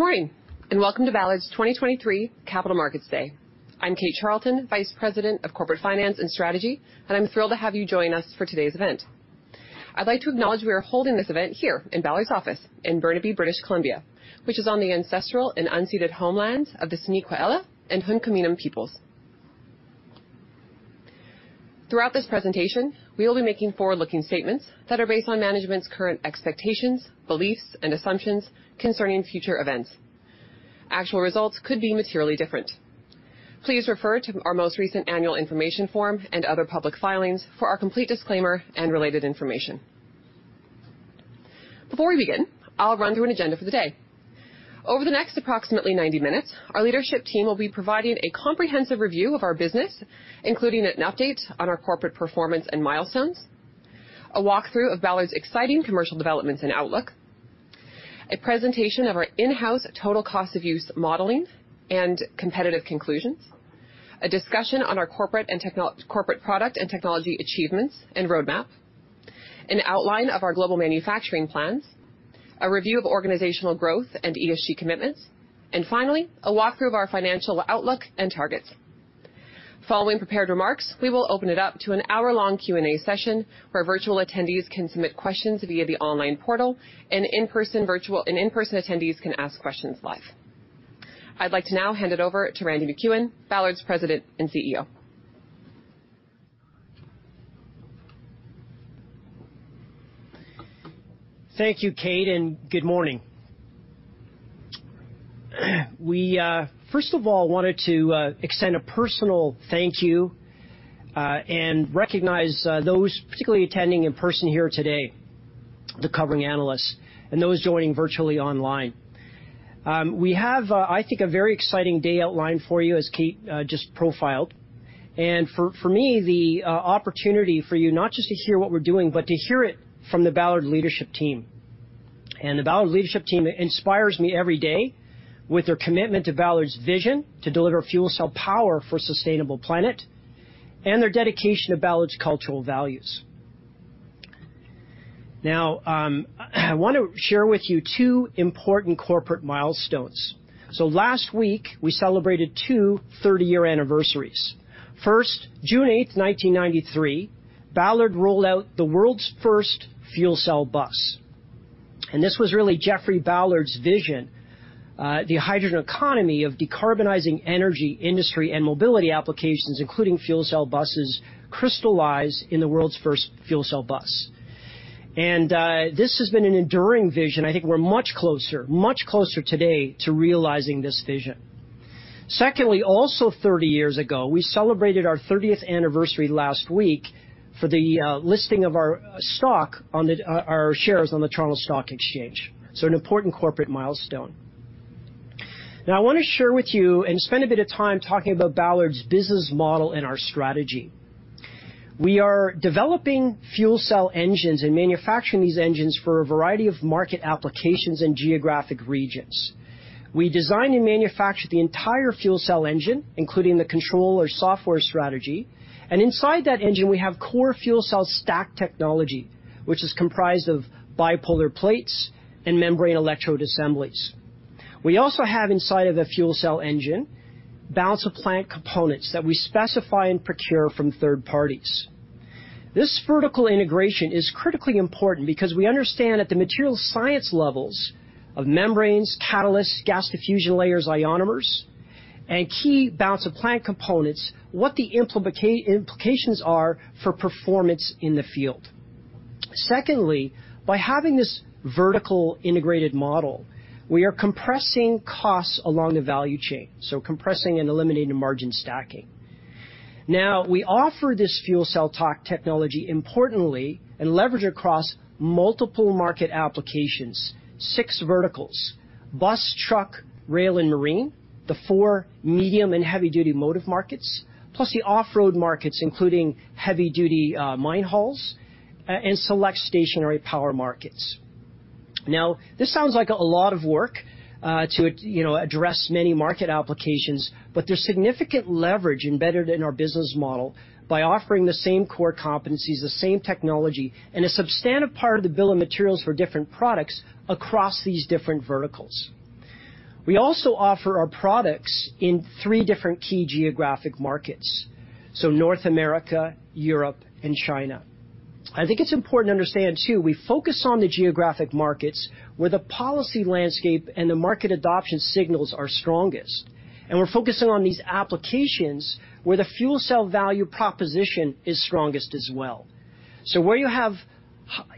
Good morning. Welcome to Ballard's 2023 Capital Markets Day. I'm Kate Charlton, Vice President of Corporate Finance and Strategy, and I'm thrilled to have you join us for today's event. I'd like to acknowledge we are holding this event here in Ballard's office in Burnaby, British Columbia, which is on the ancestral and unceded homelands of the Tsleil-Waututh and Hən̓q̓əmin̓əm̓ peoples. Throughout this presentation, we will be making forward-looking statements that are based on management's current expectations, beliefs, and assumptions concerning future events. Actual results could be materially different. Please refer to our most recent Annual Information Form and other public filings for our complete disclaimer and related information. Before we begin, I'll run through an agenda for the day. Over the next approximately 90 minutes, our leadership team will be providing a comprehensive review of our business, including an update on our corporate performance and milestones, a walkthrough of Ballard's exciting commercial developments and outlook, a presentation of our in-house total cost of use modeling and competitive conclusions, a discussion on our corporate product and technology achievements and roadmap, an outline of our global manufacturing plans, a review of organizational growth and ESG commitments. Finally, a walkthrough of our financial outlook and targets. Following prepared remarks, we will open it up to an hour-long Q&A session, where virtual attendees can submit questions via the online portal, and virtual, and in-person attendees can ask questions live. I'd like to now hand it over to Randy MacEwen, Ballard's President and CEO. Thank you, Kate, and good morning. We first of all, wanted to extend a personal thank you and recognize those particularly attending in person here today, the covering analysts and those joining virtually online. We have, I think, a very exciting day outlined for you, as Kate just profiled. For me, the opportunity for you not just to hear what we're doing, but to hear it from the Ballard leadership team. The Ballard leadership team inspires me every day with their commitment to Ballard's vision to deliver fuel cell power for a sustainable planet and their dedication to Ballard's cultural values. Now, I want to share with you two important corporate milestones. Last week, we celebrated two thirty-year anniversaries. First, June 8, 1993, Ballard rolled out the world's first fuel cell bus, and this was really Geoffrey Ballard's vision. The hydrogen economy of decarbonizing energy, industry, and mobility applications, including fuel cell buses, crystallized in the world's first fuel cell bus. This has been an enduring vision. I think we're much closer today to realizing this vision. Secondly, also 30 years ago, we celebrated our 30th anniversary last week for the listing of our stock on our shares on the Toronto Stock Exchange. An important corporate milestone. Now, I wanna share with you and spend a bit of time talking about Ballard's business model and our strategy. We are developing fuel cell engines and manufacturing these engines for a variety of market applications and geographic regions. We design and manufacture the entire fuel cell engine, including the control or software strategy. Inside that engine, we have core fuel cell stack technology, which is comprised of bipolar plates and membrane electrode assemblies. We also have inside of the fuel cell engine, balance of plant components that we specify and procure from third parties. This vertical integration is critically important because we understand at the material science levels of membranes, catalysts, gas diffusion layers, ionomers, and key balance of plant components, what the implications are for performance in the field. Secondly, by having this vertical integrated model, we are compressing costs along the value chain, so compressing and eliminating margin stacking. Now, we offer this fuel cell talk technology importantly and leverage across multiple market applications, six verticals: bus, truck, rail, and marine, the four medium and heavy-duty motive markets, plus the off-road markets, including heavy-duty mine hauls and select stationary power markets. Now, this sounds like a lot of work to, you know, address many market applications, but there's significant leverage embedded in our business model by offering the same core competencies, the same technology, and a substantive part of the bill of materials for different products across these different verticals. We also offer our products in three different key geographic markets, so North America, Europe, and China. I think it's important to understand, too, we focus on the geographic markets where the policy landscape and the market adoption signals are strongest, and we're focusing on these applications where the fuel cell value proposition is strongest as well. Where you have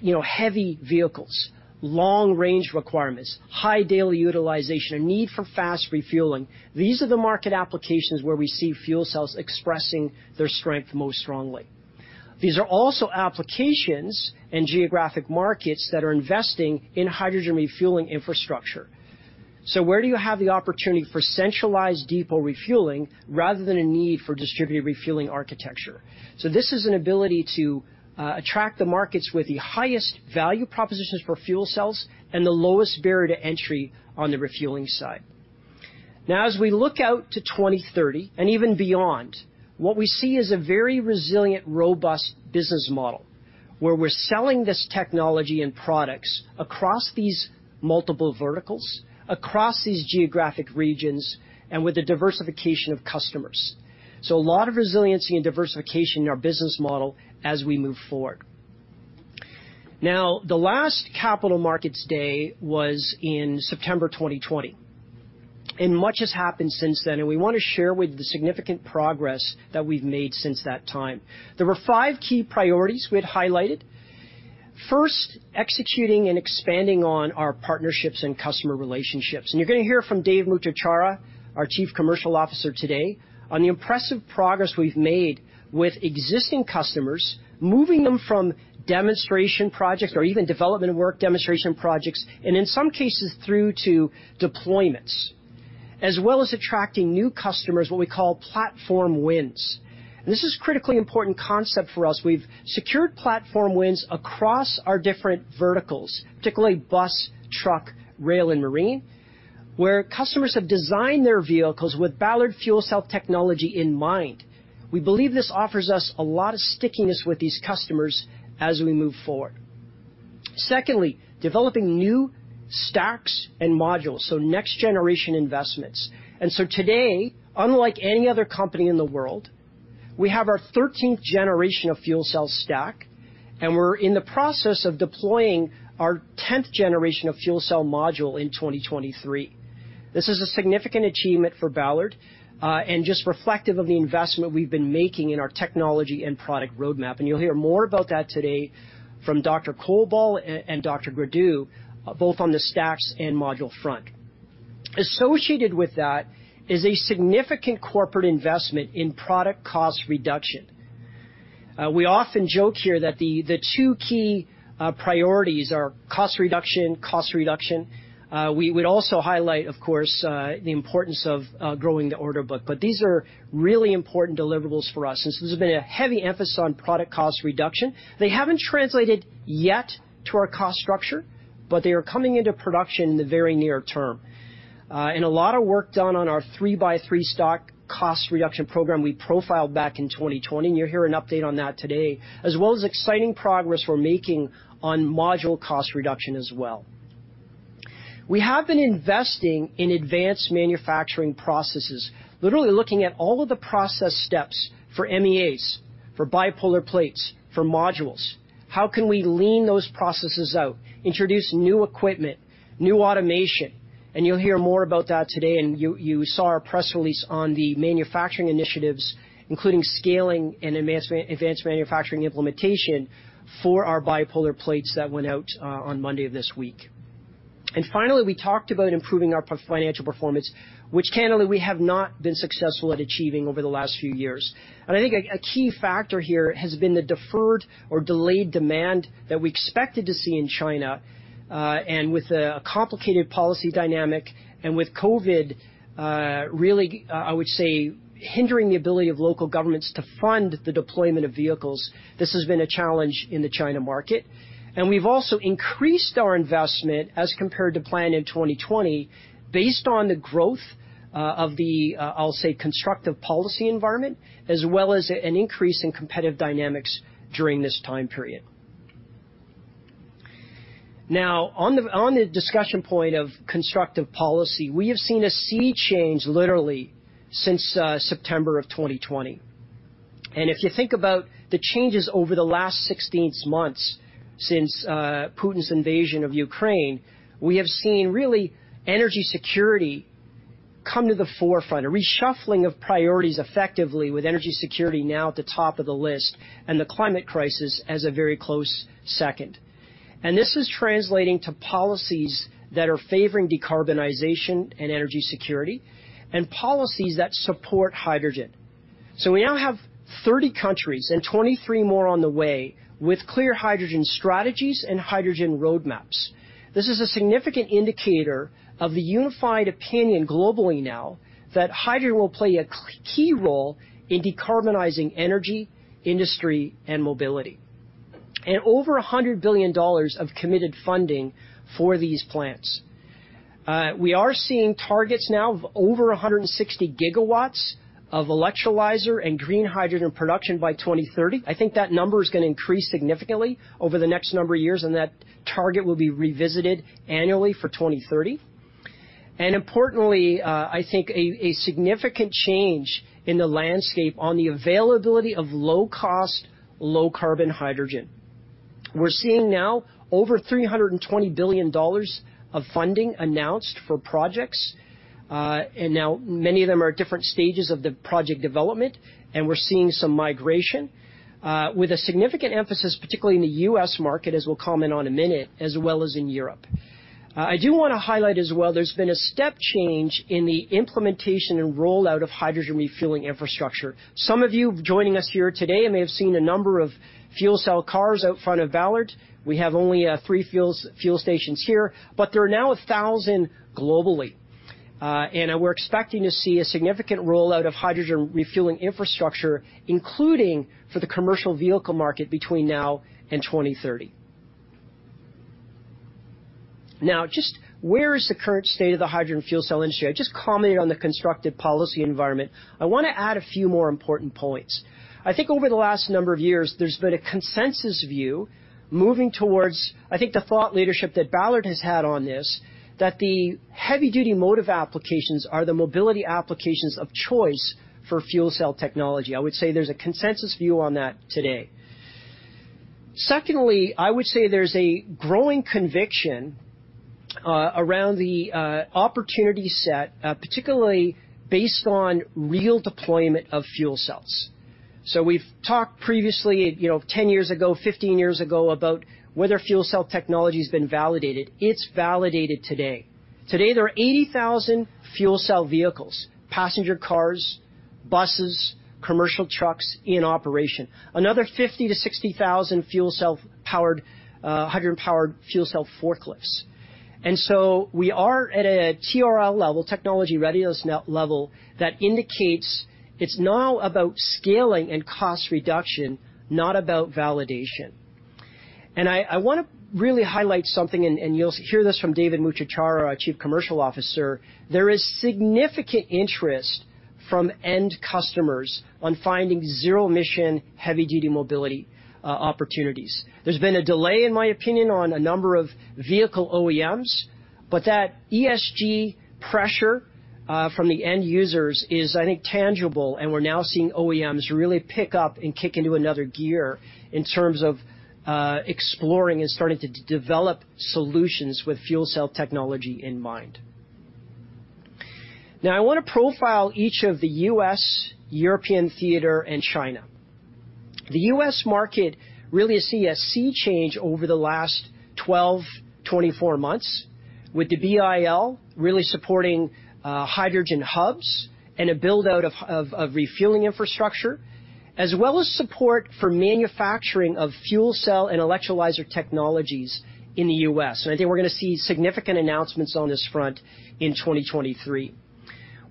you know, heavy vehicles, long range requirements, high daily utilization, a need for fast refueling, these are the market applications where we see fuel cells expressing their strength most strongly. These are also applications and geographic markets that are investing in hydrogen refueling infrastructure. Where do you have the opportunity for centralized depot refueling rather than a need for distributed refueling architecture? This is an ability to attract the markets with the highest value propositions for fuel cells and the lowest barrier to entry on the refueling side. As we look out to 2030 and even beyond, what we see is a very resilient, robust business model, where we're selling this technology and products across these multiple verticals, across these geographic regions, and with the diversification of customers. A lot of resiliency and diversification in our business model as we move forward. The last Capital Markets Day was in September 2020, and much has happened since then, and we wanna share with the significant progress that we've made since that time. There were five key priorities we had highlighted. First, executing and expanding on our partnerships and customer relationships. You're gonna hear from Dave Mucciacciaro, our Chief Commercial Officer, today, on the impressive progress we've made with existing customers, moving them from demonstration projects or even development work demonstration projects, and in some cases, through to deployments, as well as attracting new customers, what we call platform wins. This is critically important concept for us. We've secured platform wins across our different verticals, particularly bus, truck, rail, and marine, where customers have designed their vehicles with Ballard fuel cell technology in mind. We believe this offers us a lot of stickiness with these customers as we move forward. Secondly, developing new stacks and modules, so next generation investments. Today, unlike any other company in the world, we have our thirteenth generation of fuel cell stack, and we're in the process of deploying our tenth generation of fuel cell module in 2023. This is a significant achievement for Ballard, and just reflective of the investment we've been making in our technology and product roadmap. You'll hear more about that today from Dr. Colbow and Dr. Gradu, both on the stacks and module front. Associated with that is a significant corporate investment in product cost reduction. We often joke here that the two key priorities are cost reduction, cost reduction. We would also highlight, of course, the importance of growing the order book, but these are really important deliverables for us. This has been a heavy emphasis on product cost reduction. They haven't translated yet to our cost structure, but they are coming into production in the very near term. A lot of work done on our 3x3 stack cost reduction program we profiled back in 2020, and you'll hear an update on that today, as well as exciting progress we're making on module cost reduction as well. We have been investing in advanced manufacturing processes, literally looking at all of the process steps for MEAs, for bipolar plates, for modules. How can we lean those processes out, introduce new equipment, new automation? You'll hear more about that today, and you saw our press release on the manufacturing initiatives, including scaling and advanced manufacturing implementation for our bipolar plates that went out on Monday of this week. Finally, we talked about improving our financial performance, which, candidly, we have not been successful at achieving over the last few years. I think a key factor here has been the deferred or delayed demand that we expected to see in China, and with a complicated policy dynamic, and with COVID, really, I would say, hindering the ability of local governments to fund the deployment of vehicles, this has been a challenge in the China market. We've also increased our investment as compared to plan in 2020, based on the growth of the, I'll say, constructive policy environment, as well as an increase in competitive dynamics during this time period. Now, on the discussion point of constructive policy, we have seen a sea change, literally, since September of 2020. If you think about the changes over the last 16 months since Putin's invasion of Ukraine, we have seen, really, energy security come to the forefront, a reshuffling of priorities, effectively, with energy security now at the top of the list and the climate crisis as a very close second. This is translating to policies that are favoring decarbonization and energy security, and policies that support hydrogen. We now have 30 countries and 23 more on the way with clear hydrogen strategies and hydrogen roadmaps. This is a significant indicator of the unified opinion globally now, that hydrogen will play a key role in decarbonizing energy, industry, and mobility. Over $100 billion of committed funding for these plants. We are seeing targets now of over 160 gigawatts of electrolyzer and green hydrogen production by 2030. I think that number is gonna increase significantly over the next number of years, and that target will be revisited annually for 2030. Importantly, I think a significant change in the landscape on the availability of low cost, low carbon hydrogen. We're seeing now over $320 billion of funding announced for projects, and now many of them are at different stages of the project development, and we're seeing some migration, with a significant emphasis, particularly in the U.S. market, as we'll comment on in a minute, as well as in Europe. I do wanna highlight as well, there's been a step change in the implementation and rollout of hydrogen refueling infrastructure. Some of you joining us here today may have seen a number of fuel cell cars out front of Ballard. We have only three fuel stations here, but there are now 1,000 globally. We're expecting to see a significant rollout of hydrogen refueling infrastructure, including for the commercial vehicle market between now and 2030. Just where is the current state of the hydrogen fuel cell industry? I just commented on the constructive policy environment. I wanna add a few more important points. I think over the last number of years, there's been a consensus view moving towards, I think, the thought leadership that Ballard has had on this, that the heavy-duty motive applications are the mobility applications of choice for fuel cell technology. I would say there's a consensus view on that today. Secondly, I would say there's a growing conviction around the opportunity set, particularly based on real deployment of fuel cells. We've talked previously, you know, 10 years ago, 15 years ago, about whether fuel cell technology has been validated. It's validated today. Today, there are 80,000 fuel cell vehicles, passenger cars, buses, commercial trucks in operation. Another 50,000-60,000 fuel cell-powered, hydrogen-powered fuel cell forklifts. We are at a TRL level, technology readiness level, that indicates it's now about scaling and cost reduction, not about validation. I wanna really highlight something, and you'll hear this from David Mucciacciaro, our Chief Commercial Officer, there is significant interest from end customers on finding zero-emission, heavy-duty mobility opportunities. There's been a delay, in my opinion, on a number of vehicle OEMs, but that ESG pressure from the end users is, I think, tangible, and we're now seeing OEMs really pick up and kick into another gear in terms of exploring and starting to develop solutions with fuel cell technology in mind. Now, I wanna profile each of the U.S., European theater and China. The U.S. market really has seen a sea change over the last 12, 24 months, with the BIL really supporting hydrogen hubs and a build-out of refueling infrastructure, as well as support for manufacturing of fuel cell and electrolyzer technologies in the U.S. I think we're gonna see significant announcements on this front in 2023.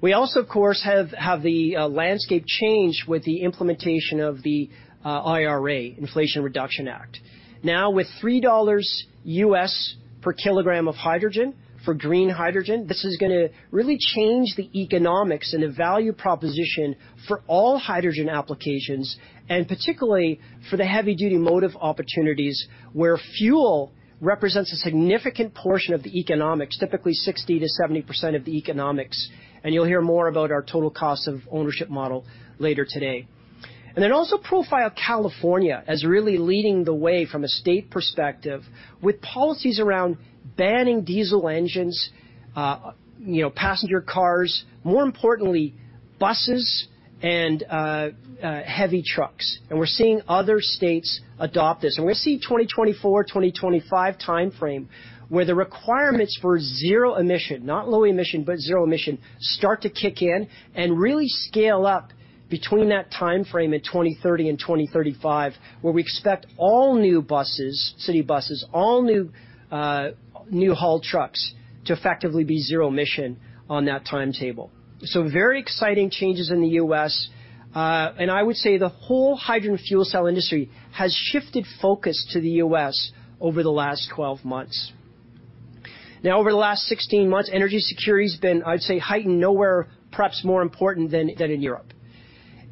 We also, of course, have the landscape change with the implementation of the IRA, Inflation Reduction Act. With $3 US per kilogram of hydrogen, for green hydrogen, this is going to really change the economics and the value proposition for all hydrogen applications, and particularly for the heavy-duty motive opportunities, where fuel represents a significant portion of the economics, typically 60%-70% of the economics, and you'll hear more about our total cost of ownership model later today. Also profile California as really leading the way from a state perspective, with policies around banning diesel engines, you know, passenger cars, more importantly, buses and heavy trucks. We're seeing other states adopt this. We're gonna see 2024, 2025 timeframe, where the requirements for zero emission, not low emission, but zero emission, start to kick in and really scale up between that timeframe in 2030 and 2035, where we expect all new buses, city buses, all new haul trucks to effectively be zero emission on that timetable. Very exciting changes in the U.S., and I would say the whole hydrogen fuel cell industry has shifted focus to the U.S. over the last 12 months. Over the last 16 months, energy security has been, I'd say, heightened, nowhere, perhaps more important than in Europe.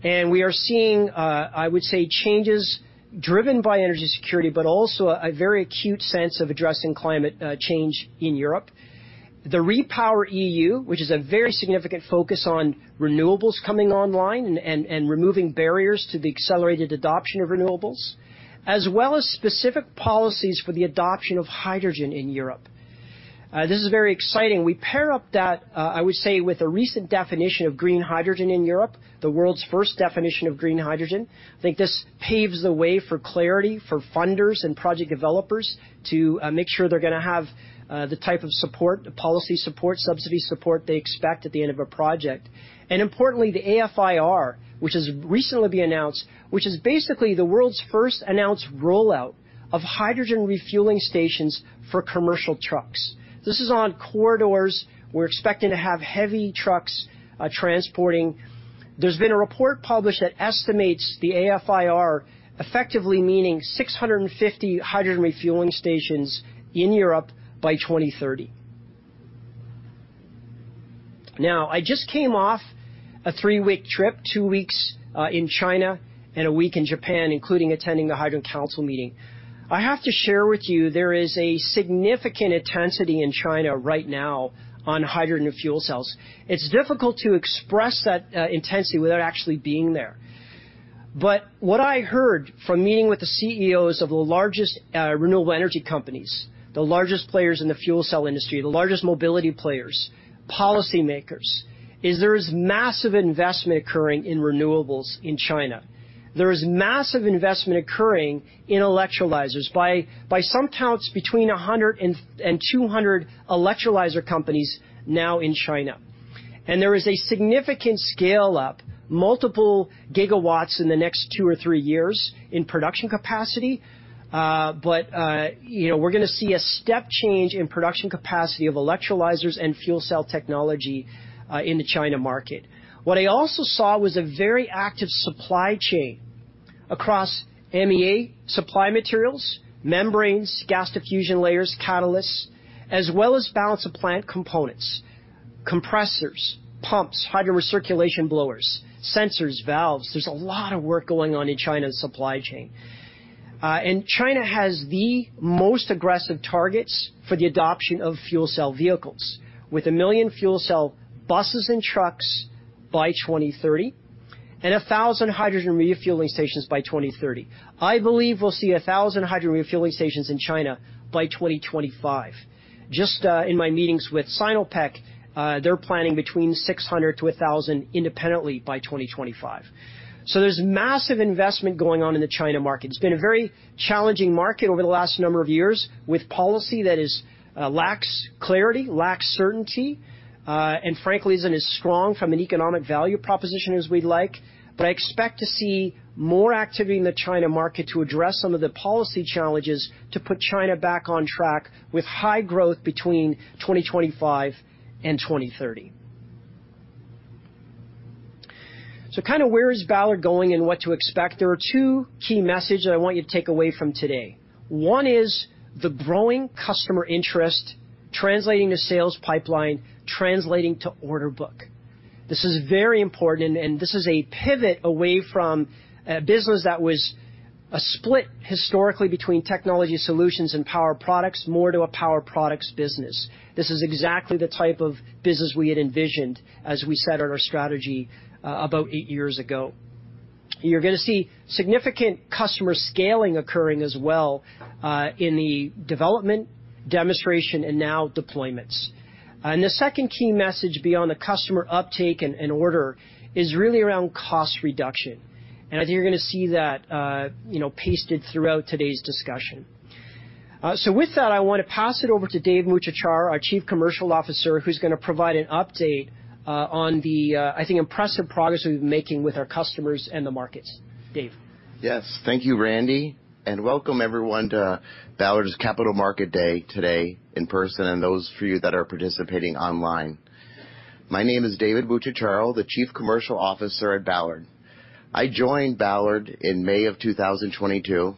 We are seeing, I would say, changes driven by energy security, but also a very acute sense of addressing climate change in Europe. The REPowerEU, which is a very significant focus on renewables coming online and removing barriers to the accelerated adoption of renewables, as well as specific policies for the adoption of hydrogen in Europe. This is very exciting. We pair up that, I would say, with the recent definition of green hydrogen in Europe, the world's first definition of green hydrogen. I think this paves the way for clarity for funders and project developers to make sure they're gonna have the type of support, the policy support, subsidy support they expect at the end of a project. Importantly, the AFIR, which has recently been announced, which is basically the world's first announced rollout of hydrogen refueling stations for commercial trucks. This is on corridors we're expecting to have heavy trucks transporting. There's been a report published that estimates the AFIR, effectively meaning 650 hydrogen refueling stations in Europe by 2030. I just came off a 3-week trip, 2 weeks in China and 1 week in Japan, including attending the Hydrogen Council meeting. I have to share with you, there is a significant intensity in China right now on hydrogen and fuel cells. It's difficult to express that intensity without actually being there. What I heard from meeting with the CEOs of the largest renewable energy companies, the largest players in the fuel cell industry, the largest mobility players, policy makers, is there is massive investment occurring in renewables in China. There is massive investment occurring in electrolyzers. By some counts, between 100 and 200 electrolyzer companies now in China. There is a significant scale up, multiple gigawatts in the next two or three years in production capacity, you know, we're gonna see a step change in production capacity of electrolyzers and fuel cell technology in the China market. What I also saw was a very active supply chain across MEA, supply materials, membranes, gas diffusion layers, catalysts, as well as balance of plant components, compressors, pumps, hydro recirculation blowers, sensors, valves. There's a lot of work going on in China's supply chain. China has the most aggressive targets for the adoption of fuel cell vehicles, with 1 million fuel cell buses and trucks by 2030, and 1,000 hydrogen refueling stations by 2030. I believe we'll see 1,000 hydrogen refueling stations in China by 2025. Just in my meetings with Sinopec, they're planning between 600-1,000 independently by 2025. There's massive investment going on in the China market. It's been a very challenging market over the last number of years, with policy that is, lacks clarity, lacks certainty, and frankly, isn't as strong from an economic value proposition as we'd like. I expect to see more activity in the China market to address some of the policy challenges to put China back on track with high growth between 2025 and 2030. Kinda where is Ballard going and what to expect? There are two key message that I want you to take away from today. One is the growing customer interest, translating to sales pipeline, translating to order book. This is very important, and this is a pivot away from a business that was a split historically between technology solutions and power products, more to a power products business. This is exactly the type of business we had envisioned as we set out our strategy, about eight years ago. You're gonna see significant customer scaling occurring as well, in the development, demonstration, and now deployments. The second key message beyond the customer uptake and order is really around cost reduction, and I think you're gonna see that, you know, pasted throughout today's discussion. With that, I wanna pass it over to David Mucciacciaro, our Chief Commercial Officer, who's gonna provide an update on the, I think, impressive progress we've been making with our customers and the markets. Dave? Yes. Thank you, Randy, welcome everyone to Ballard's Capital Market Day today in person, and those of you that are participating online. My name is David Mucciacciaro, the Chief Commercial Officer at Ballard. I joined Ballard in May of 2022.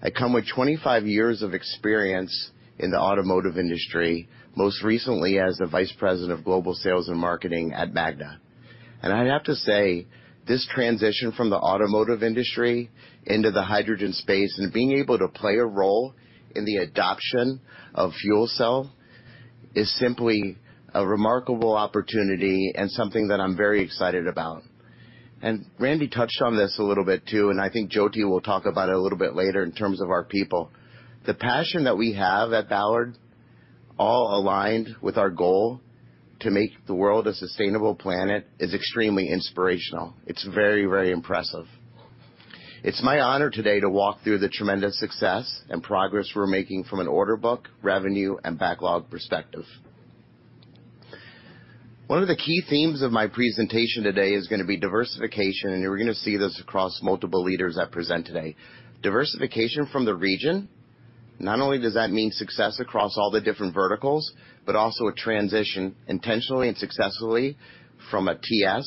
I come with 25 years of experience in the automotive industry, most recently as the Vice President of global sales and marketing at Magna. I'd have to say, this transition from the automotive industry into the hydrogen space and being able to play a role in the adoption of fuel cell, is simply a remarkable opportunity and something that I'm very excited about. Randy touched on this a little bit, too, and I think Jyoti will talk about it a little bit later in terms of our people. The passion that we have at Ballard, all aligned with our goal to make the world a sustainable planet, is extremely inspirational. It's very, very impressive. It's my honor today to walk through the tremendous success and progress we're making from an order book, revenue, and backlog perspective. One of the key themes of my presentation today is gonna be diversification, and you're gonna see this across multiple leaders that present today. Diversification from the region, not only does that mean success across all the different verticals, but also a transition intentionally and successfully from a TS,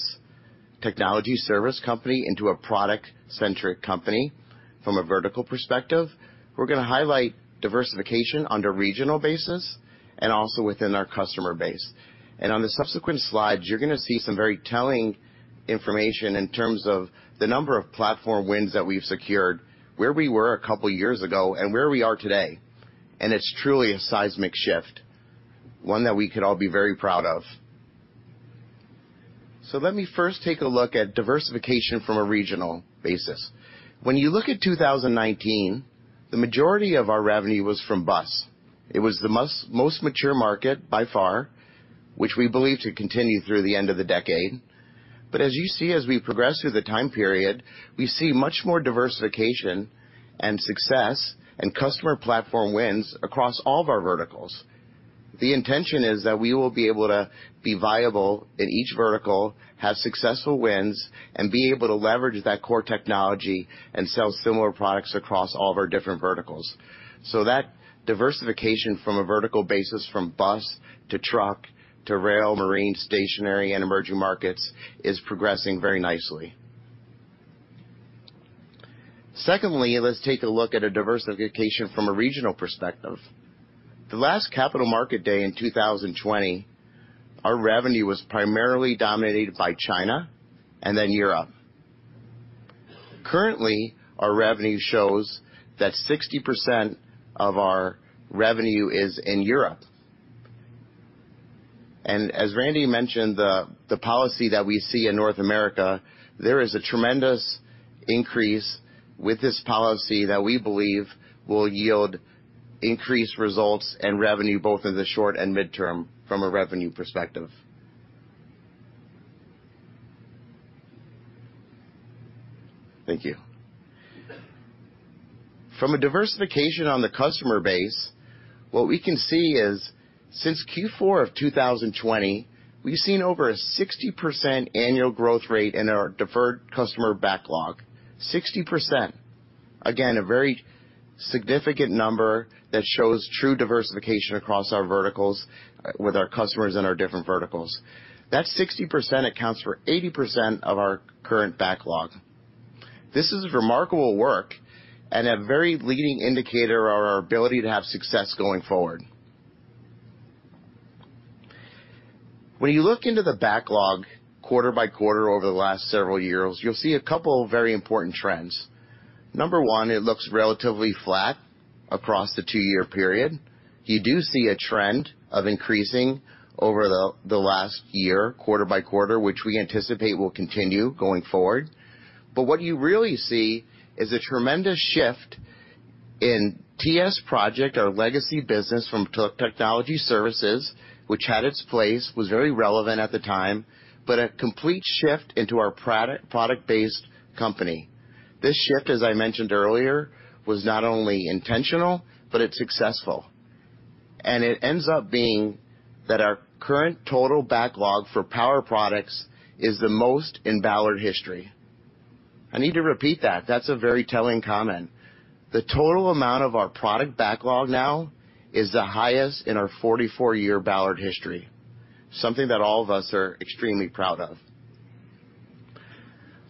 technology service company, into a product-centric company from a vertical perspective. We're gonna highlight diversification on a regional basis and also within our customer base. On the subsequent slides, you're gonna see some very telling information in terms of the number of platform wins that we've secured, where we were a couple of years ago, and where we are today. It's truly a seismic shift, one that we could all be very proud of. Let me first take a look at diversification from a regional basis. When you look at 2019, the majority of our revenue was from bus. It was the most mature market by far, which we believe to continue through the end of the decade. As you see, as we progress through the time period, we see much more diversification and success and customer platform wins across all of our verticals. The intention is that we will be able to be viable in each vertical, have successful wins, and be able to leverage that core technology and sell similar products across all of our different verticals. That diversification from a vertical basis, from bus to truck to rail, marine, stationary, and emerging markets, is progressing very nicely. Secondly, let's take a look at a diversification from a regional perspective. The last Capital Market Day in 2020, our revenue was primarily dominated by China and then Europe. Currently, our revenue shows that 60% of our revenue is in Europe. As Randy mentioned, the policy that we see in North America, there is a tremendous increase with this policy that we believe will yield increased results and revenue, both in the short and midterm from a revenue perspective. Thank you. From a diversification on the customer base, what we can see is, since Q4 of 2020, we've seen over a 60% annual growth rate in our deferred customer backlog. 60%! Again, a very significant number that shows true diversification across our verticals, with our customers in our different verticals. That 60% accounts for 80% of our current backlog. This is remarkable work and a very leading indicator of our ability to have success going forward. When you look into the backlog quarter by quarter over the last several years, you'll see a couple of very important trends. Number one, it looks relatively flat across the two-year period. You do see a trend of increasing over the last year, quarter by quarter, which we anticipate will continue going forward. What you really see is a tremendous shift in TS Project, our legacy business from Tech, Technology Services, which had its place, was very relevant at the time, but a complete shift into our product-based company. This shift, as I mentioned earlier, was not only intentional, but it's successful. It ends up being that our current total backlog for power products is the most in Ballard history. I need to repeat that. That's a very telling comment. The total amount of our product backlog now is the highest in our 44-year Ballard history, something that all of us are extremely proud of.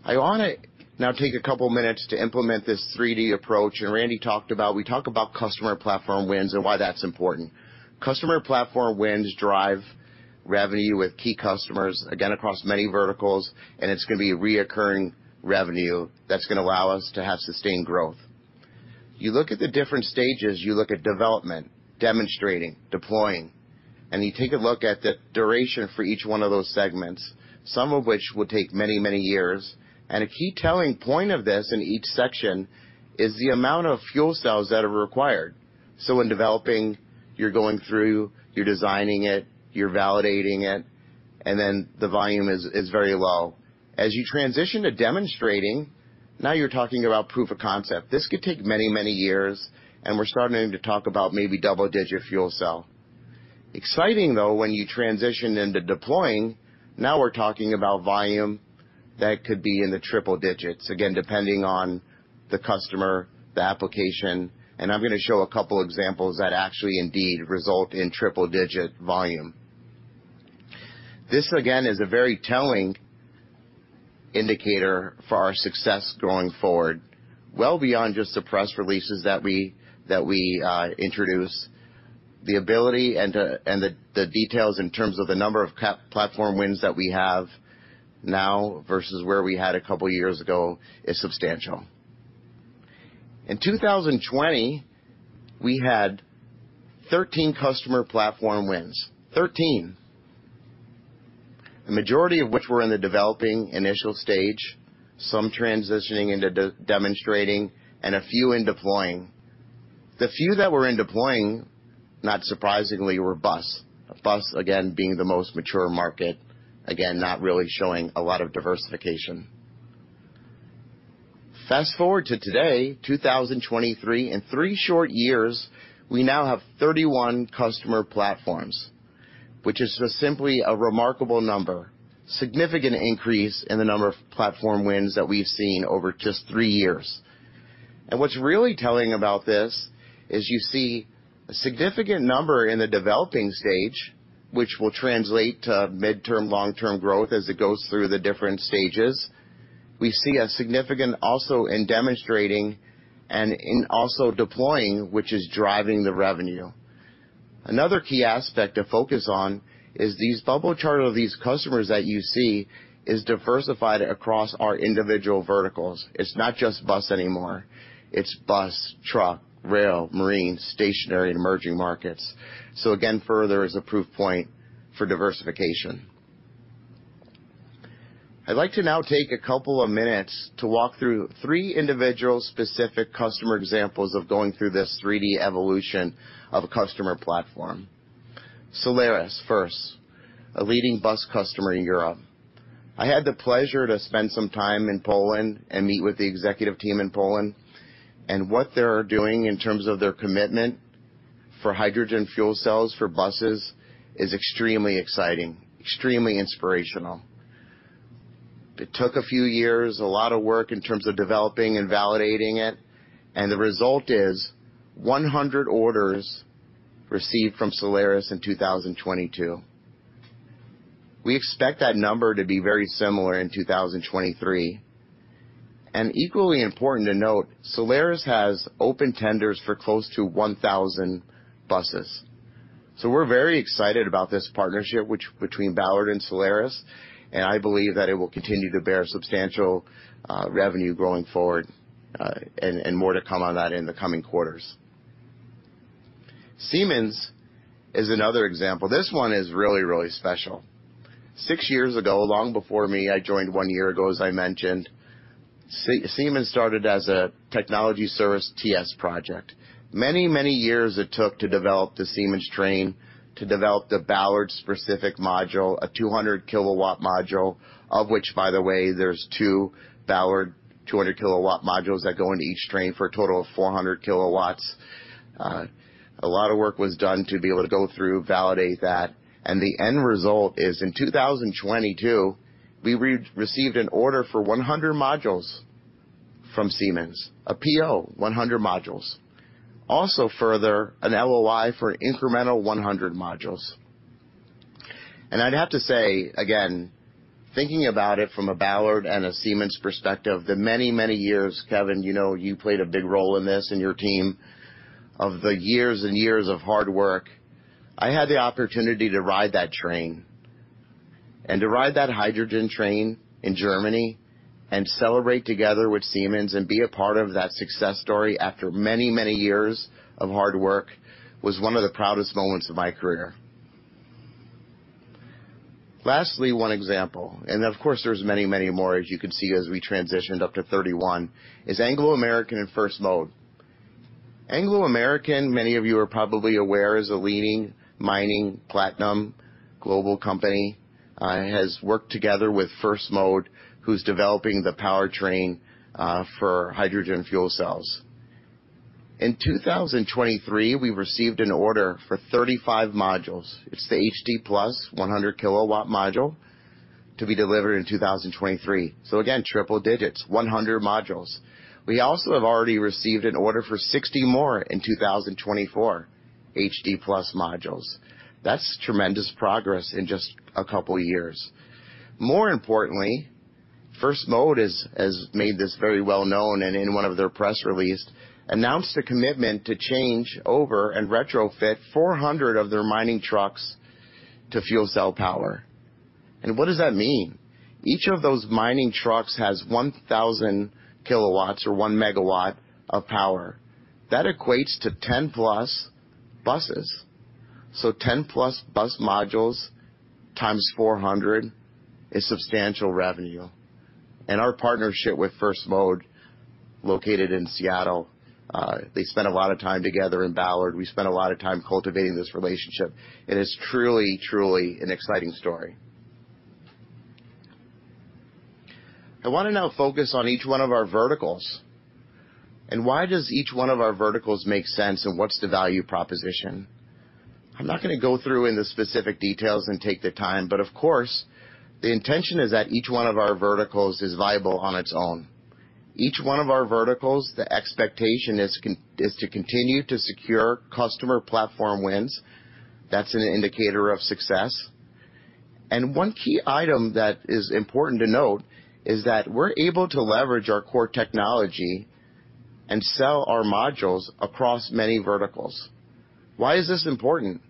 I want to now take a couple of minutes to implement this 3D approach, we talk about customer platform wins and why that's important. Customer platform wins drive revenue with key customers, again, across many verticals. It's gonna be recurring revenue that's gonna allow us to have sustained growth. You look at the different stages, you look at development, demonstrating, deploying, you take a look at the duration for each one of those segments, some of which will take many, many years. A key telling point of this in each section is the amount of fuel cells that are required. In developing, you're going through, you're designing it, you're validating it, and then the volume is very low. As you transition to demonstrating, now you're talking about proof of concept. This could take many, many years, and we're starting to talk about maybe double-digit fuel cell. Exciting, though, when you transition into deploying, now we're talking about volume that could be in the triple digits, again, depending on the customer, the application. I'm gonna show a couple of examples that actually indeed result in triple-digit volume. This, again, is a very telling indicator for our success going forward, well beyond just the press releases that we introduce. The ability and the, and the details in terms of the number of platform wins that we have now versus where we had a couple of years ago, is substantial. In 2020, we had 13 customer platform wins. 13. The majority of which were in the developing initial stage, some transitioning into demonstrating and a few in deploying. The few that were in deploying, not surprisingly, were bus. A bus, again, being the most mature market, again, not really showing a lot of diversification. Fast forward to today, 2023. In 3 short years, we now have 31 customer platforms, which is just simply a remarkable number, significant increase in the number of platform wins that we've seen over just 3 years. What's really telling about this is you see a significant number in the developing stage, which will translate to midterm, long-term growth as it goes through the different stages. We see a significant also in demonstrating and in also deploying, which is driving the revenue. Another key aspect to focus on is these bubble chart of these customers that you see is diversified across our individual verticals. It's not just bus anymore, it's bus, truck, rail, marine, stationary, and emerging markets. Again, further as a proof point for diversification. I'd like to now take a couple of minutes to walk through 3 individual specific customer examples of going through this 3D evolution of a customer platform. Solaris, first, a leading bus customer in Europe. I had the pleasure to spend some time in Poland and meet with the executive team in Poland, and what they're doing in terms of their commitment for hydrogen fuel cells for buses is extremely exciting, extremely inspirational. It took a few years, a lot of work in terms of developing and validating it, and the result is 100 orders received from Solaris in 2022. We expect that number to be very similar in 2023. Equally important to note, Solaris has open tenders for close to 1,000 buses. We're very excited about this partnership, which, between Ballard and Solaris, I believe that it will continue to bear substantial revenue growing forward, and more to come on that in the coming quarters. Siemens is another example. This one is really, really special. Six years ago, long before me, I joined one year ago, as I mentioned, Siemens started as a technology service TS project. Many, many years it took to develop the Siemens train, to develop the Ballard-specific module, a 200 kilowatt module, of which, by the way, there's two Ballard 200 kilowatt modules that go into each train for a total of 400 kilowatts. A lot of work was done to be able to go through, validate that, and the end result is in 2022-... We re-received an order for 100 modules from Siemens, a PO, 100 modules. Also further, an LOI for an incremental 100 modules. I'd have to say, again, thinking about it from a Ballard and a Siemens perspective, the many, many years, Kevin, you know, you played a big role in this, and your team, of the years and years of hard work, I had the opportunity to ride that train. To ride that hydrogen train in Germany and celebrate together with Siemens and be a part of that success story after many, many years of hard work, was one of the proudest moments of my career. Lastly, one example, and of course, there's many, many more, as you can see, as we transitioned up to 31, is Anglo American and First Mode. Anglo American, many of you are probably aware, is a leading mining platinum global company, has worked together with First Mode, who's developing the powertrain for hydrogen fuel cells. 2023, we received an order for 35 modules. It's the HD Plus 100 kW module to be delivered in 2023. Again, triple digits, 100 modules. We also have already received an order for 60 more in 2024, HD Plus modules. That's tremendous progress in just a couple of years. More importantly, First Mode has made this very well known, and in one of their press release, announced a commitment to change over and retrofit 400 of their mining trucks to fuel cell power. What does that mean? Each of those mining trucks has 1,000 kW or 1 MW of power. That equates to 10 plus buses. 10 plus bus modules times 400 is substantial revenue. Our partnership with First Mode, located in Seattle, they spent a lot of time together in Ballard. We spent a lot of time cultivating this relationship, and it's truly an exciting story. I wanna now focus on each one of our verticals, and why does each one of our verticals make sense and what's the value proposition? I'm not gonna go through in the specific details and take the time, but of course, the intention is that each one of our verticals is viable on its own. Each one of our verticals, the expectation is to continue to secure customer platform wins. That's an indicator of success. One key item that is important to note is that we're able to leverage our core technology and sell our modules across many verticals. Why is this important?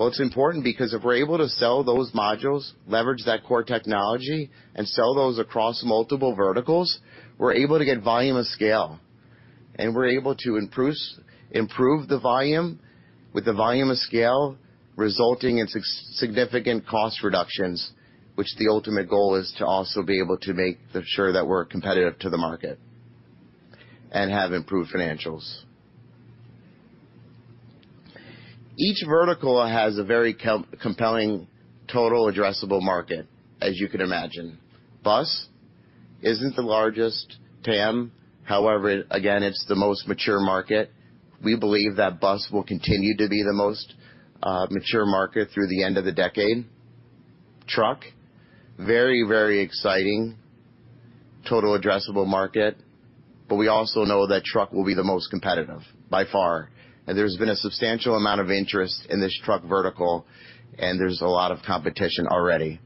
Well, it's important because if we're able to sell those modules, leverage that core technology, and sell those across multiple verticals, we're able to get volume of scale, and we're able to improve the volume, with the volume of scale resulting in significant cost reductions, which the ultimate goal is to also be able to make sure that we're competitive to the market and have improved financials. Each vertical has a very compelling total addressable market, as you can imagine. Bus isn't the largest TAM, however, again, it's the most mature market. We believe that bus will continue to be the most mature market through the end of the decade. Truck, very, very exciting, total addressable market. We also know that truck will be the most competitive by far, and there's been a substantial amount of interest in this truck vertical, and there's a lot of competition already.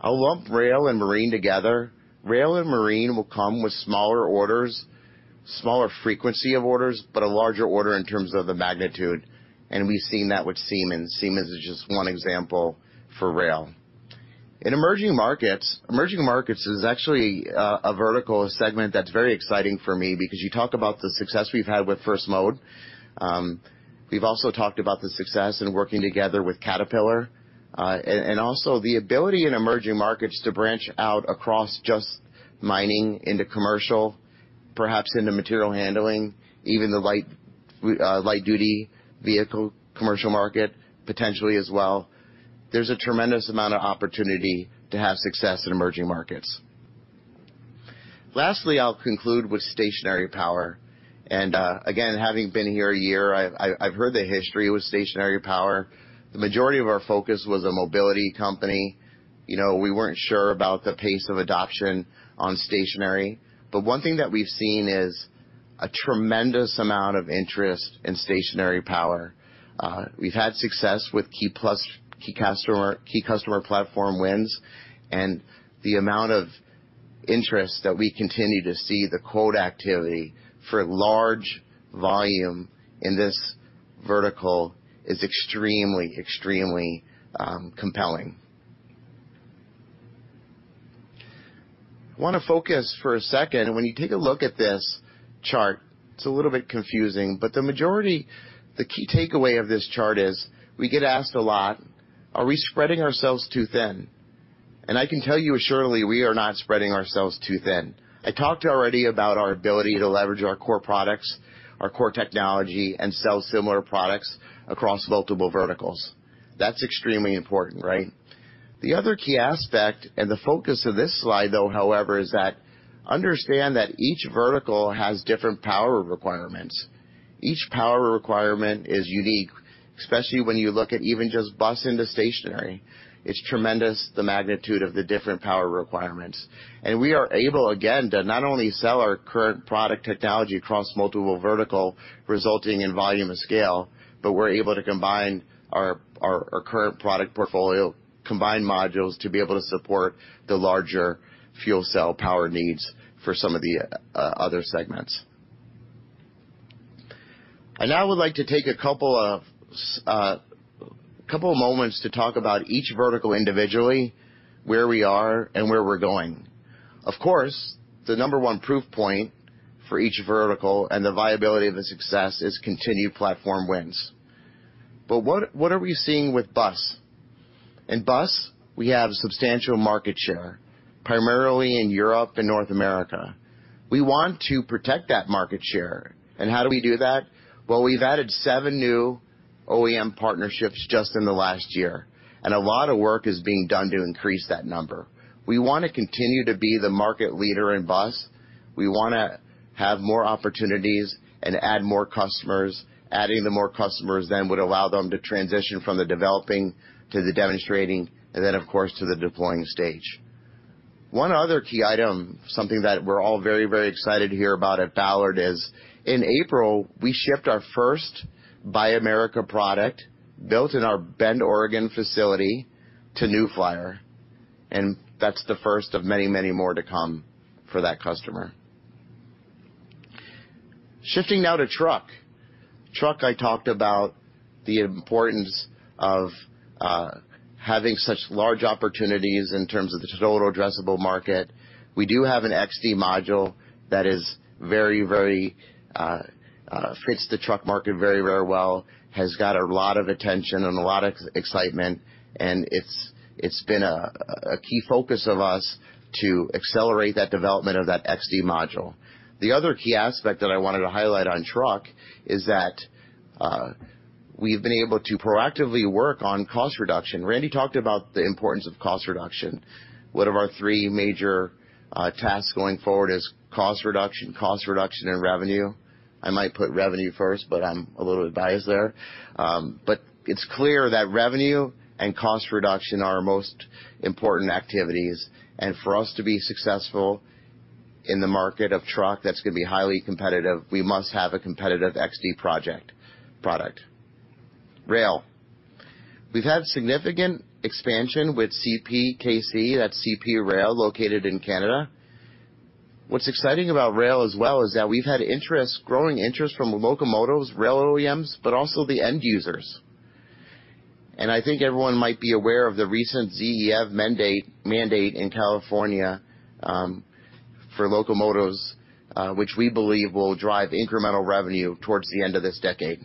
I'll lump rail and marine together. Rail and marine will come with smaller orders, smaller frequency of orders, but a larger order in terms of the magnitude, and we've seen that with Siemens. Siemens is just one example for rail. In emerging markets, emerging markets is actually a vertical, a segment that's very exciting for me because you talk about the success we've had with First Mode. We've also talked about the success in working together with Caterpillar, and also the ability in emerging markets to branch out across just mining into commercial, perhaps into material handling, even the light duty vehicle commercial market, potentially as well. There's a tremendous amount of opportunity to have success in emerging markets. Lastly, I'll conclude with stationary power, and again, having been here a year, I've heard the history with stationary power. The majority of our focus was a mobility company. You know, we weren't sure about the pace of adoption on stationary. One thing that we've seen is a tremendous amount of interest in stationary power. We've had success with key plus, key customer platform wins, and the amount of interest that we continue to see, the quote activity for large volume in this vertical is extremely compelling. I wanna focus for a second. When you take a look at this chart, it's a little bit confusing, but the key takeaway of this chart is, we get asked a lot, are we spreading ourselves too thin? I can tell you assuredly, we are not spreading ourselves too thin. I talked already about our ability to leverage our core products, our core technology, and sell similar products across multiple verticals. That's extremely important, right? The other key aspect, the focus of this slide, though, however, is that understand that each vertical has different power requirements. Each power requirement is unique, especially when you look at even just bus into stationary. It's tremendous, the magnitude of the different power requirements. We are able, again, to not only sell our current product technology across multiple vertical, resulting in volume and scale, but we're able to combine our current product portfolio, combine modules to be able to support the larger fuel cell power needs for some of the other segments. I now would like to take a couple of moments to talk about each vertical individually, where we are and where we're going. Of course, the number 1 proof point for each vertical and the viability of the success is continued platform wins. What are we seeing with bus? In bus, we have substantial market share, primarily in Europe and North America. We want to protect that market share. How do we do that? Well, we've added seven new OEM partnerships just in the last year, and a lot of work is being done to increase that number. We wanna continue to be the market leader in bus. We wanna have more opportunities and add more customers. Adding the more customers then would allow them to transition from the developing to the demonstrating, and then, of course, to the deploying stage. One other key item, something that we're all very, very excited to hear about at Ballard, is in April, we shipped our first Buy America product built in our Bend, Oregon, facility to New Flyer, and that's the first of many, many more to come for that customer. Shifting now to truck. Truck, I talked about the importance of having such large opportunities in terms of the total addressable market. We do have an XD module that is very, very, fits the truck market very, very well, has got a lot of attention and a lot of excitement, and it's been a key focus of us to accelerate that development of that XD module. The other key aspect that I wanted to highlight on truck is that we've been able to proactively work on cost reduction. Randy talked about the importance of cost reduction. One of our three major tasks going forward is cost reduction, cost reduction, and revenue. I might put revenue first, but I'm a little bit biased there. It's clear that revenue and cost reduction are our most important activities, and for us to be successful in the market of truck, that's gonna be highly competitive, we must have a competitive XD product. Rail. We've had significant expansion with CPKC, that's CP Rail, located in Canada. What's exciting about rail as well is that we've had interest, growing interest from locomotives, rail OEMs, but also the end users. I think everyone might be aware of the recent ZEV mandate in California for locomotives, which we believe will drive incremental revenue towards the end of this decade.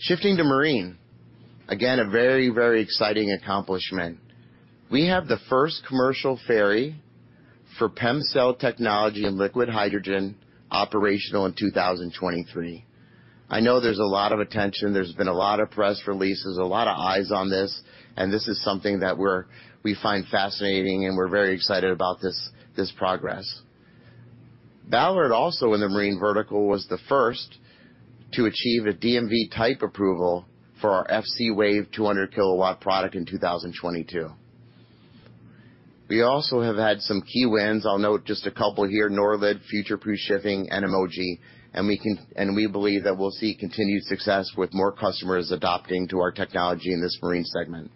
Shifting to marine. A very exciting accomplishment. We have the first commercial ferry for PEM cell technology and liquid hydrogen operational in 2023. I know there's a lot of attention, there's been a lot of press releases, a lot of eyes on this, and this is something that we find fascinating, and we're very excited about this progress. Ballard also in the marine vertical, was the first to achieve a DNV type approval for our FCwave 200 kW product in 2022. We also have had some key wins. I'll note just a couple here, Norled, Future Proof Shipping, and MOG, and we believe that we'll see continued success with more customers adopting to our technology in this marine segment.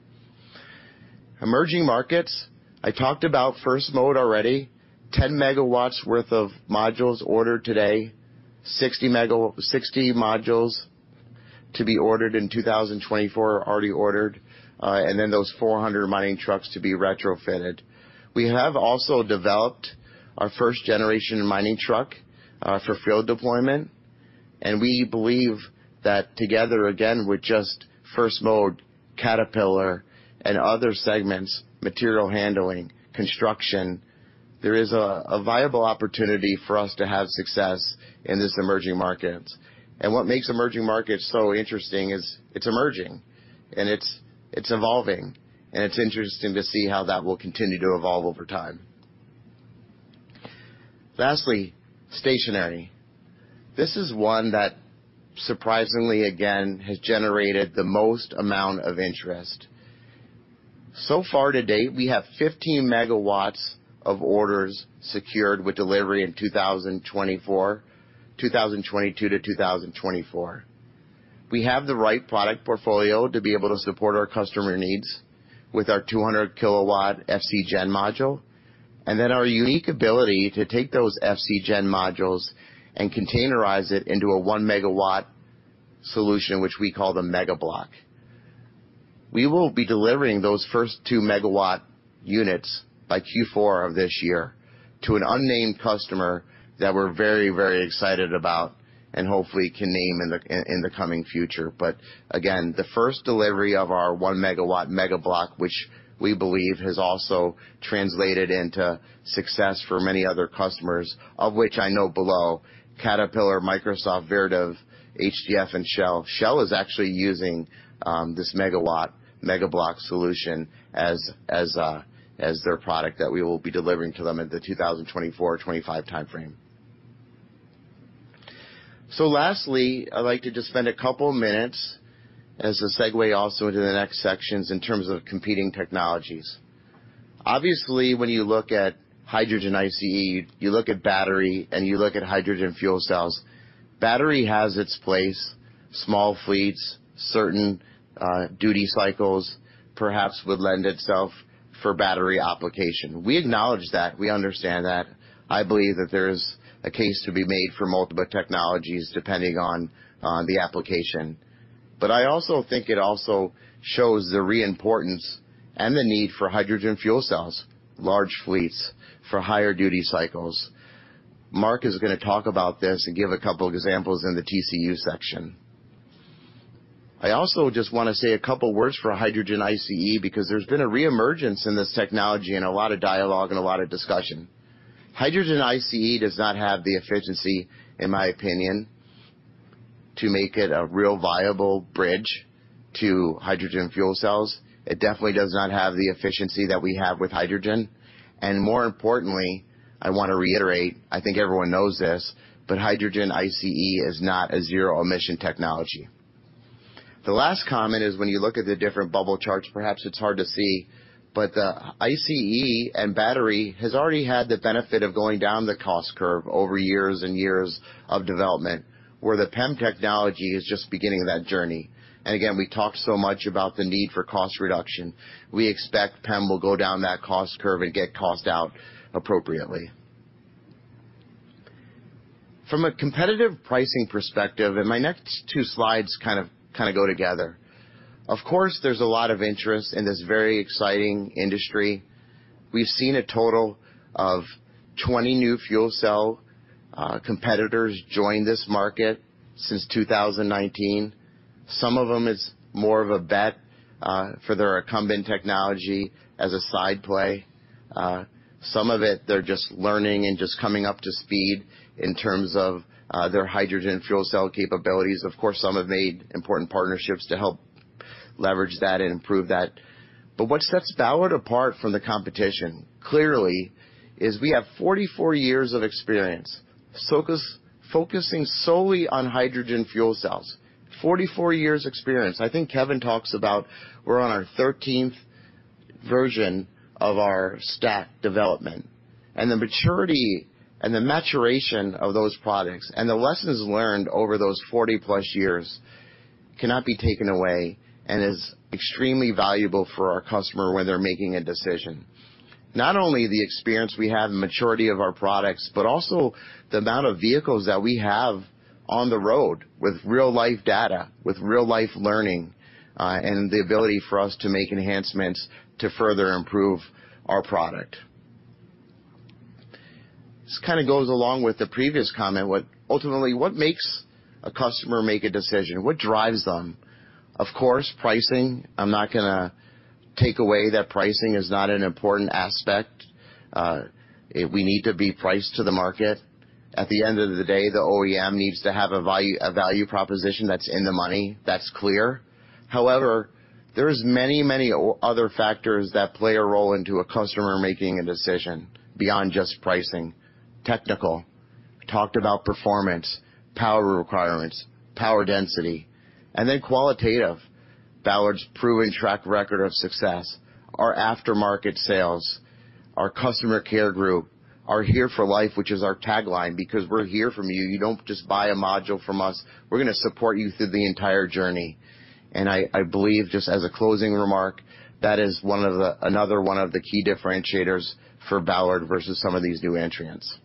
Emerging markets. I talked about First Mode already, 10 MW worth of modules ordered today, 60 modules to be ordered in 2024, are already ordered, and then those 400 mining trucks to be retrofitted. We have also developed our first generation mining truck, for field deployment. We believe that together, again, with just First Mode, Caterpillar and other segments, material handling, construction, there is a viable opportunity for us to have success in this emerging markets. What makes emerging markets so interesting is it's emerging, and it's evolving, and it's interesting to see how that will continue to evolve over time. Lastly, stationary. This is one that, surprisingly, again, has generated the most amount of interest. So far to date, we have 15 megawatts of orders secured with delivery in 2024, 2022 to 2024. We have the right product portfolio to be able to support our customer needs with our 200 kilowatt FCgen module, and then our unique ability to take those FCgen modules and containerize it into a 1 megawatt solution, which we call the MegaBlock. We will be delivering those first 2 megawatt units by Q4 of this year to an unnamed customer that we're very, very excited about and hopefully can name in the coming future. Again, the first delivery of our 1 megawatt MegaBlock, which we believe has also translated into success for many other customers, of which I know below, Caterpillar, Microsoft, Vertiv, HDF, and Shell. Shell is actually using this megawatt MegaBlock solution as their product that we will be delivering to them in the 2024-2025 time frame. Lastly, I'd like to just spend a couple minutes as a segue also into the next sections in terms of competing technologies. Obviously, when you look at hydrogen ICE, you look at battery, and you look at hydrogen fuel cells. Battery has its place, small fleets, certain duty cycles, perhaps would lend itself for battery application. We acknowledge that, we understand that. I believe that there's a case to be made for multiple technologies depending on the application. I also think it also shows the reimportance and the need for hydrogen fuel cells, large fleets for higher duty cycles. Mark is gonna talk about this and give a couple examples in the TCU section. I also just wanna say a couple words for hydrogen ICE, because there's been a reemergence in this technology and a lot of dialogue and a lot of discussion. Hydrogen ICE does not have the efficiency, in my opinion, to make it a real viable bridge to hydrogen fuel cells. It definitely does not have the efficiency that we have with hydrogen, and more importantly, I wanna reiterate, I think everyone knows this, but hydrogen ICE is not a zero-emission technology. The last comment is, when you look at the different bubble charts, perhaps it's hard to see, but the ICE and battery has already had the benefit of going down the cost curve over years and years of development, where the PEM technology is just beginning that journey. Again, we talked so much about the need for cost reduction. We expect PEM will go down that cost curve and get cost out appropriately. From a competitive pricing perspective, my next two slides kind of go together. Of course, there's a lot of interest in this very exciting industry. We've seen a total of 20 new fuel cell competitors join this market since 2019. Some of them is more of a bet for their incumbent technology as a side play. Some of it, they're just learning and just coming up to speed in terms of their hydrogen fuel cell capabilities. Of course, some have made important partnerships to help leverage that and improve that. What sets Ballard apart from the competition, clearly, is we have 44 years of experience, focusing solely on hydrogen fuel cells. 44 years experience. I think Kevin talks about we're on our 13th version of our stack development, and the maturity and the maturation of those products, and the lessons learned over those 40 plus years cannot be taken away, and is extremely valuable for our customer when they're making a decision. Not only the experience we have, the maturity of our products, but also the amount of vehicles that we have on the road with real-life data, with real-life learning, and the ability for us to make enhancements to further improve our product. This kind of goes along with the previous comment, ultimately, what makes a customer make a decision? What drives them? Of course, pricing. I'm not gonna take away that pricing is not an important aspect. We need to be priced to the market. At the end of the day, the OEM needs to have a value, a value proposition that's in the money. That's clear. There is many, many other factors that play a role into a customer making a decision beyond just pricing. Technical. Talked about performance, power requirements, power density, and then qualitative. Ballard's proven track record of success, our aftermarket sales, our customer care group, are here for life, which is our tagline, because we're here for you. You don't just buy a module from us, we're gonna support you through the entire journey. I believe, just as a closing remark, that is another one of the key differentiators for Ballard versus some of these new entrants.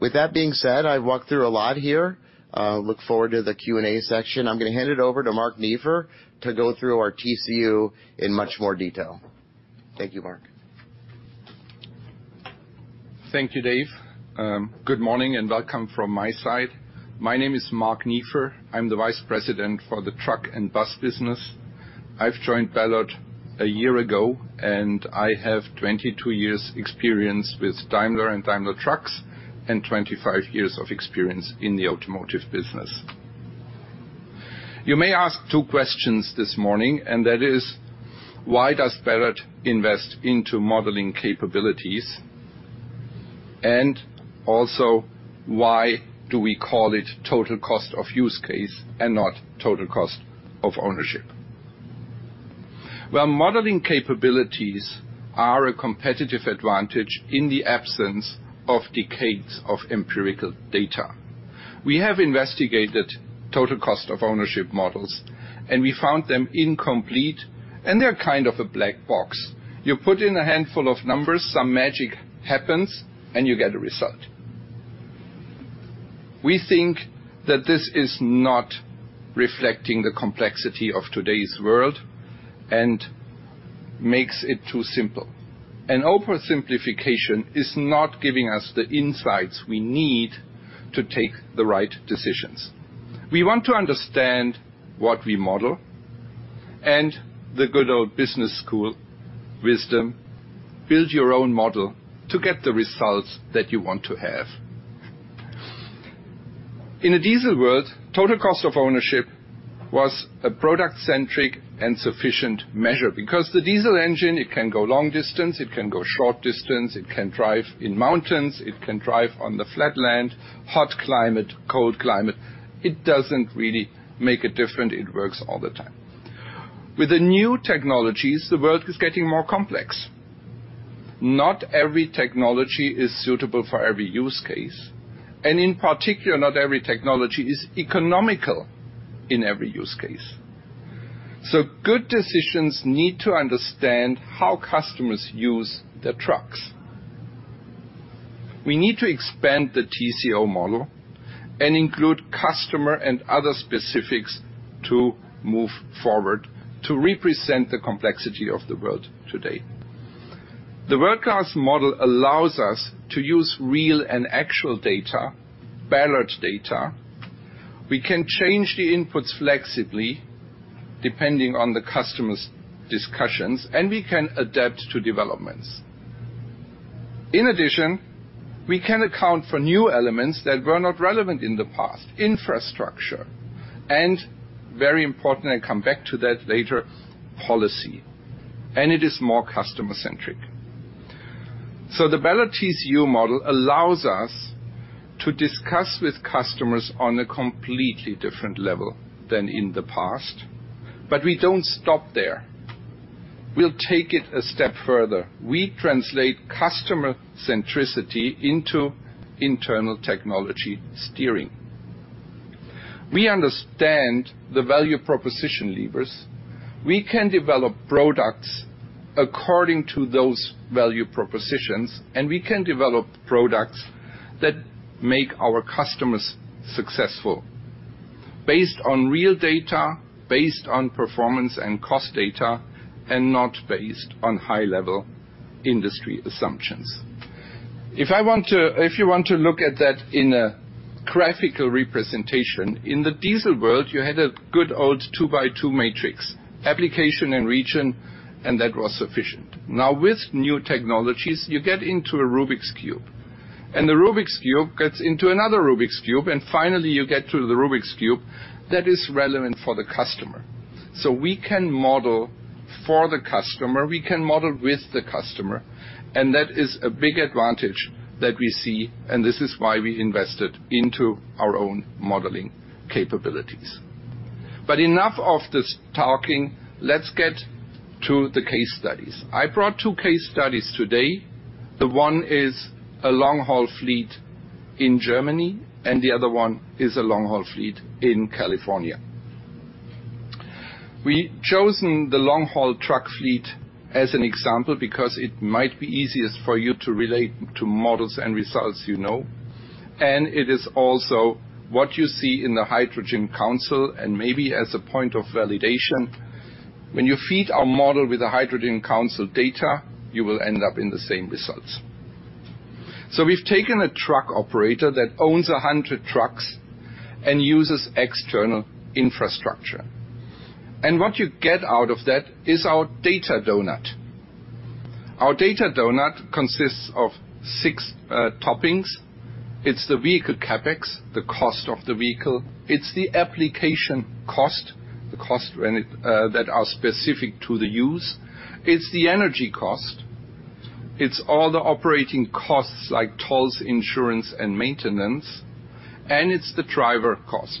With that being said, I've walked through a lot here. Look forward to the Q&A section. I'm gonna hand it over to Mark Verstraete to go through our TCU in much more detail. Thank you, Mark. Thank you, Dave. Good morning and welcome from my side. My name is Mark Verstraete. I'm the vice president for the truck and bus business. I've joined Ballard a year ago, and I have 22 years' experience with Daimler and Daimler Truck, and 25 years of experience in the automotive business. You may ask two questions this morning, and that is: Why does Ballard invest into modeling capabilities? Also, why do we call it total cost of use case and not total cost of ownership? Well, modeling capabilities are a competitive advantage in the absence of decades of empirical data. We have investigated total cost of ownership models, and we found them incomplete, and they're kind of a black box. You put in a handful of numbers, some magic happens, and you get a result. We think that this is not reflecting the complexity of today's world and makes it too simple. Oversimplification is not giving us the insights we need to take the right decisions. We want to understand what we model, the good old business school wisdom, build your own model to get the results that you want to have. In a diesel world, total cost of ownership was a product-centric and sufficient measure, because the diesel engine, it can go long distance, it can go short distance, it can drive in mountains, it can drive on the flat land, hot climate, cold climate. It doesn't really make a difference, it works all the time. With the new technologies, the world is getting more complex. Not every technology is suitable for every use case, and in particular, not every technology is economical in every use case. Good decisions need to understand how customers use their trucks. We need to expand the TCO model and include customer and other specifics to move forward to represent the complexity of the world today. The World Class model allows us to use real and actual data, Ballard data. We can change the inputs flexibly, depending on the customer's discussions, and we can adapt to developments. In addition, we can account for new elements that were not relevant in the past, infrastructure, and very important, I come back to that later, policy, and it is more customer-centric. The Ballard TCO model allows us to discuss with customers on a completely different level than in the past, but we don't stop there. We'll take it a step further. We translate customer centricity into internal technology steering. We understand the value proposition levers. We can develop products according to those value propositions, and we can develop products that make our customers successful, based on real data, based on performance and cost data, and not based on high-level industry assumptions. If you want to look at that in a graphical representation, in the diesel world, you had a good old 2x2 matrix, application and region, and that was sufficient. Now, with new technologies, you get into a Rubik's cube, and the Rubik's cube gets into another Rubik's cube, and finally, you get to the Rubik's cube that is relevant for the customer. We can model for the customer, we can model with the customer, and that is a big advantage that we see, and this is why we invested into our own modeling capabilities. Enough of this talking. Let's get to the case studies. I brought 2 case studies today. The 1 is a long-haul fleet in Germany, and the other 1 is a long-haul fleet in California. We chosen the long-haul truck fleet as an example because it might be easiest for you to relate to models and results you know, and it is also what you see in the Hydrogen Council, and maybe as a point of validation. When you feed our model with the Hydrogen Council data, you will end up in the same results. We've taken a truck operator that owns 100 trucks and uses external infrastructure. What you get out of that is our data donut. Our data donut consists of six toppings. It's the vehicle CapEx, the cost of the vehicle. It's the application cost, the cost that are specific to the use. It's the energy cost. It's all the operating costs like tolls, insurance, and maintenance, and it's the driver cost.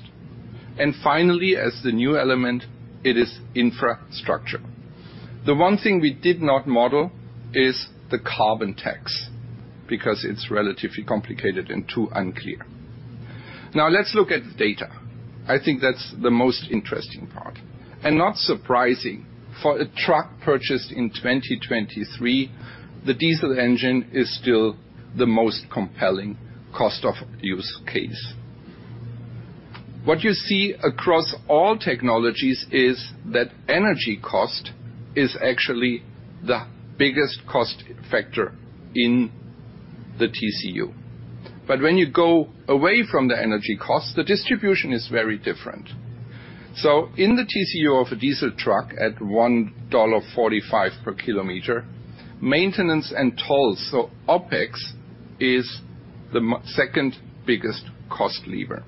Finally, as the new element, it is infrastructure. The one thing we did not model is the carbon tax, because it's relatively complicated and too unclear. Let's look at the data. I think that's the most interesting part. Not surprising, for a truck purchased in 2023, the diesel engine is still the most compelling cost of use case. What you see across all technologies is that energy cost is actually the biggest cost factor in the TCU. When you go away from the energy cost, the distribution is very different. In the TCU of a diesel truck, at $1.45 per kilometer, maintenance and tolls, so OpEx, is the second biggest cost lever.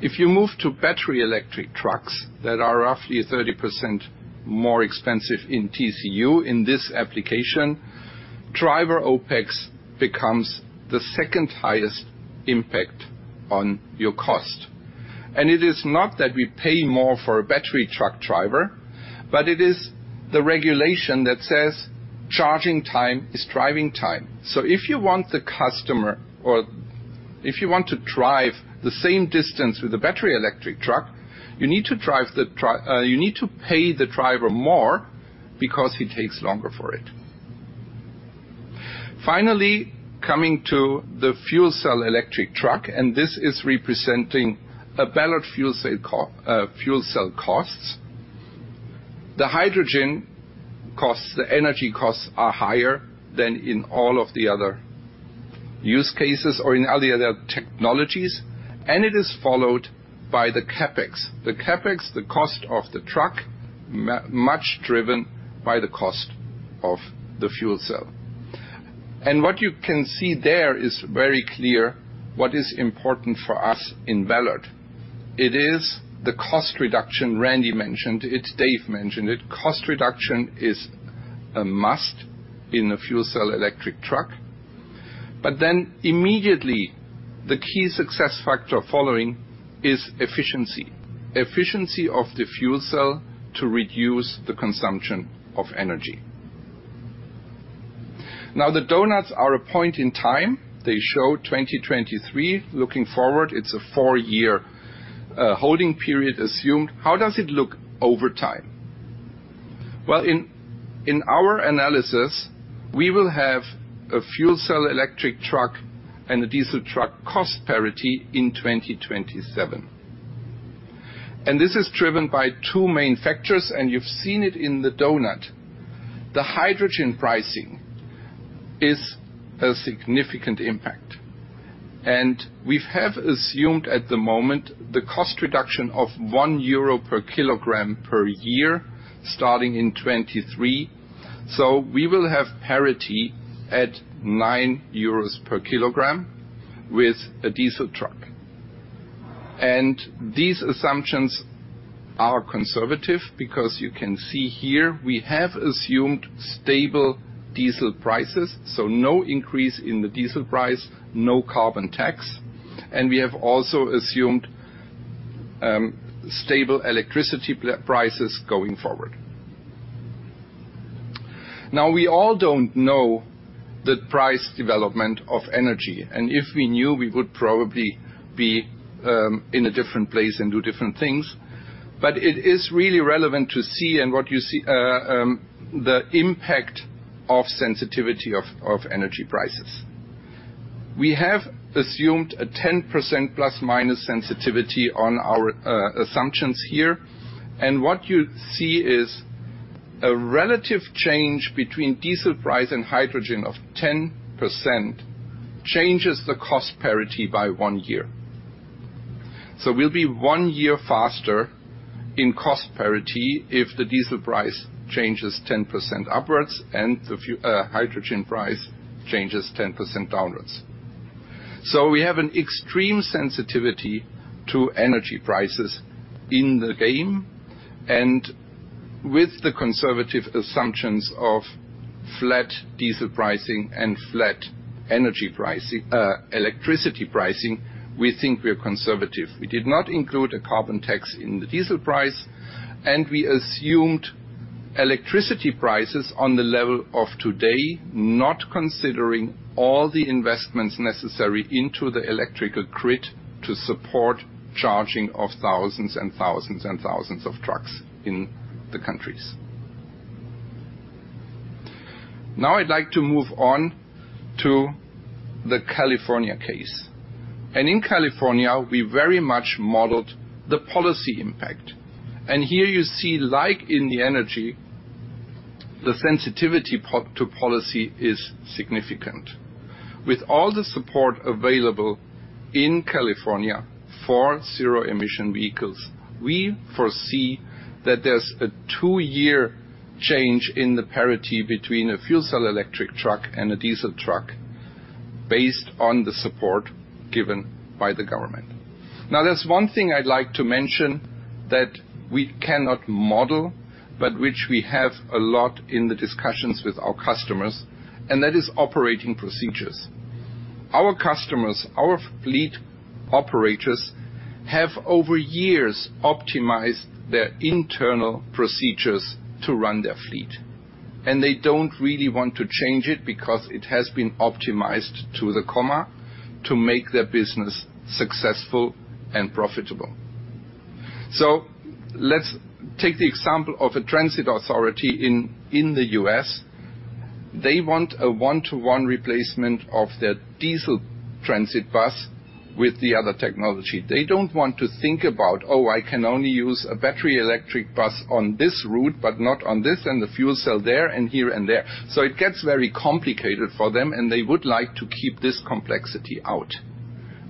If you move to battery electric trucks that are roughly 30% more expensive in TCU, in this application, driver OpEx becomes the second highest impact on your cost. It is not that we pay more for a battery truck driver, but it is the regulation that says charging time is driving time. If you want the customer or if you want to drive the same distance with a battery electric truck, you need to pay the driver more because he takes longer for it. Finally, coming to the fuel cell electric truck, and this is representing a Ballard fuel cell costs. The hydrogen costs, the energy costs, are higher than in all of the other use cases or in all the other technologies, it is followed by the CapEx. The CapEx, the cost of the truck, much driven by the cost of the fuel cell. What you can see there is very clear what is important for us in Ballard. It is the cost reduction Randy mentioned, it's Dave mentioned it. Cost reduction is a must in a fuel cell electric truck, but then immediately, the key success factor following is efficiency. Efficiency of the fuel cell to reduce the consumption of energy. Now, the donuts are a point in time. They show 2023. Looking forward, it's a 4-year holding period assumed. How does it look over time? Well, in our analysis, we will have a fuel cell electric truck and a diesel truck cost parity in 2027. This is driven by two main factors, and you've seen it in the donut. The hydrogen pricing is a significant impact. We have assumed at the moment the cost reduction of 1 euro per kilogram per year, starting in 2023. We will have parity at 9 euros per kilogram with a diesel truck. These assumptions are conservative because you can see here we have assumed stable diesel prices, so no increase in the diesel price, no carbon tax, and we have also assumed stable electricity prices going forward. Now, we all don't know the price development of energy, and if we knew, we would probably be in a different place and do different things. It is really relevant to see, and what you see, the impact of sensitivity of energy prices. We have assumed a 10% ± sensitivity on our assumptions here, and what you see is a relative change between diesel price and hydrogen of 10% changes the cost parity by 1 year. We'll be 1 year faster in cost parity if the diesel price changes 10% upwards and the hydrogen price changes 10% downwards. We have an extreme sensitivity to energy prices in the game, and with the conservative assumptions of flat diesel pricing and flat energy pricing, electricity pricing, we think we are conservative. We did not include a carbon tax in the diesel price, and we assumed electricity prices on the level of today, not considering all the investments necessary into the electrical grid to support charging of thousands and thousands and thousands of trucks in the countries. I'd like to move on to the California case. In California, we very much modeled the policy impact. Here you see, like in the energy, the sensitivity to policy is significant. With all the support available in California for zero-emission vehicles, we foresee that there's a 2-year change in the parity between a fuel cell electric truck and a diesel truck based on the support given by the government. There's one thing I'd like to mention that we cannot model, but which we have a lot in the discussions with our customers, and that is operating procedures. Our customers, our fleet operators, have over years optimized their internal procedures to run their fleet, and they don't really want to change it because it has been optimized to the comma to make their business successful and profitable. Let's take the example of a transit authority in the U.S. They want a 1-to-1 replacement of their diesel transit bus with the other technology. They don't want to think about, "Oh, I can only use a battery electric bus on this route, but not on this, and the fuel cell there, and here, and there." It gets very complicated for them, and they would like to keep this complexity out.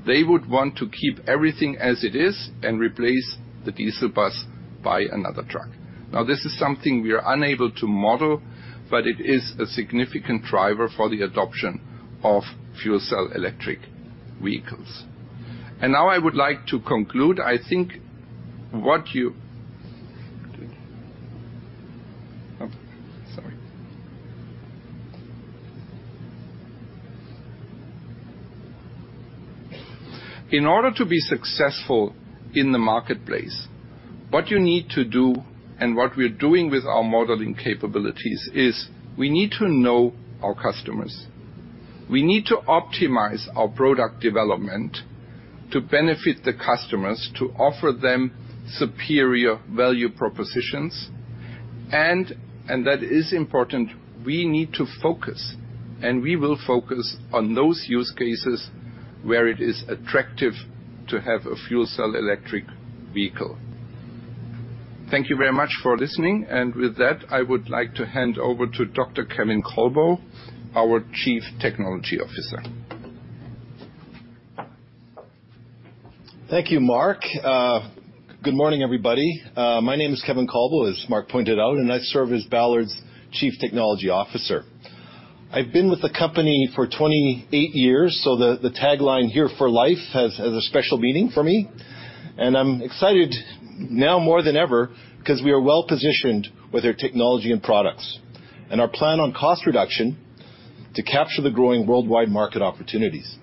They would want to keep everything as it is and replace the diesel bus by another truck. Now, this is something we are unable to model, but it is a significant driver for the adoption of fuel cell electric vehicles. Now I would like to conclude. I think what you... Oh, sorry. In order to be successful in the marketplace, what you need to do and what we're doing with our modeling capabilities is we need to know our customers. We need to optimize our product development to benefit the customers, to offer them superior value propositions. That is important, we need to focus, and we will focus on those use cases where it is attractive to have a fuel cell electric vehicle. Thank you very much for listening, and with that, I would like to hand over to Dr. Kevin Colbow, our Chief Technology Officer. Thank you, Mark. Good morning, everybody. My name is Kevin Colbow, as Mark pointed out, and I serve as Ballard's Chief Technology Officer. I've been with the company for 28 years, so the tagline, "Here for Life", has a special meaning for me. I'm excited now more than ever because we are well-positioned with our technology and products and our plan on cost reduction to capture the growing worldwide market opportunities.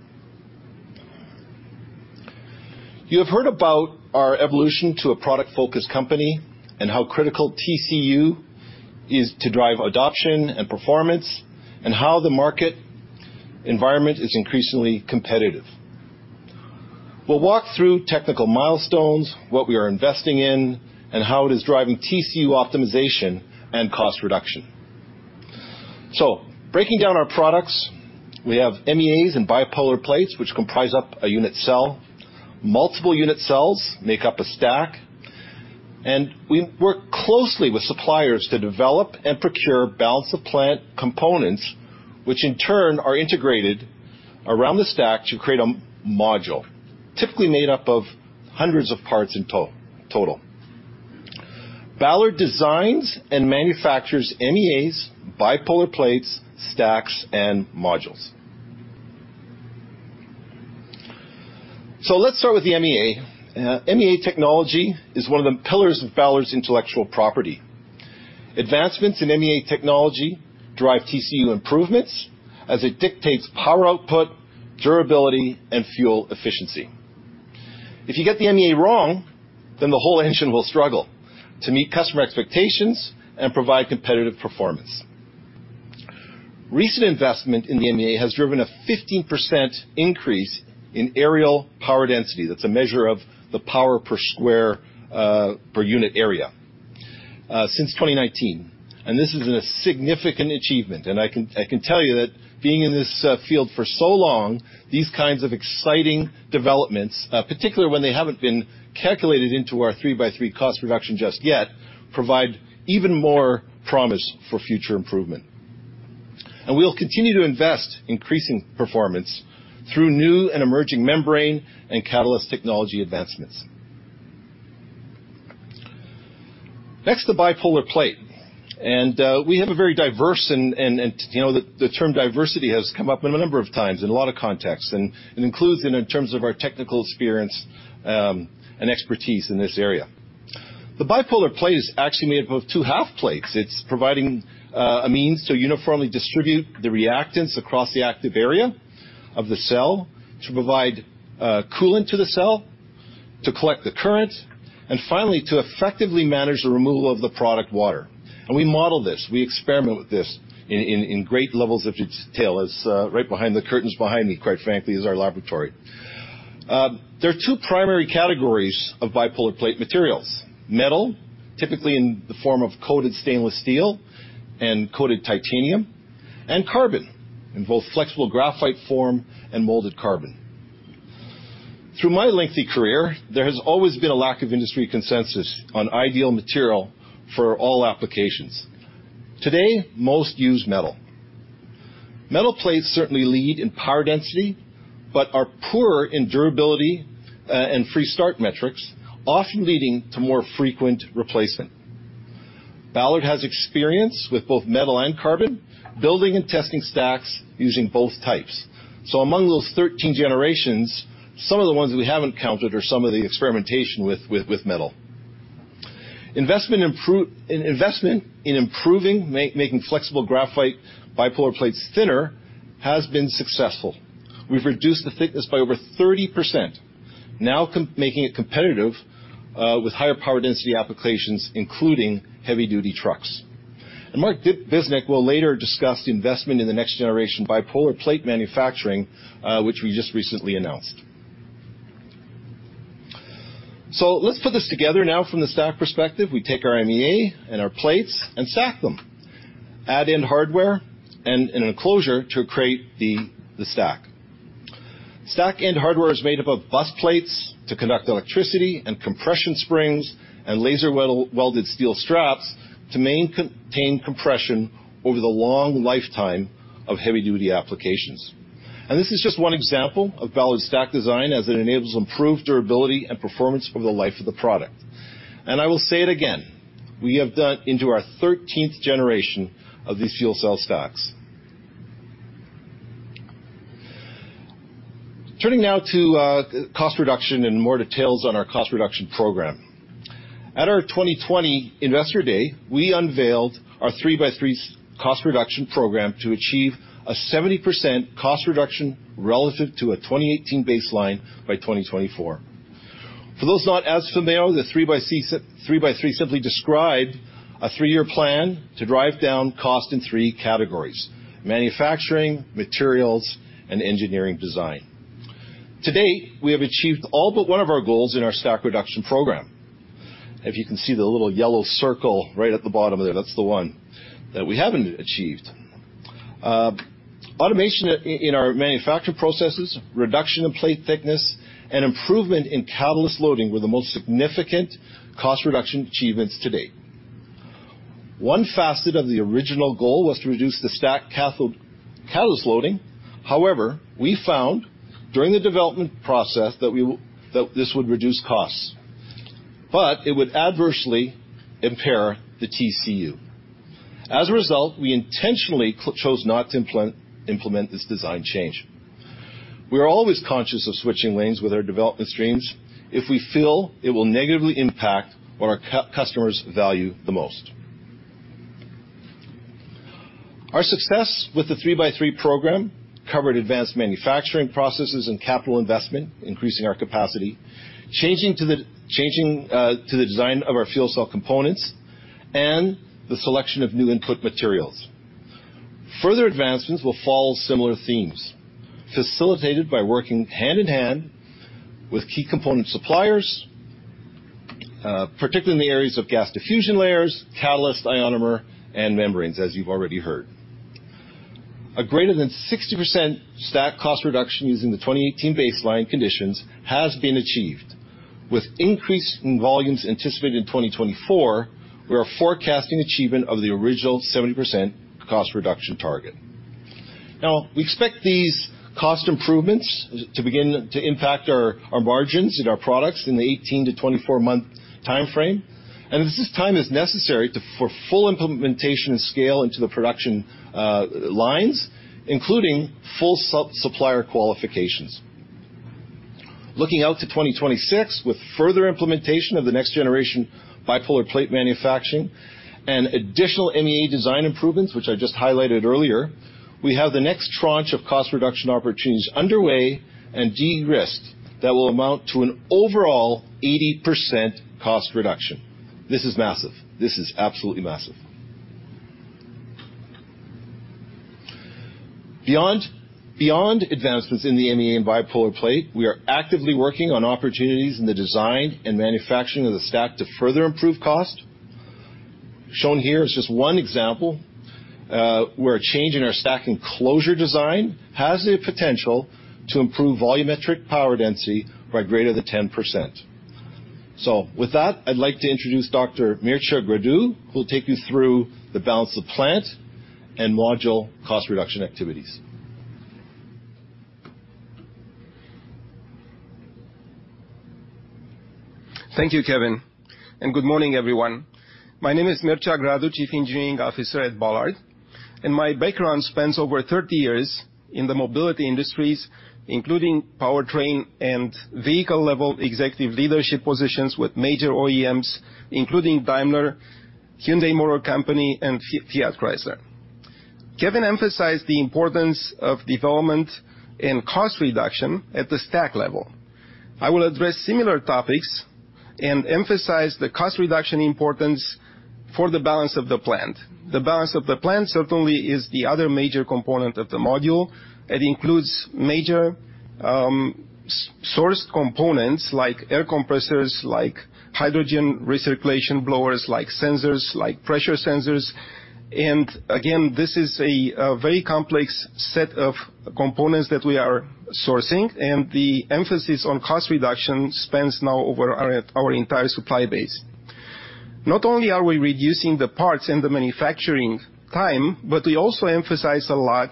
You have heard about our evolution to a product-focused company and how critical TCU is to drive adoption and performance, and how the market environment is increasingly competitive. We'll walk through technical milestones, what we are investing in, and how it is driving TCU optimization and cost reduction. Breaking down our products, we have MEAs and bipolar plates, which comprise up a unit cell. Multiple unit cells make up a stack, and we work closely with suppliers to develop and procure balance of plant components, which in turn are integrated around the stack to create a module, typically made up of hundreds of parts in total. Ballard designs and manufactures MEAs, bipolar plates, stacks, and modules. Let's start with the MEA. MEA technology is one of the pillars of Ballard's intellectual property. Advancements in MEA technology drive TCU improvements as it dictates power output, durability, and fuel efficiency. If you get the MEA wrong, then the whole engine will struggle to meet customer expectations and provide competitive performance. Recent investment in the MEA has driven a 15% increase in areal power density, that's a measure of the power per square, per unit area, since 2019. This is a significant achievement. I can tell you that being in this field for so long, these kinds of exciting developments, particularly when they haven't been calculated into our 3x3 cost reduction just yet, provide even more promise for future improvement. We will continue to invest, increasing performance through new and emerging membrane and catalyst technology advancements. Next, the bipolar plate, we have a very diverse and, you know, the term diversity has come up in a number of times in a lot of contexts, and it includes in terms of our technical experience, and expertise in this area. The bipolar plate is actually made up of two half plates. It's providing a means to uniformly distribute the reactants across the active area of the cell, to provide coolant to the cell, to collect the current, and finally, to effectively manage the removal of the product water. We model this, we experiment with this in great levels of detail, as right behind the curtains behind me, quite frankly, is our laboratory. There are two primary categories of bipolar plate materials: metal, typically in the form of coated stainless steel and coated titanium, and carbon, in both flexible graphite form and molded carbon. Through my lengthy career, there has always been a lack of industry consensus on ideal material for all applications. Today, most use metal. Metal plates certainly lead in power density, but are poorer in durability and free start metrics, often leading to more frequent replacement. Ballard has experience with both metal and carbon, building and testing stacks using both types. Among those 13 generations, some of the ones we haven't counted are some of the experimentation with metal. Investment in improving making flexible graphite bipolar plates thinner has been successful. We've reduced the thickness by over 30%, now making it competitive with higher power density applications, including heavy-duty trucks. Mark Biznek will later discuss the investment in the next generation bipolar plate manufacturing, which we just recently announced. Let's put this together now from the stack perspective. We take our MEA and our plates and stack them, add in hardware and an enclosure to create the stack. Stack and hardware is made up of bipolar plates to conduct electricity, and compression springs, and laser welded steel straps to contain compression over the long lifetime of heavy-duty applications. This is just one example of Ballard's stack design, as it enables improved durability and performance for the life of the product. I will say it again, we have done into our 13th generation of these fuel cell stacks. Turning now to cost reduction and more details on our cost reduction program. At our 2020 Investor Day, we unveiled our 3x3 cost reduction program to achieve a 70% cost reduction relative to a 2018 baseline by 2024. For those not as familiar, the 3x3 simply describe a three-year plan to drive down cost in three categories: manufacturing, materials, and engineering design. To date, we have achieved all but one of our goals in our stack reduction program. If you can see the little yellow circle right at the bottom of there, that's the one that we haven't achieved. Automation in our manufacturing processes, reduction in plate thickness, and improvement in catalyst loading were the most significant cost reduction achievements to date. One facet of the original goal was to reduce the stack catalyst loading. We found during the development process that this would reduce costs, but it would adversely impair the TCU. As a result, we intentionally chose not to implement this design change. We are always conscious of switching lanes with our development streams if we feel it will negatively impact what our customers value the most. Our success with the 3x3 program covered advanced manufacturing processes and capital investment, increasing our capacity, changing to the design of our fuel cell components and the selection of new input materials. Further advancements will follow similar themes, facilitated by working hand in hand with key component suppliers, particularly in the areas of gas diffusion layers, catalyst, ionomer, and membranes, as you've already heard. A greater than 60% stack cost reduction using the 2018 baseline conditions has been achieved. With increased in volumes anticipated in 2024, we are forecasting achievement of the original 70% cost reduction target. Now, we expect these cost improvements to begin to impact our margins in our products in the 18-24-month time frame, and this is time is necessary to, for full implementation and scale into the production lines, including full supplier qualifications. Looking out to 2026, with further implementation of the next generation bipolar plate manufacturing and additional MEA design improvements, which I just highlighted earlier, we have the next tranche of cost reduction opportunities underway and de-risked that will amount to an overall 80% cost reduction. This is massive. This is absolutely massive. Beyond advancements in the MEA and bipolar plate, we are actively working on opportunities in the design and manufacturing of the stack to further improve cost. Shown here is just one example, where a change in our stack enclosure design has the potential to improve volumetric power density by greater than 10%. With that, I'd like to introduce Dr. Mircea Gradu, who will take you through the balance of plant and module cost reduction activities. Thank you, Kevin, and good morning, everyone. My name is Mircea Gradu, Chief Engineering Officer at Ballard, and my background spans over 30 years in the mobility industries, including powertrain and vehicle-level executive leadership positions with major OEMs, including Daimler, Hyundai Motor Company, and Fiat Chrysler. Kevin emphasized the importance of development in cost reduction at the stack level. I will address similar topics and emphasize the cost reduction importance for the balance of the plant. The balance of the plant certainly is the other major component of the module. It includes major sourced components like air compressors, like hydrogen recirculation blowers, like sensors, like pressure sensors. Again, this is a very complex set of components that we are sourcing, and the emphasis on cost reduction spans now over our entire supply base. Not only are we reducing the parts and the manufacturing time, but we also emphasize a lot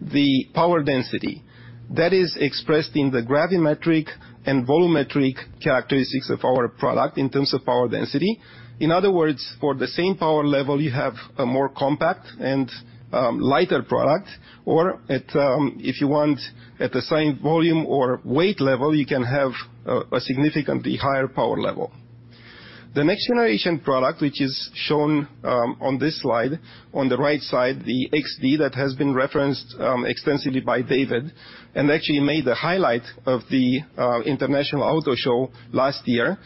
the power density that is expressed in the gravimetric and volumetric characteristics of our product in terms of power density. In other words, for the same power level, you have a more compact and lighter product, or at, if you want, at the same volume or weight level, you can have a significantly higher power level. The next generation product, which is shown on this slide, on the right side, the XD, that has been referenced extensively by David and actually made the highlight of the International Auto Show last year.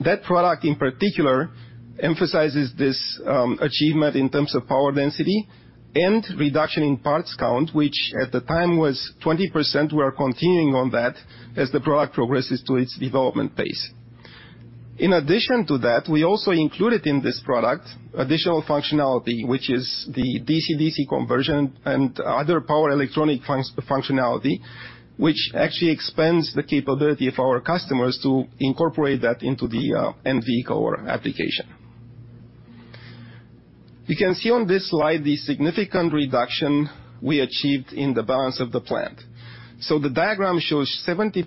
That product, in particular, emphasizes this achievement in terms of power density and reduction in parts count, which at the time was 20%. We are continuing on that as the product progresses to its development pace. In addition to that, we also included in this product additional functionality, which is the DC-DC conversion and other power electronic functionality, which actually expands the capability of our customers to incorporate that into the end vehicle or application. You can see on this slide the significant reduction we achieved in the balance of the plant. The diagram shows 70%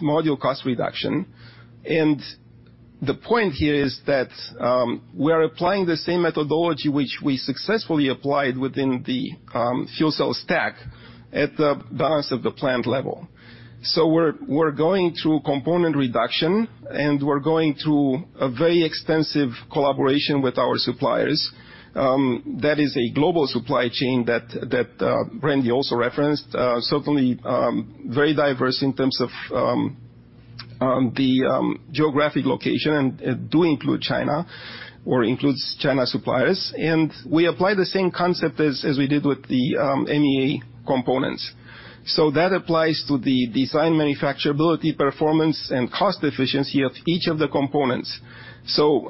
module cost reduction, and the point here is that we are applying the same methodology, which we successfully applied within the fuel cell stack at the balance of the plant level. We're going through component reduction, and we're going through a very extensive collaboration with our suppliers. That is a global supply chain that Randy also referenced. Certainly, very diverse in terms of... The geographic location and do include China or includes China suppliers, and we apply the same concept as we did with the MEA components. That applies to the design, manufacturability, performance, and cost efficiency of each of the components.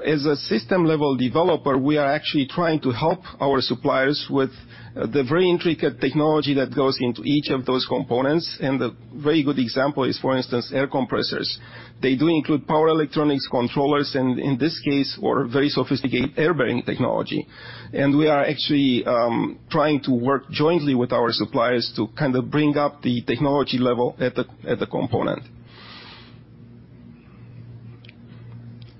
As a system-level developer, we are actually trying to help our suppliers with the very intricate technology that goes into each of those components, and a very good example is, for instance, air compressors. They do include power electronics, controllers, and in this case, or very sophisticated air bearing technology. We are actually trying to work jointly with our suppliers to kind of bring up the technology level at the component.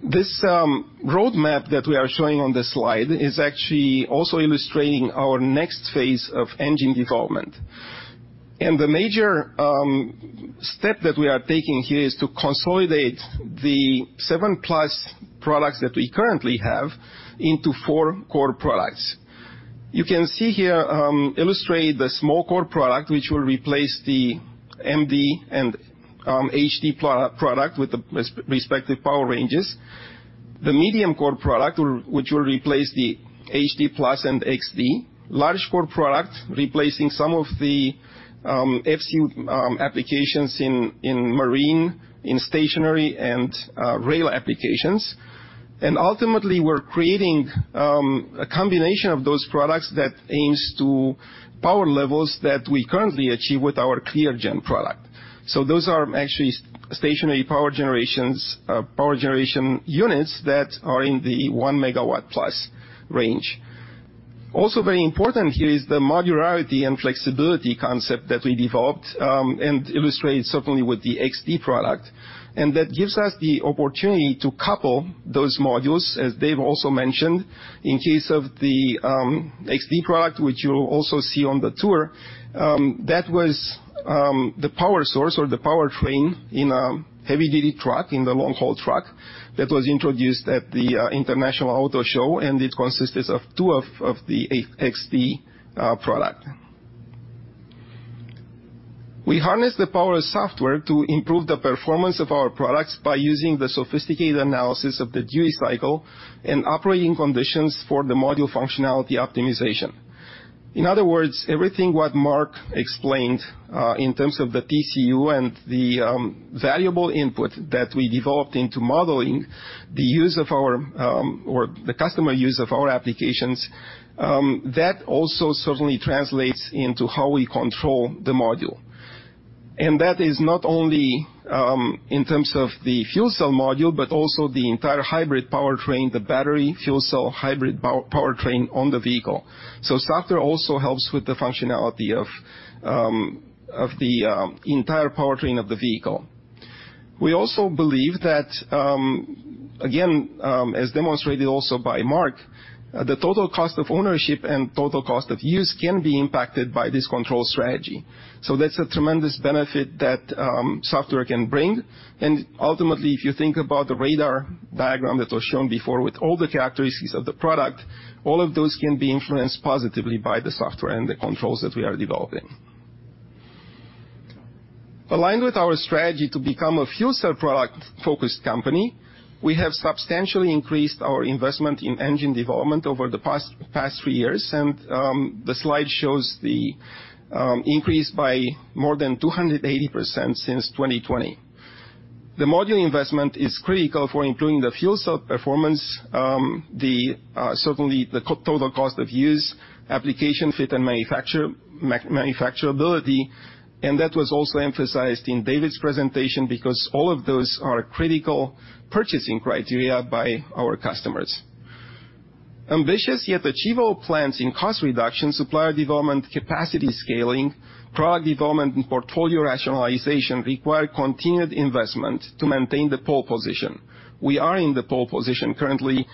This roadmap that we are showing on this slide is actually also illustrating our next phase of engine development. The major step that we are taking here is to consolidate the 7-plus products that we currently have into four core products. You can see here, illustrate the small core product, which will replace the MD and HD product with the respective power ranges. The medium core product, which will replace the HD plus and XD. Large core product, replacing some of the FC applications in marine, in stationary, and rail applications. Ultimately, we're creating a combination of those products that aims to power levels that we currently achieve with our ClearGen product. Those are actually stationary power generations, power generation units that are in the 1 megawatt-plus range. Also very important here is the modularity and flexibility concept that we developed and illustrated certainly with the XD product. That gives us the opportunity to couple those modules, as Dave also mentioned, in case of the XD product, which you'll also see on the tour. That was the power source or the powertrain in a heavy-duty truck, in the long-haul truck, that was introduced at the International Auto Show, and it consisted of two of the XD product. We harness the power of software to improve the performance of our products by using the sophisticated analysis of the duty cycle and operating conditions for the module functionality optimization. In other words, everything what Mark explained, in terms of the TCU and the valuable input that we developed into modeling the use of our or the customer use of our applications, that also certainly translates into how we control the module. That is not only in terms of the fuel cell module, but also the entire hybrid powertrain, the battery fuel cell, hybrid powertrain on the vehicle. Software also helps with the functionality of the entire powertrain of the vehicle. We also believe that again, as demonstrated also by Mark, the total cost of ownership and total cost of use can be impacted by this control strategy. That's a tremendous benefit that software can bring. Ultimately, if you think about the radar diagram that was shown before, with all the characteristics of the product, all of those can be influenced positively by the software and the controls that we are developing. Aligned with our strategy to become a fuel cell product-focused company, we have substantially increased our investment in engine development over the past three years. The slide shows the increase by more than 280% since 2020. The module investment is critical for improving the fuel cell performance, certainly the total cost of use, application fit, and manufacturability. That was also emphasized in David's presentation because all of those are critical purchasing criteria by our customers. Ambitious yet achievable plans in cost reduction, supplier development, capacity scaling, product development, and portfolio rationalization require continued investment to maintain the pole position. We are in the pole position currently.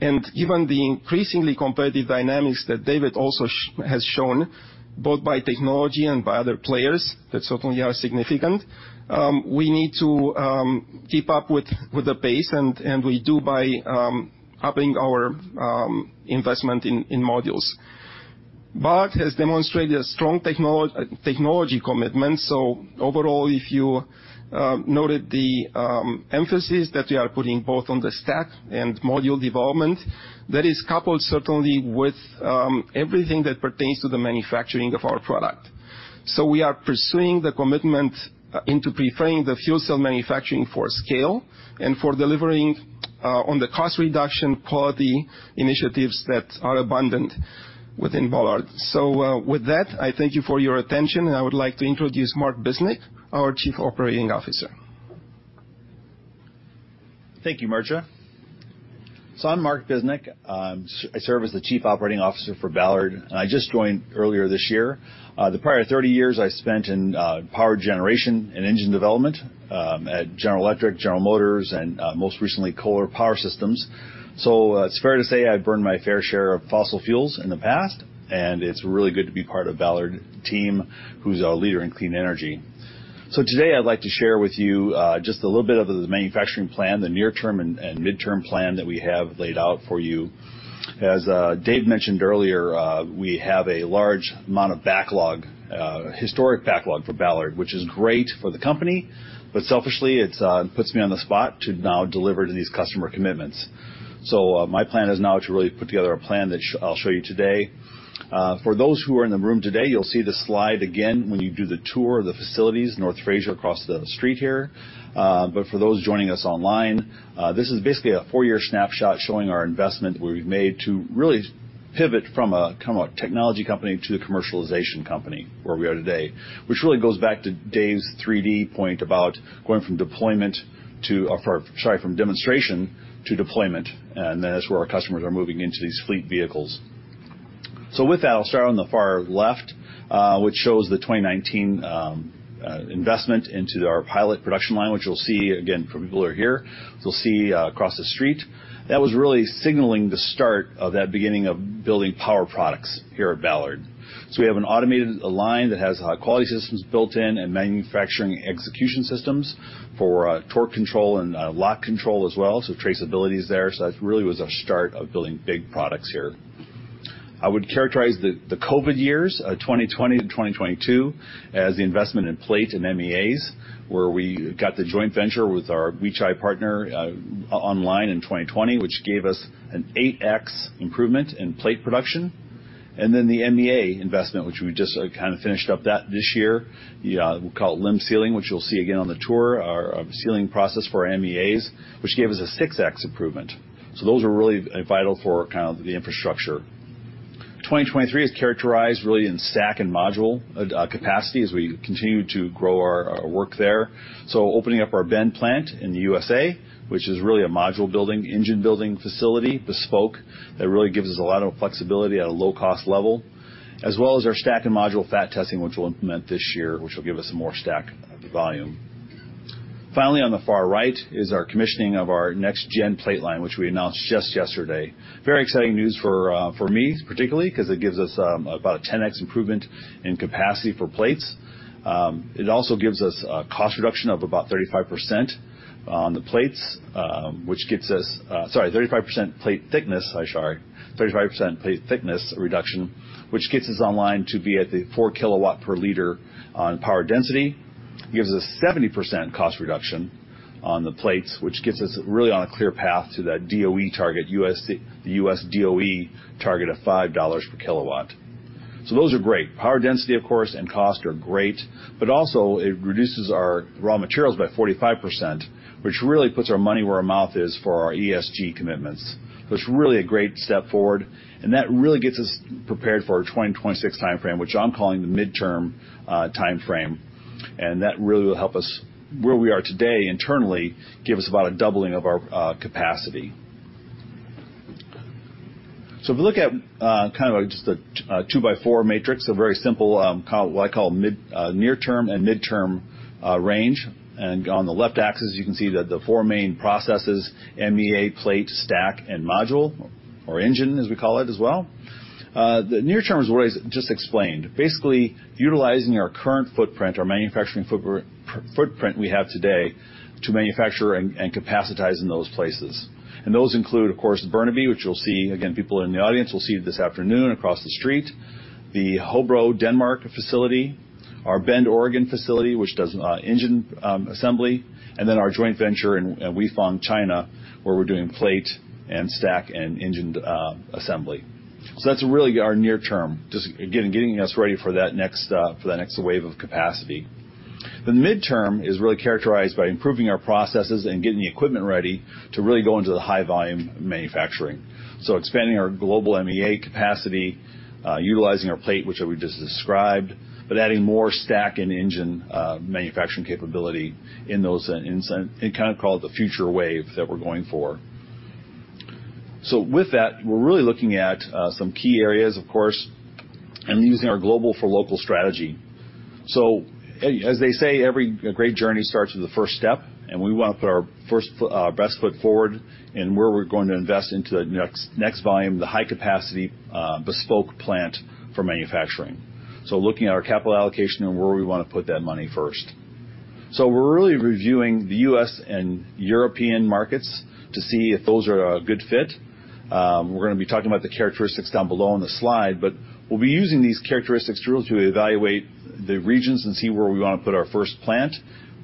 Given the increasingly competitive dynamics that David also has shown, both by technology and by other players that certainly are significant, we need to keep up with the pace, and we do by upping our investment in modules. Ballard has demonstrated a strong technology commitment. Overall, if you noted the emphasis that we are putting both on the stack and module development, that is coupled certainly with everything that pertains to the manufacturing of our product. We are pursuing the commitment into preparing the fuel cell manufacturing for scale and for delivering on the cost reduction, quality initiatives that are abundant within Ballard. With that, I thank you for your attention, and I would like to introduce Mark Biznek, our Chief Operating Officer. Thank you, Mircea. I'm Mark Biznek. I serve as the Chief Operating Officer for Ballard, and I just joined earlier this year. The prior 30 years I spent in power generation and engine development at General Electric, General Motors, and most recently, Kohler Power Systems. It's fair to say I burned my fair share of fossil fuels in the past, and it's really good to be part of Ballard team, who's a leader in clean energy. Today I'd like to share with you just a little bit of the manufacturing plan, the near-term and midterm plan that we have laid out for you. As Dave mentioned earlier, we have a large amount of backlog, historic backlog for Ballard, which is great for the company, selfishly, it puts me on the spot to now deliver to these customer commitments. My plan is now to really put together a plan that I'll show you today. For those who are in the room today, you'll see this slide again when you do the tour of the facilities, North Fraser, across the street here. For those joining us online, this is basically a four-year snapshot showing our investment we've made to really pivot from a, kind of, a technology company to a commercialization company, where we are today. Which really goes back to Dave's 3x3 point about going from deployment to, or sorry, from demonstration to deployment, and that's where our customers are moving into these fleet vehicles. With that, I'll start on the far left, which shows the 2019 investment into our pilot production line, which you'll see again from people who are here. You'll see across the street. That was really signaling the start of that beginning of building power products here at Ballard. We have an automated line that has quality systems built in and manufacturing execution systems for torque control and lock control as well, so traceability is there. That really was our start of building big products here. I would characterize the COVID years, 2020-2022, as the investment in plate and MEAs, where we got the joint venture with our Weichai partner online in 2020, which gave us an 8x improvement in plate production. The MEA investment, which we just kind of finished up that this year, we call it LIM sealing, which you'll see again on the tour, our sealing process for our MEAs, which gave us a 6x improvement. Those are really vital for kind of the infrastructure. 2023 is characterized really in stack and module capacity as we continue to grow our work there. Opening up our Bend plant in the USA, which is really a module building, engine building facility, bespoke, that really gives us a lot of flexibility at a low cost level, as well as our stack and module fat testing, which we'll implement this year, which will give us some more stack volume. Finally, on the far right is our commissioning of our next gen plate line, which we announced just yesterday. Very exciting news for me, particularly, because it gives us about a 10x improvement in capacity for plates. It also gives us a cost reduction of about 35% on the plates, which gets us. Sorry, 35% plate thickness, I'm sorry. 35% plate thickness reduction, which gets us online to be at the 4 kilowatt per liter on power density, gives us 70% cost reduction on the plates, which gets us really on a clear path to that DOE target, the US DOE target of $5 per kilowatt. Those are great. Power density, of course, and cost are great, but also it reduces our raw materials by 45%, which really puts our money where our mouth is for our ESG commitments. It's really a great step forward, and that really gets us prepared for our 2026 timeframe, which I'm calling the midterm timeframe, and that really will help us, where we are today internally, give us about a doubling of our capacity. If you look at, kind of just a 2x4 matrix, a very simple, what I call mid, near term and midterm range. On the left axis, you can see that the four main processes, MEA, plate, stack, and module, or engine, as we call it, as well. The near term is what I just explained, basically utilizing our current footprint, our manufacturing footprint we have today to manufacture and capacitize in those places. Those include, of course, Burnaby, which you'll see again, people in the audience will see this afternoon across the street, the Hobro, Denmark, facility, our Bend, Oregon, facility, which does engine assembly, and then our joint venture in Weifang, China, where we're doing plate and stack and engine assembly. That's really our near term, just again, getting us ready for that next, for the next wave of capacity. The midterm is really characterized by improving our processes and getting the equipment ready to really go into the high volume manufacturing. Expanding our global MEA capacity, utilizing our plate, which we just described, but adding more stack and engine manufacturing capability in those, in kind of called the future wave that we're going for. With that, we're really looking at some key areas, of course, and using our global for local strategy. As they say, every great journey starts with the first step, and we want to put our first best foot forward in where we're going to invest into the next volume, the high capacity, bespoke plant for manufacturing. Looking at our capital allocation and where we want to put that money first. We're really reviewing the U.S. and European markets to see if those are a good fit. We're going to be talking about the characteristics down below on the slide, but we'll be using these characteristics to really evaluate the regions and see where we want to put our first plant,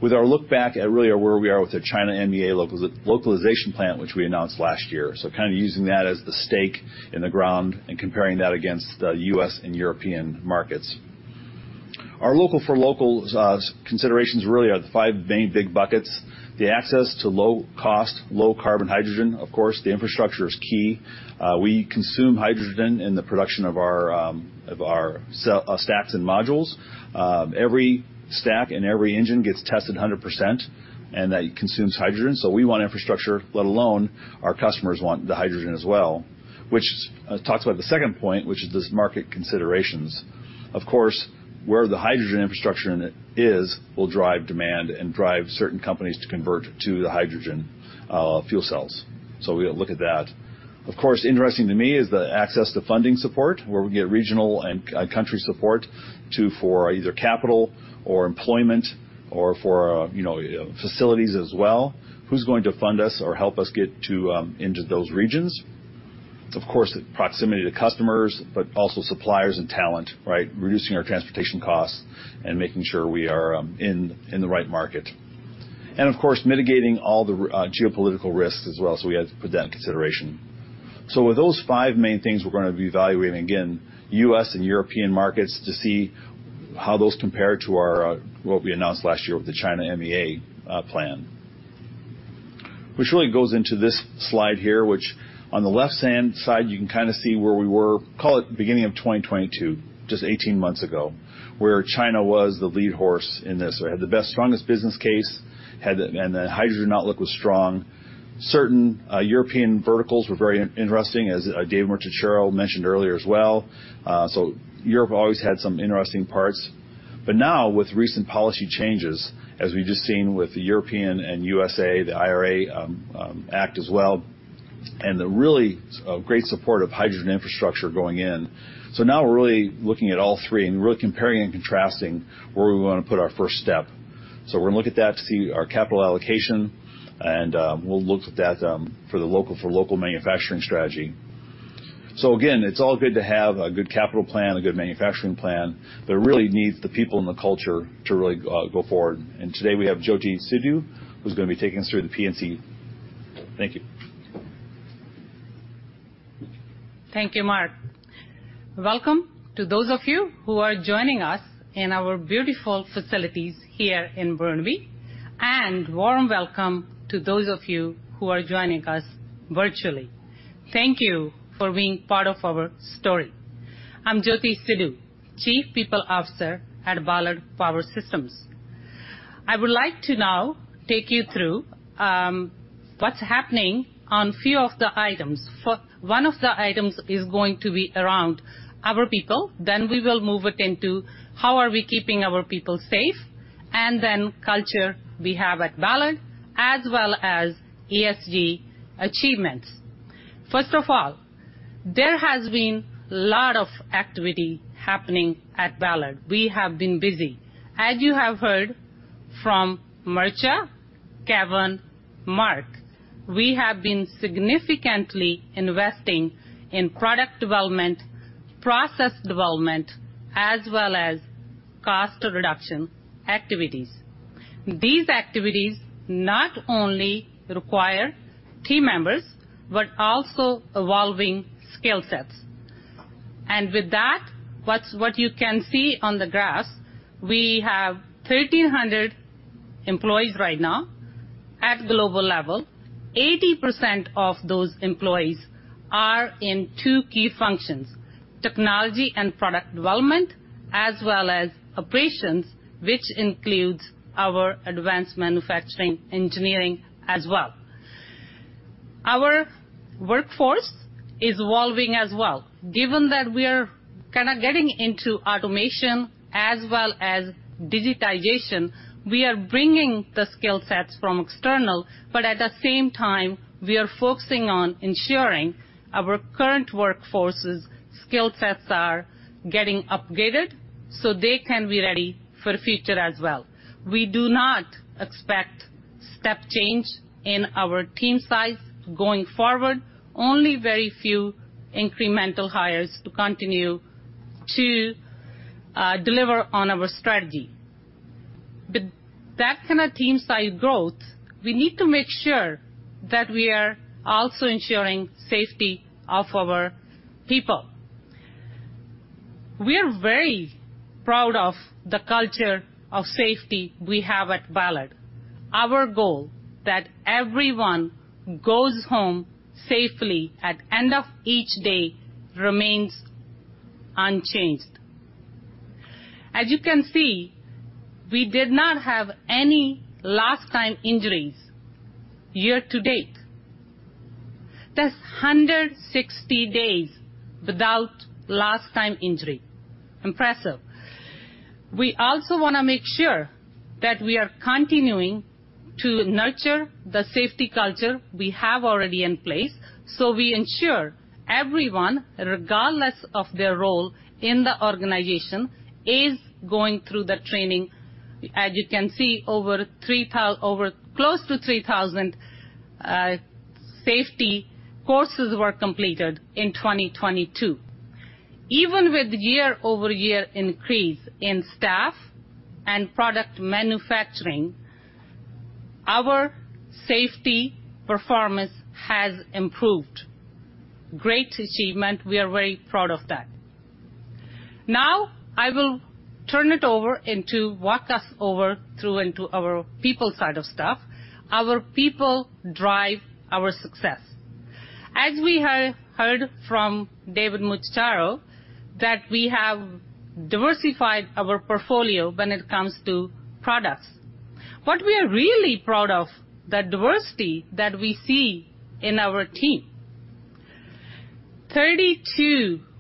with our look back at really where we are with the China MEA localization plant, which we announced last year. Kind of using that as the stake in the ground and comparing that against the U.S. and European markets. Our local for local considerations really are the five main big buckets. The access to low cost, low carbon hydrogen. Of course, the infrastructure is key. We consume hydrogen in the production of our of our cell stacks and modules. Every stack and every engine gets tested 100%, and that consumes hydrogen. We want infrastructure, let alone our customers want the hydrogen as well, which talks about the second point, which is this market considerations. Where the hydrogen infrastructure is, will drive demand and drive certain companies to convert to the hydrogen fuel cells. We'll look at that. Interesting to me is the access to funding support, where we get regional and country support to, for either capital or employment or for, you know, facilities as well. Who's going to fund us or help us get to into those regions? The proximity to customers, but also suppliers and talent, right? Reducing our transportation costs and making sure we are in the right market. Of course, mitigating all the geopolitical risks as well, so we had to put that in consideration. With those five main things, we're going to be evaluating, again, U.S. and European markets to see how those compare to our what we announced last year with the China MEA plan. Really goes into this slide here, which on the left-hand side, you can kind of see where we were, call it beginning of 2022, just 18 months ago, where China was the lead horse in this. It had the best, strongest business case, and the hydrogen outlook was strong. Certain European verticals were very interesting, as Dave Mucciacciaro mentioned earlier as well. Europe always had some interesting parts. Now with recent policy changes, as we've just seen with the European and U.S.A., the IRA Act as well, and the really great support of hydrogen infrastructure going in. Now we're really looking at all three and really comparing and contrasting where we wanna put our first step. We're gonna look at that to see our capital allocation, and we'll look at that for the local, for local manufacturing strategy. Again, it's all good to have a good capital plan, a good manufacturing plan, but it really needs the people and the culture to really go forward. Today, we have Jyoti Sidhu, who's gonna be taking us through the P&C. Thank you. Thank you, Mark. Welcome to those of you who are joining us in our beautiful facilities here in Burnaby. Warm welcome to those of you who are joining us virtually. Thank you for being part of our story. I'm Jyoti Sidhu, Chief People Officer at Ballard Power Systems. I would like to now take you through what's happening on few of the items. One of the items is going to be around our people. Then we will move it into how are we keeping our people safe. Then culture we have at Ballard, as well as ESG achievements. First of all, there has been a lot of activity happening at Ballard. We have been busy. As you have heard from Mircea, Kevin, Mark, we have been significantly investing in product development, process development, as well as cost reduction activities. These activities not only require team members, but also evolving skill sets. With that, what you can see on the graphs, we have 1,300 employees right now at global level. 80% of those employees are in two key functions: technology and product development, as well as operations, which includes our advanced manufacturing engineering as well. Our workforce is evolving as well. Given that we are kinda getting into automation as well as digitization, we are bringing the skill sets from external, but at the same time, we are focusing on ensuring our current workforce's skill sets are getting upgraded, so they can be ready for the future as well. We do not expect step change in our team size going forward, only very few incremental hires to continue to deliver on our strategy. That kind of team size growth, we need to make sure that we are also ensuring safety of our people. We are very proud of the culture of safety we have at Ballard. Our goal, that everyone goes home safely at end of each day, remains unchanged. As you can see, we did not have any lost time injuries year to date. That's 160 days without lost time injury. Impressive. We also wanna make sure that we are continuing to nurture the safety culture we have already in place, so we ensure everyone, regardless of their role in the organization, is going through the training. As you can see, over close to 3,000 safety courses were completed in 2022. Even with year-over-year increase in staff and product manufacturing, our safety performance has improved. Great achievement. We are very proud of that. I will turn it over and to walk us over through into our people side of stuff. Our people drive our success. As we have heard from David Mucciacciaro, that we have diversified our portfolio when it comes to products. What we are really proud of, the diversity that we see in our team.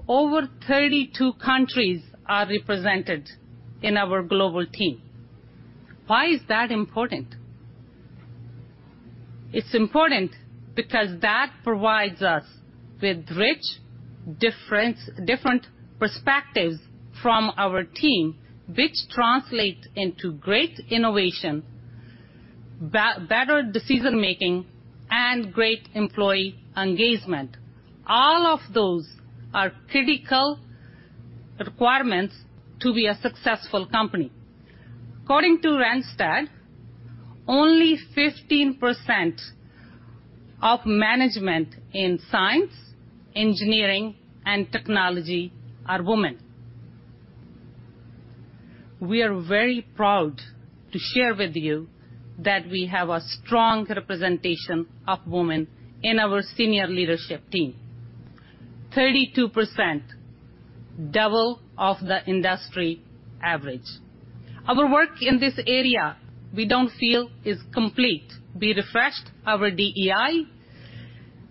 Over 32 countries are represented in our global team. Why is that important? It's important because that provides us with rich, different perspectives from our team, which translates into great better decision-making, and great employee engagement. All of those are critical requirements to be a successful company. According to Randstad, only 15% of management in science, engineering, and technology are women. We are very proud to share with you that we have a strong representation of women in our senior leadership team. 32%, double of the industry average. Our work in this area, we don't feel is complete. We refreshed our DEI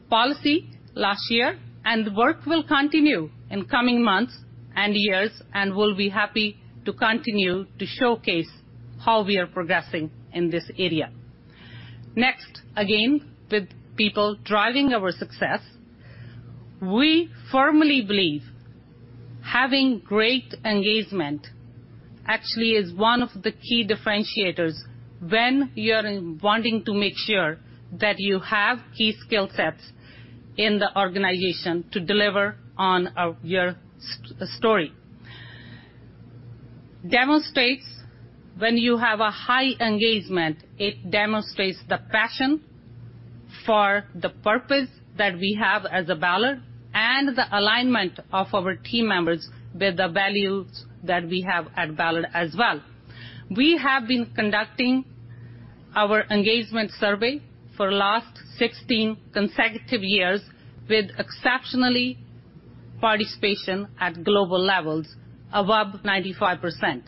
policy last year, and work will continue in coming months and years, and we'll be happy to continue to showcase how we are progressing in this area. Next, again, with people driving our success, we firmly believe having great engagement actually is one of the key differentiators when you are wanting to make sure that you have key skill sets in the organization to deliver on your story. Demonstrates when you have a high engagement, it demonstrates the passion for the purpose that we have as a Ballard and the alignment of our team members with the values that we have at Ballard as well. We have been conducting our engagement survey for last 16 consecutive years with exceptionally participation at global levels above 95%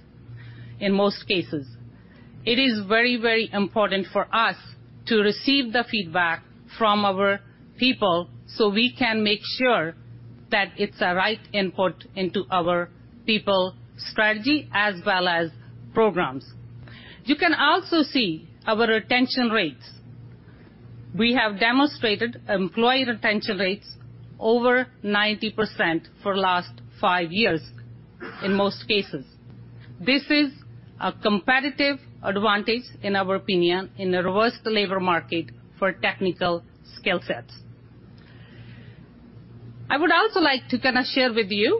in most cases. It is very, very important for us to receive the feedback from our people so we can make sure that it's a right input into our people strategy as well as programs. You can also see our retention rates. We have demonstrated employee retention rates over 90% for last five years in most cases. This is a competitive advantage, in our opinion, in a robust labor market for technical skill sets. I would also like to kinda share with you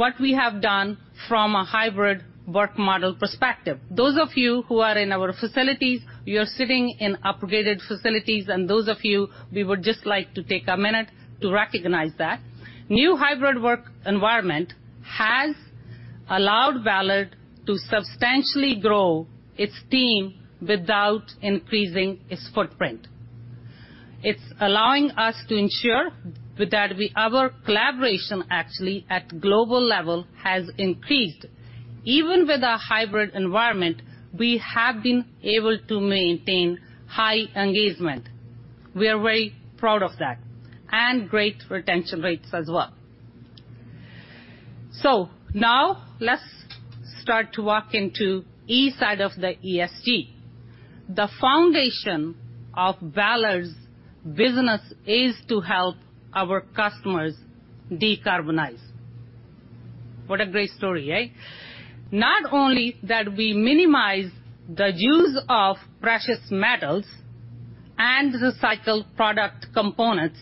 what we have done from a hybrid work model perspective. Those of you who are in our facilities, you are sitting in upgraded facilities, and those of you, we would just like to take a minute to recognize that. New hybrid work environment has allowed Ballard to substantially grow its team without increasing its footprint. It's allowing us to ensure that we. Our collaboration, actually, at global level has increased. Even with a hybrid environment, we have been able to maintain high engagement. We are very proud of that, and great retention rates as well. Now let's start to walk into E side of the ESG. The foundation of Ballard's business is to help our customers decarbonize. What a great story, eh? Not only that we minimize the use of precious metals and recycle product components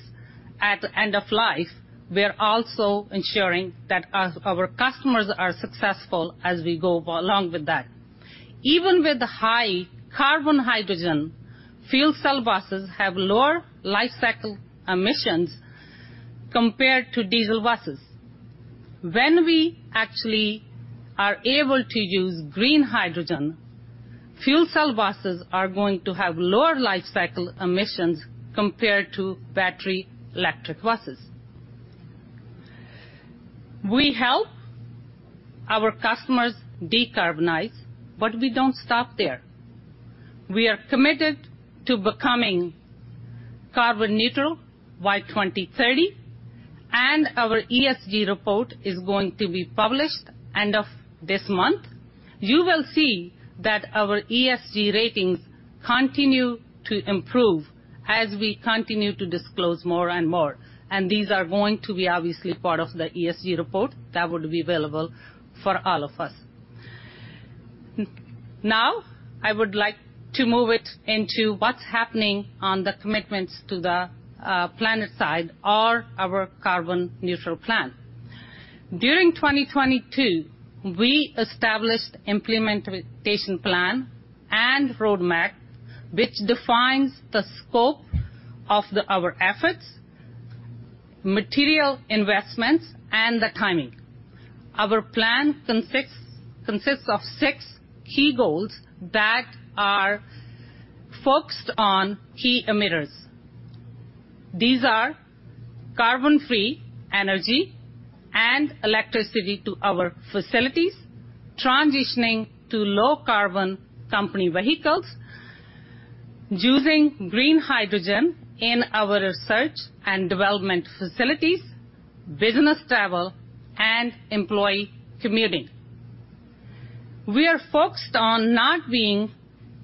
at end of life, we are also ensuring that our customers are successful as we go along with that. Even with high carbon hydrogen, fuel cell buses have lower lifecycle emissions compared to diesel buses. When we actually are able to use green hydrogen, fuel cell buses are going to have lower lifecycle emissions compared to battery electric buses. We help our customers decarbonize, but we don't stop there. We are committed to becoming carbon neutral by 2030, and our ESG report is going to be published end of this month. You will see that our ESG ratings continue to improve as we continue to disclose more and more, and these are going to be obviously part of the ESG report that would be available for all of us. Now, I would like to move it into what's happening on the commitments to the planet side or our carbon neutral plan. During 2022, we established implementation plan and roadmap, which defines the scope of the our efforts, material investments, and the timing. Our plan consists of six key goals that are focused on key emitters. These are carbon-free energy and electricity to our facilities, transitioning to low-carbon company vehicles, using green hydrogen in our research and development facilities, business travel, and employee commuting. We are focused on not being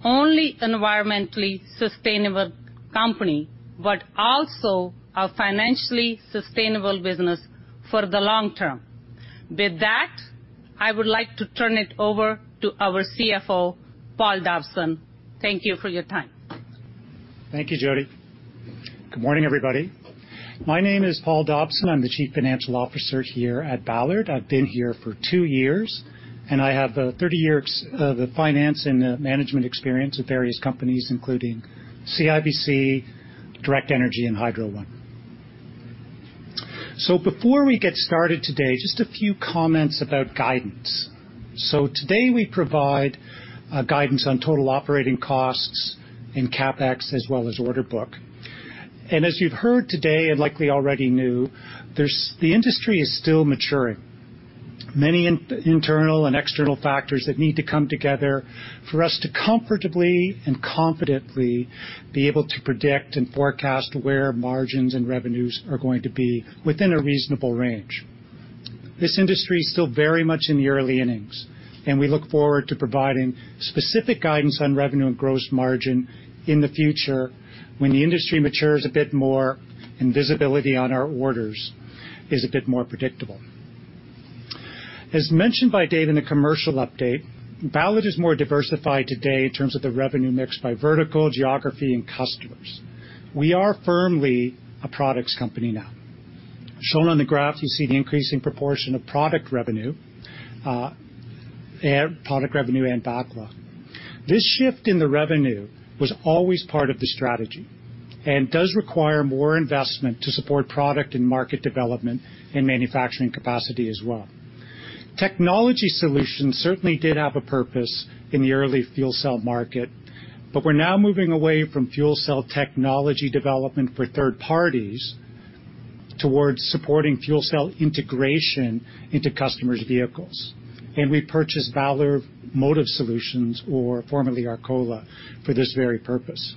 only environmentally sustainable company, but also a financially sustainable business for the long term. With that, I would like to turn it over to our CFO, Paul Dobson. Thank you for your time. Thank you, Jyoti. Good morning, everybody. My name is Paul Dobson. I'm the chief financial officer here at Ballard. I've been here for 2 years, and I have 30 years of finance and management experience at various companies, including CIBC, Direct Energy, and Hydro One. Before we get started today, just a few comments about guidance. Today, we provide guidance on total operating costs and CapEx, as well as order book. As you've heard today, and likely already knew, the industry is still maturing. Many internal and external factors that need to come together for us to comfortably and confidently be able to predict and forecast where margins and revenues are going to be within a reasonable range. This industry is still very much in the early innings, we look forward to providing specific guidance on revenue and gross margin in the future when the industry matures a bit more and visibility on our orders is a bit more predictable. As mentioned by Dave in the commercial update, Ballard is more diversified today in terms of the revenue mix by vertical, geography, and customers. We are firmly a products company now. Shown on the graph, you see the increasing proportion of product revenue and product revenue and backlog. This shift in the revenue was always part of the strategy and does require more investment to support product and market development and manufacturing capacity as well. Technology solutions certainly did have a purpose in the early fuel cell market, but we're now moving away from fuel cell technology development for third parties towards supporting fuel cell integration into customers' vehicles, and we purchased Ballard Motive Solutions, or formerly Arcola, for this very purpose.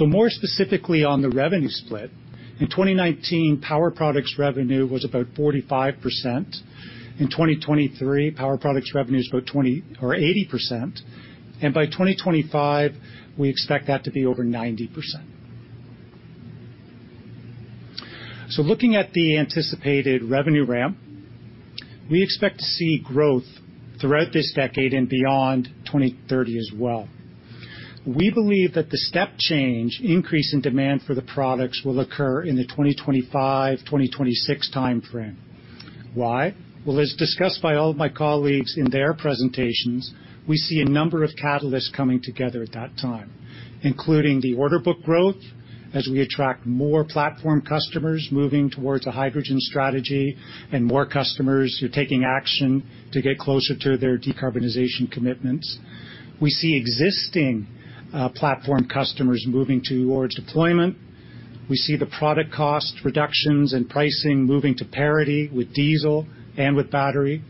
More specifically on the revenue split, in 2019, Power Products revenue was about 45%. In 2023, Power Products revenue is about 20 or 80%, and by 2025, we expect that to be over 90%. Looking at the anticipated revenue ramp, we expect to see growth throughout this decade and beyond 2030 as well. We believe that the step change increase in demand for the products will occur in the 2025, 2026 time frame. Why? As discussed by all of my colleagues in their presentations, we see a number of catalysts coming together at that time, including the order book growth as we attract more platform customers moving towards a hydrogen strategy and more customers who are taking action to get closer to their decarbonization commitments. We see existing platform customers moving towards deployment. We see the product cost reductions and pricing moving to parity with diesel and with battery.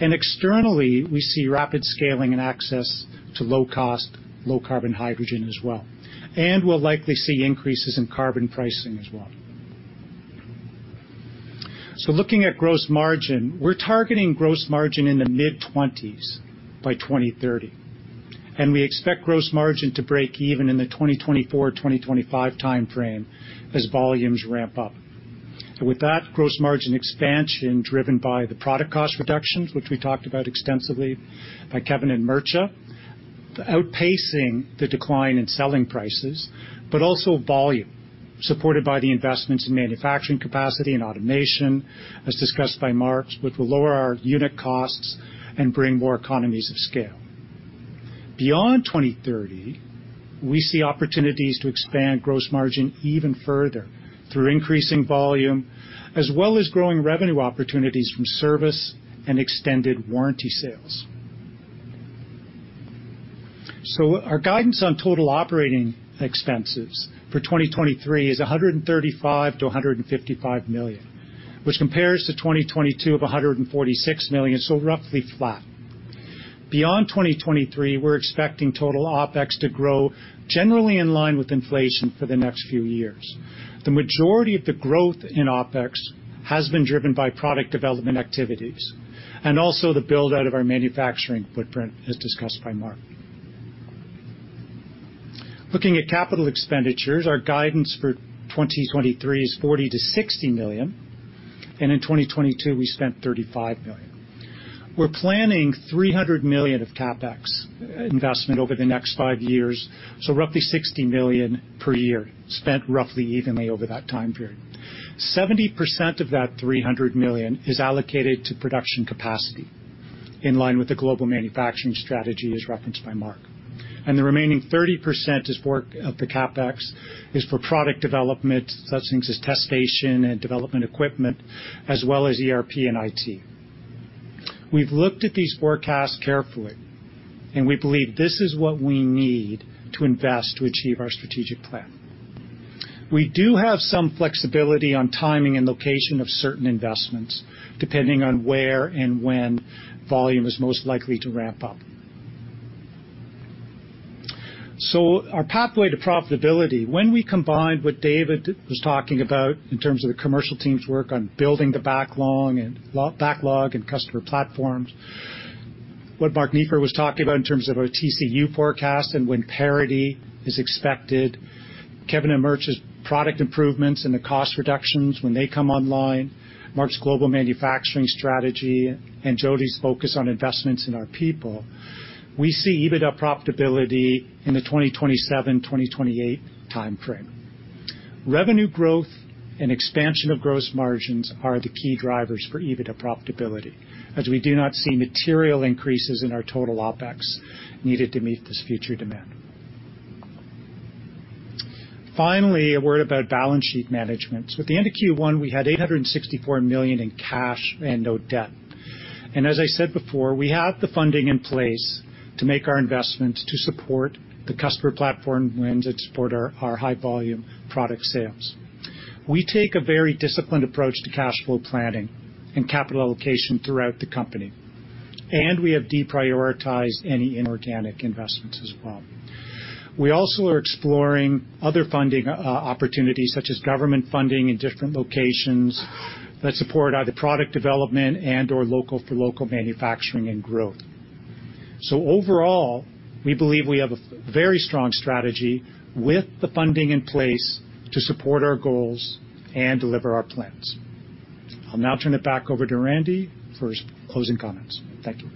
Externally, we see rapid scaling and access to low cost, low carbon hydrogen as well. We'll likely see increases in carbon pricing as well. Looking at gross margin, we're targeting gross margin in the mid-20s by 2030. We expect gross margin to break even in the 2024-2025 time frame as volumes ramp up. Gross margin expansion, driven by the product cost reductions, which we talked about extensively by Kevin and Mircea, outpacing the decline in selling prices, also volume, supported by the investments in manufacturing capacity and automation, as discussed by Mark, which will lower our unit costs and bring more economies of scale. Beyond 2030, we see opportunities to expand gross margin even further through increasing volume, as well as growing revenue opportunities from service and extended warranty sales. Our guidance on total OpEx for 2023 is $135 million-$155 million, which compares to 2022 of $146 million, roughly flat. Beyond 2023, we're expecting total OpEx to grow generally in line with inflation for the next few years. The majority of the growth in OpEx has been driven by product development activities and also the build-out of our manufacturing footprint, as discussed by Mark. Looking at capital expenditures, our guidance for 2023 is $40 million-$60 million, and in 2022, we spent $35 million. We're planning $300 million of CapEx investment over the next five years, so roughly $60 million per year, spent roughly evenly over that time period. 70% of that $300 million is allocated to production capacity, in line with the global manufacturing strategy, as referenced by Mark. The remaining 30% is for, of the CapEx, is for product development, such things as test station and development equipment, as well as ERP and IT. We've looked at these forecasts carefully, and we believe this is what we need to invest to achieve our strategic plan. We do have some flexibility on timing and location of certain investments, depending on where and when volume is most likely to ramp up. Our pathway to profitability, when we combined what David was talking about in terms of the commercial team's work on building the backlog and customer platforms, what Mark Verstraete was talking about in terms of our TCU forecast and when parity is expected, Kevin and Mircea's product improvements and the cost reductions when they come online, Mark's global manufacturing strategy, and Jody's focus on investments in our people, we see EBITDA profitability in the 2027, 2028 time frame. Revenue growth and expansion of gross margins are the key drivers for EBITDA profitability, as we do not see material increases in our total OpEx needed to meet this future demand. Finally, a word about balance sheet management. At the end of Q1, we had $864 million in cash and no debt. As I said before, we have the funding in place to make our investments to support the customer platform wins that support our high volume product sales. We take a very disciplined approach to cash flow planning and capital allocation throughout the company, and we have deprioritized any inorganic investments as well. We also are exploring other funding opportunities, such as government funding in different locations, that support either product development and/or local for local manufacturing and growth. Overall, we believe we have a very strong strategy with the funding in place to support our goals and deliver our plans. I'll now turn it back over to Randy for his closing comments. Thank you.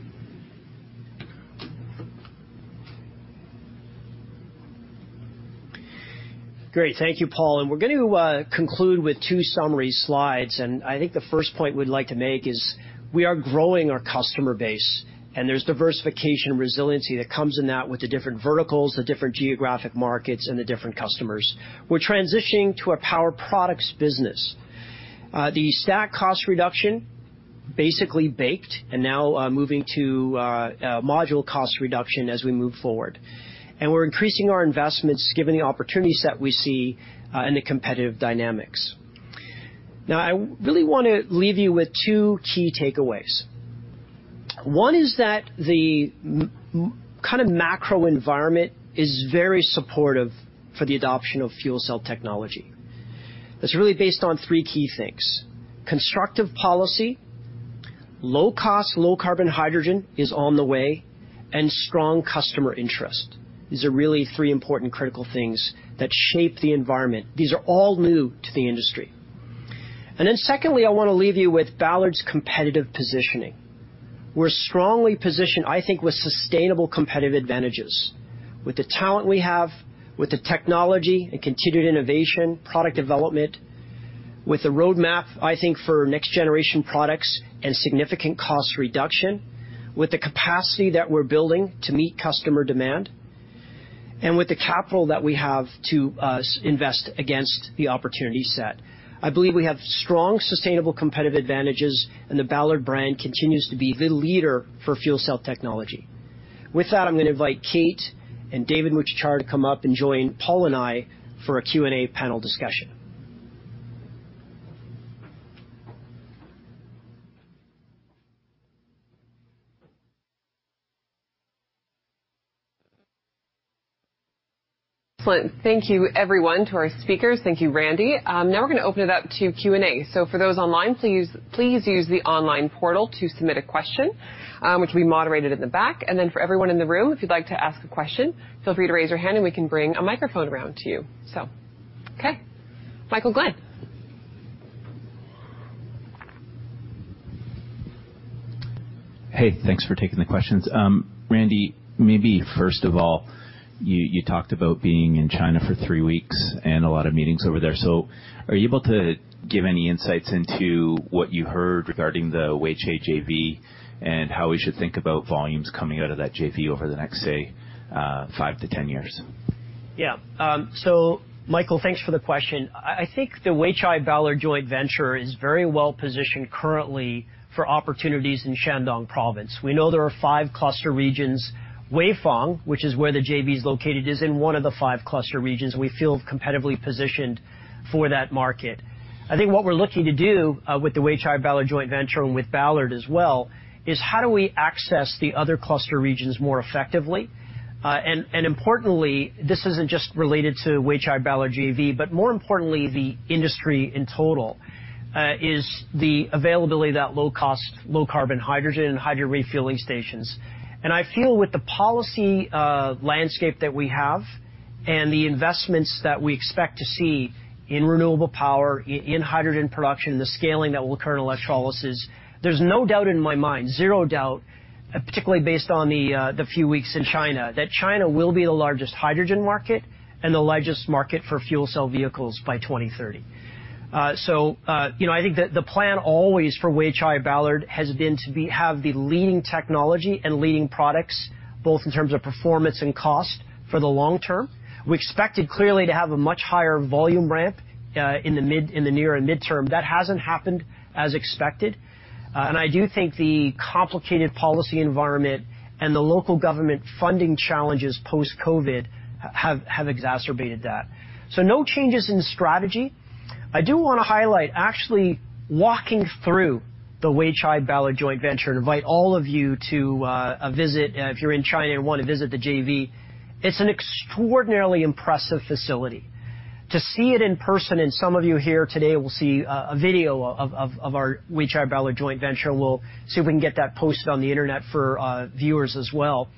Great. Thank you, Paul. We're going to conclude with two summary slides, and I think the first point we'd like to make is we are growing our customer base, and there's diversification and resiliency that comes in that with the different verticals, the different geographic markets, and the different customers. We're transitioning to a power products business. The stack cost reduction, basically baked, and now moving to module cost reduction as we move forward. We're increasing our investments, given the opportunities that we see in the competitive dynamics. I really want to leave you with two key takeaways. One is that the macro environment is very supportive for the adoption of fuel cell technology. That's really based on three key things: constructive policy, low cost, low carbon hydrogen is on the way, and strong customer interest. These are really three important, critical things that shape the environment. These are all new to the industry. Secondly, I want to leave you with Ballard's competitive positioning. We're strongly positioned, I think, with sustainable competitive advantages, with the talent we have, with the technology and continued innovation, product development, with the roadmap, I think, for next generation products and significant cost reduction, with the capacity that we're building to meet customer demand, and with the capital that we have to invest against the opportunity set. I believe we have strong, sustainable competitive advantages. The Ballard brand continues to be the leader for fuel cell technology. With that, I'm going to invite Kate and David Mucciacciaro to come up and join Paul and I for a Q&A panel discussion. Excellent. Thank you, everyone, to our speakers. Thank you, Randy. Now we're going to open it up to Q&A. For those online, please use the online portal to submit a question, which will be moderated in the back. For everyone in the room, if you'd like to ask a question, feel free to raise your hand, and we can bring a microphone around to you. Okay, Michael Glen. Hey, thanks for taking the questions. Randy, maybe first of all, you talked about being in China for 3 weeks and a lot of meetings over there. Are you able to give any insights into what you heard regarding the Weichai JV and how we should think about volumes coming out of that JV over the next, say, 5-10 years? Michael, thanks for the question. I think the Weichai-Ballard JV is very well positioned currently for opportunities in Shandong province. We know there are five cluster regions. Weifang, which is where the JV is located, is in one of the five cluster regions. We feel competitively positioned for that market. I think what we're looking to do with the Weichai-Ballard JV and with Ballard as well, is how do we access the other cluster regions more effectively? Importantly, this isn't just related to Weichai-Ballard JV, but more importantly, the industry in total, is the availability of that low cost, low carbon hydrogen and hydrogen refueling stations. I feel with the policy landscape that we have and the investments that we expect to see in renewable power, in hydrogen production, the scaling that will occur in electrolysis, there's no doubt in my mind, zero doubt, particularly based on the few weeks in China, that China will be the largest hydrogen market and the largest market for fuel cell vehicles by 2030. You know, I think the plan always for Weichai-Ballard JV has been to have the leading technology and leading products, both in terms of performance and cost for the long term. We expected, clearly, to have a much higher volume ramp in the near and midterm. That hasn't happened as expected, I do think the complicated policy environment and the local government funding challenges post-COVID have exacerbated that. No changes in strategy. I do want to highlight, actually walking through the Weichai-Ballard JV joint venture, invite all of you to a visit if you're in China and want to visit the JV. It's an extraordinarily impressive facility. To see it in person, and some of you here today will see a video of our Weichai-Ballard JV joint venture, and we'll see if we can get that posted on the internet for viewers as well.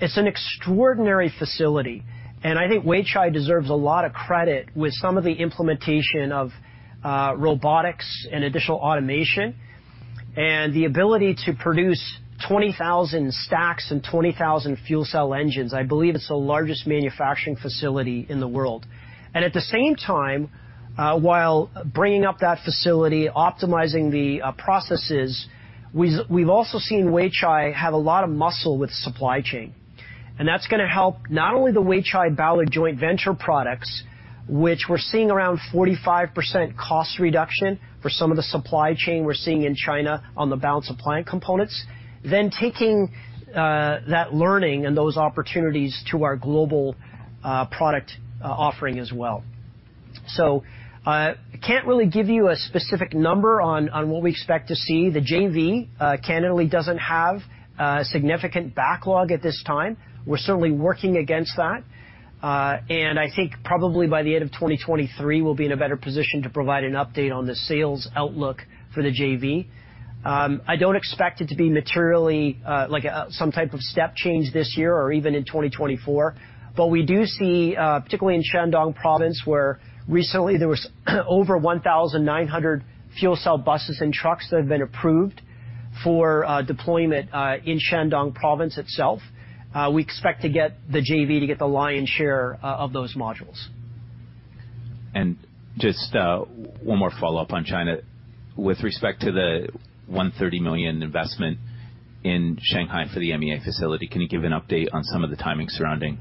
It's an extraordinary facility, and I think Weichai deserves a lot of credit with some of the implementation of robotics and additional automation and the ability to produce 20,000 stacks and 20,000 fuel cell engines. I believe it's the largest manufacturing facility in the world. At the same time, while bringing up that facility, optimizing the processes, we've also seen Weichai have a lot of muscle with supply chain, and that's gonna help not only the Weichai-Ballard JV joint venture products, which we're seeing around 45% cost reduction for some of the supply chain we're seeing in China on the balance of plant components, taking that learning and those opportunities to our global product offering as well. Can't really give you a specific number on what we expect to see. The JV candidly doesn't have significant backlog at this time. We're certainly working against that, I think probably by the end of 2023, we'll be in a better position to provide an update on the sales outlook for the JV. I don't expect it to be materially, like, some type of step change this year or even in 2024. We do see particularly in Shandong Province, where recently there was over 1,900 fuel cell buses and trucks that have been approved for deployment in Shandong Province itself. We expect to get the JV to get the lion's share of those modules. Just one more follow-up on China. With respect to the $130 million investment in Shanghai for the MEA facility, can you give an update on some of the timing surrounding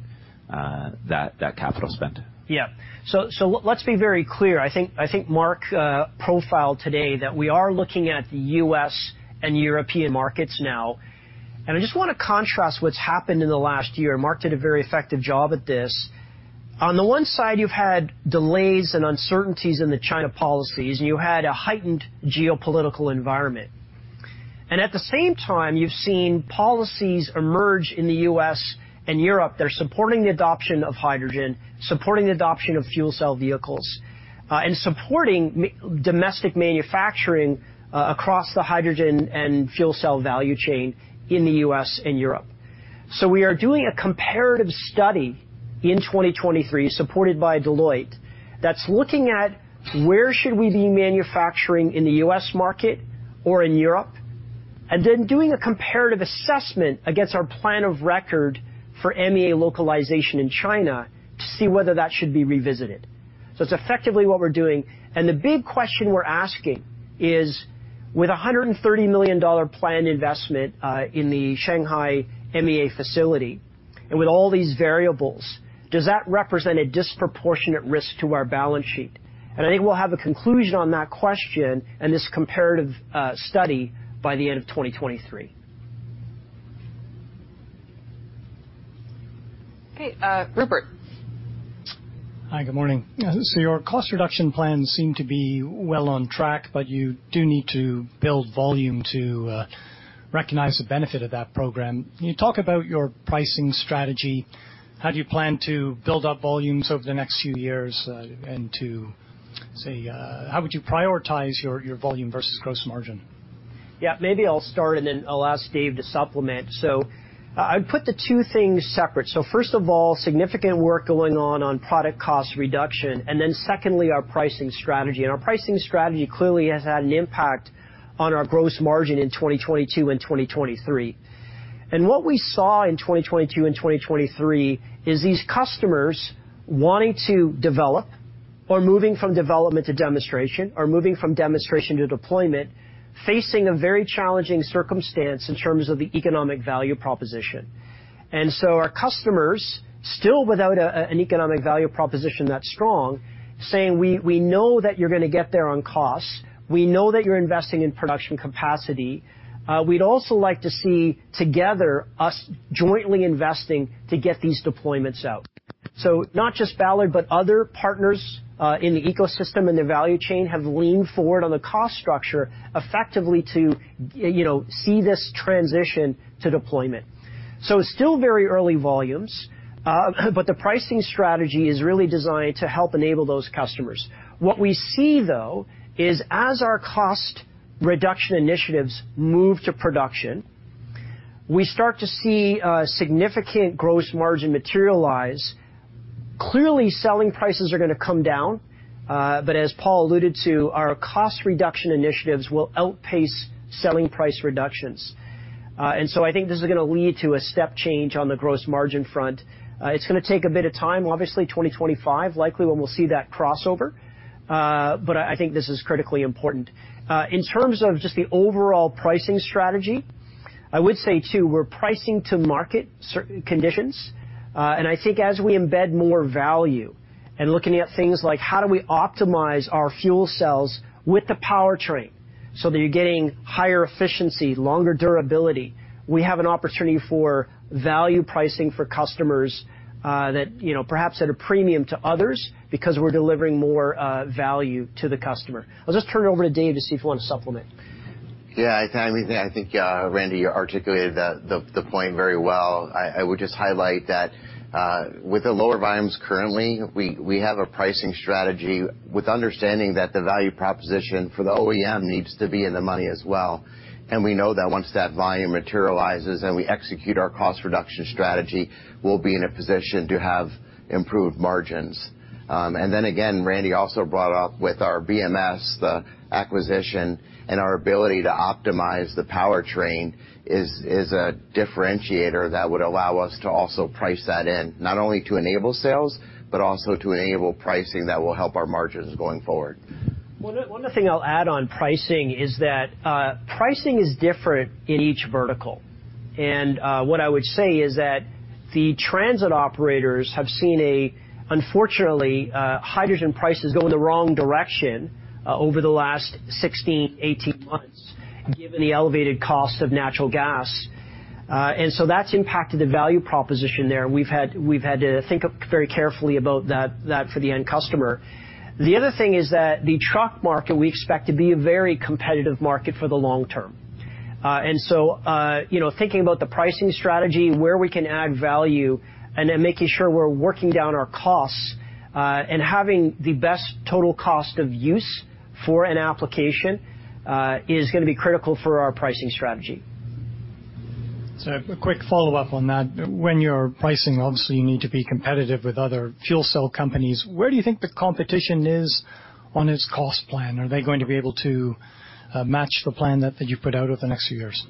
that capital spend? Yeah. Let's be very clear. I think Mark profiled today that we are looking at the U.S. and European markets now, and I just wanna contrast what's happened in the last year. Mark did a very effective job at this. On the one side, you've had delays and uncertainties in the China policies, you had a heightened geopolitical environment. At the same time, you've seen policies emerge in the U.S. and Europe that are supporting the adoption of hydrogen, supporting the adoption of fuel cell vehicles, and supporting domestic manufacturing across the hydrogen and fuel cell value chain in the U.S. and Europe. We are doing a comparative study in 2023, supported by Deloitte, that's looking at where should we be manufacturing in the US market or in Europe, and then doing a comparative assessment against our plan of record for MEA localization in China to see whether that should be revisited. It's effectively what we're doing, and the big question we're asking is, with a $130 million planned investment in the Shanghai MEA facility and with all these variables, does that represent a disproportionate risk to our balance sheet? I think we'll have a conclusion on that question and this comparative study by the end of 2023. Okay, Rupert. Hi, good morning. Your cost reduction plans seem to be well on track, but you do need to build volume to recognize the benefit of that program. Can you talk about your pricing strategy? How do you plan to build up volumes over the next few years? How would you prioritize your volume versus gross margin? Maybe I'll start, and then I'll ask Dave to supplement. I'd put the two things separate. First of all, significant work going on on product cost reduction, and then secondly, our pricing strategy. Our pricing strategy clearly has had an impact on our gross margin in 2022 and 2023. What we saw in 2022 and 2023 is these customers wanting to develop or moving from development to demonstration or moving from demonstration to deployment, facing a very challenging circumstance in terms of the economic value proposition. Our customers, still without an economic value proposition that strong, saying, "We know that you're gonna get there on cost. We know that you're investing in production capacity. We'd also like to see together us jointly investing to get these deployments out. Not just Ballard, but other partners, in the ecosystem and the value chain, have leaned forward on the cost structure effectively to, you know, see this transition to deployment. It's still very early volumes, but the pricing strategy is really designed to help enable those customers. What we see, though, is as our cost reduction initiatives move to production, we start to see, significant gross margin materialize. Clearly, selling prices are gonna come down, as Paul alluded to, our cost reduction initiatives will outpace selling price reductions. I think this is gonna lead to a step change on the gross margin front. It's gonna take a bit of time, obviously, 2025, likely, when we'll see that crossover, but I think this is critically important. In terms of just the overall pricing strategy, I would say, too, we're pricing to market certain conditions. I think as we embed more value and looking at things like how do we optimize our fuel cells with the powertrain so that you're getting higher efficiency, longer durability, we have an opportunity for value pricing for customers, that, you know, perhaps at a premium to others because we're delivering more, value to the customer. I'll just turn it over to Dave to see if you want to supplement. Yeah, I think Randy, you articulated the point very well. I would just highlight that with the lower volumes currently, we have a pricing strategy with understanding that the value proposition for the OEM needs to be in the money as well, and we know that once that volume materializes and we execute our cost reduction strategy, we will be in a position to have improved margins. Again, Randy also brought up with our BMS, the acquisition, and our ability to optimize the powertrain is a differentiator that would allow us to also price that in, not only to enable sales, but also to enable pricing that will help our margins going forward. Well, one other thing I'll add on pricing is that pricing is different in each vertical. What I would say is that the transit operators have seen a, unfortunately, hydrogen prices go in the wrong direction over the last 16, 18 months, given the elevated cost of natural gas. That's impacted the value proposition there, and we've had to think very carefully about that for the end customer. The other thing is that the truck market, we expect to be a very competitive market for the long term. You know, thinking about the pricing strategy, where we can add value, and then making sure we're working down our costs, and having the best total cost of use for an application, is gonna be critical for our pricing strategy. A quick follow-up on that. When you're pricing, obviously, you need to be competitive with other fuel cell companies. Where do you think the competition is on its cost plan? Are they going to be able to match the plan that you put out over the next few years?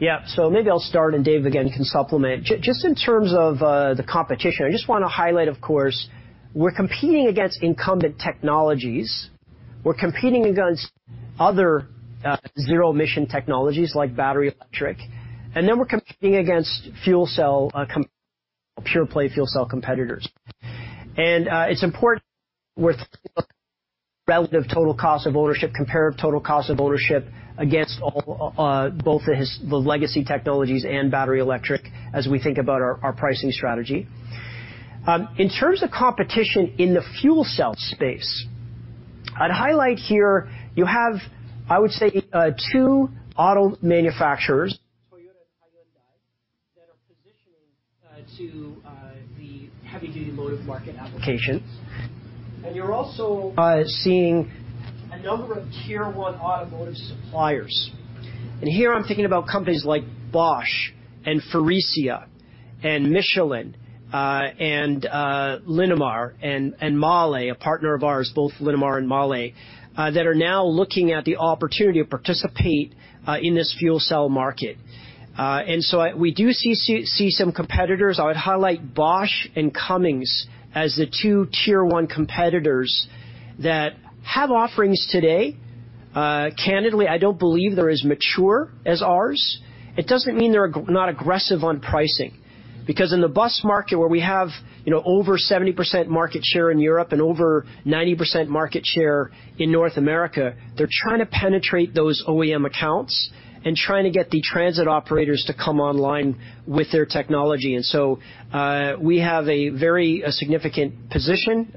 Maybe I'll start, and Dave, again, can supplement. Just in terms of the competition, I just wanna highlight, of course, we're competing against incumbent technologies. We're competing against other zero emission technologies, like battery electric, and then we're competing against fuel cell pure play fuel cell competitors. It's important with relative total cost of ownership, comparative total cost of ownership against all both the legacy technologies and battery electric as we think about our pricing strategy. In terms of competition in the fuel cell space, I'd highlight here you have, I would say, two auto manufacturers, Toyota and Hyundai, that are positioning to the heavy-duty motive market applications. You're also seeing a number of Tier One automotive suppliers. Here I'm thinking about companies like Bosch and Faurecia and Michelin, and Linamar and MAHLE, a partner of ours, both Linamar and MAHLE, that are now looking at the opportunity to participate in this fuel cell market. I, we do see some competitors. I would highlight Bosch and Cummins as the two Tier One competitors that have offerings today. Candidly, I don't believe they're as mature as ours. It doesn't mean they're not aggressive on pricing, because in the bus market, where we have, you know, over 70% market share in Europe and over 90% market share in North America, they're trying to penetrate those OEM accounts and trying to get the transit operators to come online with their technology. We have a very, a significant position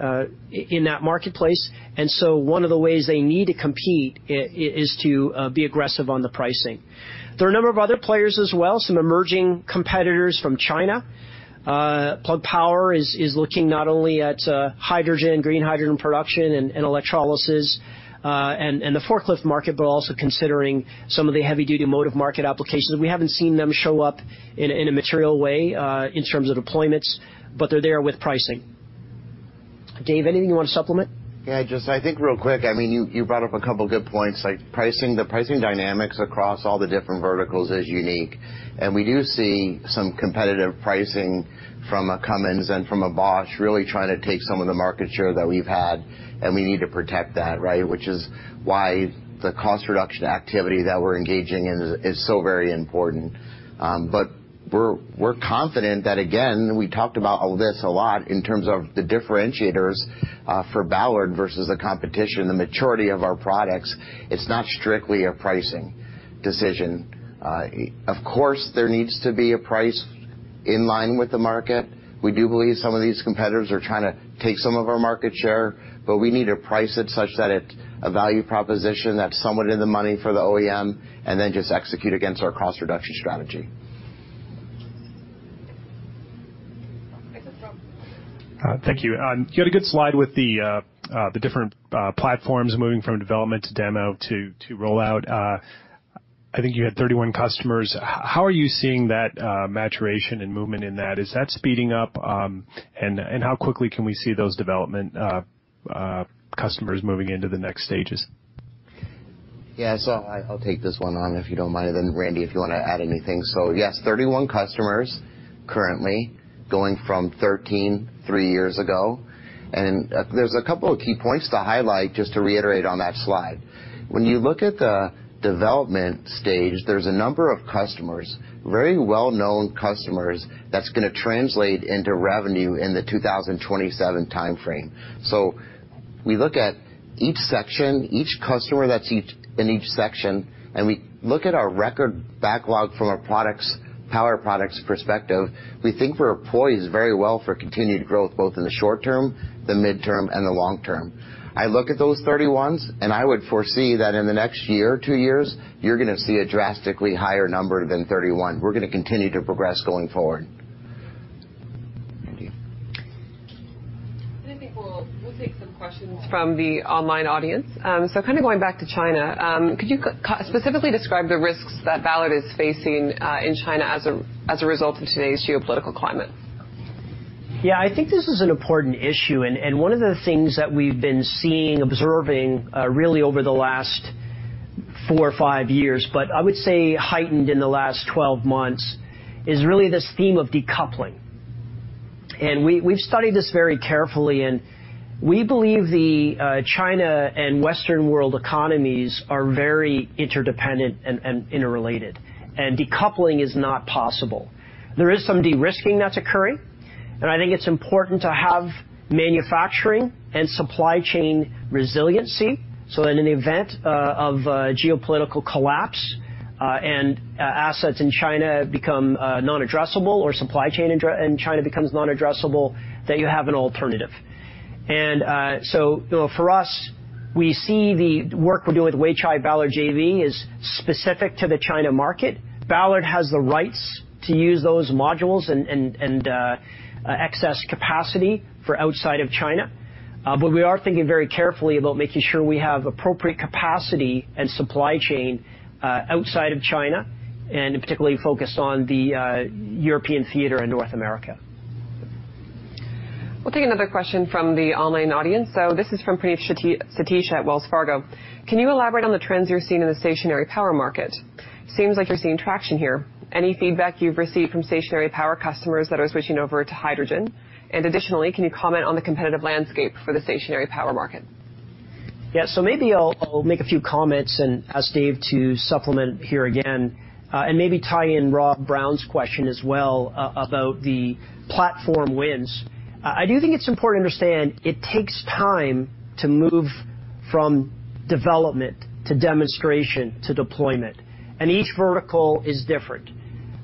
in that marketplace, and so one of the ways they need to compete is to be aggressive on the pricing. There are a number of other players as well, some emerging competitors from China. Plug Power is looking not only at hydrogen, green hydrogen production and electrolysis, and the forklift market, but also considering some of the heavy-duty motive market applications. We haven't seen them show up in a material way in terms of deployments, but they're there with pricing. Dave, anything you want to supplement? Yeah, just I think real quick, I mean, you brought up a couple of good points, like pricing. The pricing dynamics across all the different verticals is unique, and we do see some competitive pricing from a Cummins and from a Bosch, really trying to take some of the market share that we've had, and we need to protect that, right? Which is why the cost reduction activity that we're engaging in is so very important. We're confident that, again, we talked about all this a lot in terms of the differentiators, for Ballard versus the competition, the maturity of our products. It's not strictly a pricing decision. Of course, there needs to be a price in line with the market. We do believe some of these competitors are trying to take some of our market share, but we need to price it such that it's a value proposition that's somewhat in the money for the OEM and then just execute against our cost reduction strategy. Thank you. You had a good slide with the different platforms moving from development to demo to rollout. I think you had 31 customers. How are you seeing that maturation and movement in that? Is that speeding up? How quickly can we see those development customers moving into the next stages? I'll take this one on, if you don't mind, and then, Randy, if you wanna add anything. Yes, 31 customers currently, going from 13, three years ago. There's a couple of key points to highlight, just to reiterate on that slide. When you look at the development stage, there's a number of customers, very well-known customers, that's gonna translate into revenue in the 2027 timeframe. We look at each section, each customer that's in each section, and we look at our record backlog from our products, power products perspective, we think we're poised very well for continued growth, both in the short term, the midterm, and the long term. I look at those 31s, I would foresee that in the next year or two years, you're gonna see a drastically higher number than 31. We're gonna continue to progress going forward. I think we'll take some questions from the online audience. kind of going back to China, could you specifically describe the risks that Ballard is facing in China as a result of today's geopolitical climate? Yeah, I think this is an important issue, and one of the things that we've been seeing, observing, really over the last four or five years, but I would say heightened in the last 12 months, is really this theme of decoupling. We've studied this very carefully, and we believe the China and Western world economies are very interdependent and interrelated, and decoupling is not possible. There is some de-risking that's occurring, and I think it's important to have manufacturing and supply chain resiliency, so in an event of geopolitical collapse, and assets in China become non-addressable or supply chain in China becomes non-addressable, that you have an alternative. For us, we see the work we're doing with Weichai-Ballard JV is specific to the China market. Ballard has the rights to use those modules and excess capacity for outside of China. We are thinking very carefully about making sure we have appropriate capacity and supply chain outside of China, and particularly focused on the European theater and North America. We'll take another question from the online audience. This is from Praneeth Satish at Wells Fargo: Can you elaborate on the trends you're seeing in the stationary power market? Seems like you're seeing traction here. Any feedback you've received from stationary power customers that are switching over to hydrogen? Additionally, can you comment on the competitive landscape for the stationary power market? Maybe I'll make a few comments and ask Dave to supplement here again, and maybe tie in Rob Brown's question as well, about the platform wins. I do think it's important to understand it takes time to move from development to demonstration to deployment, and each vertical is different.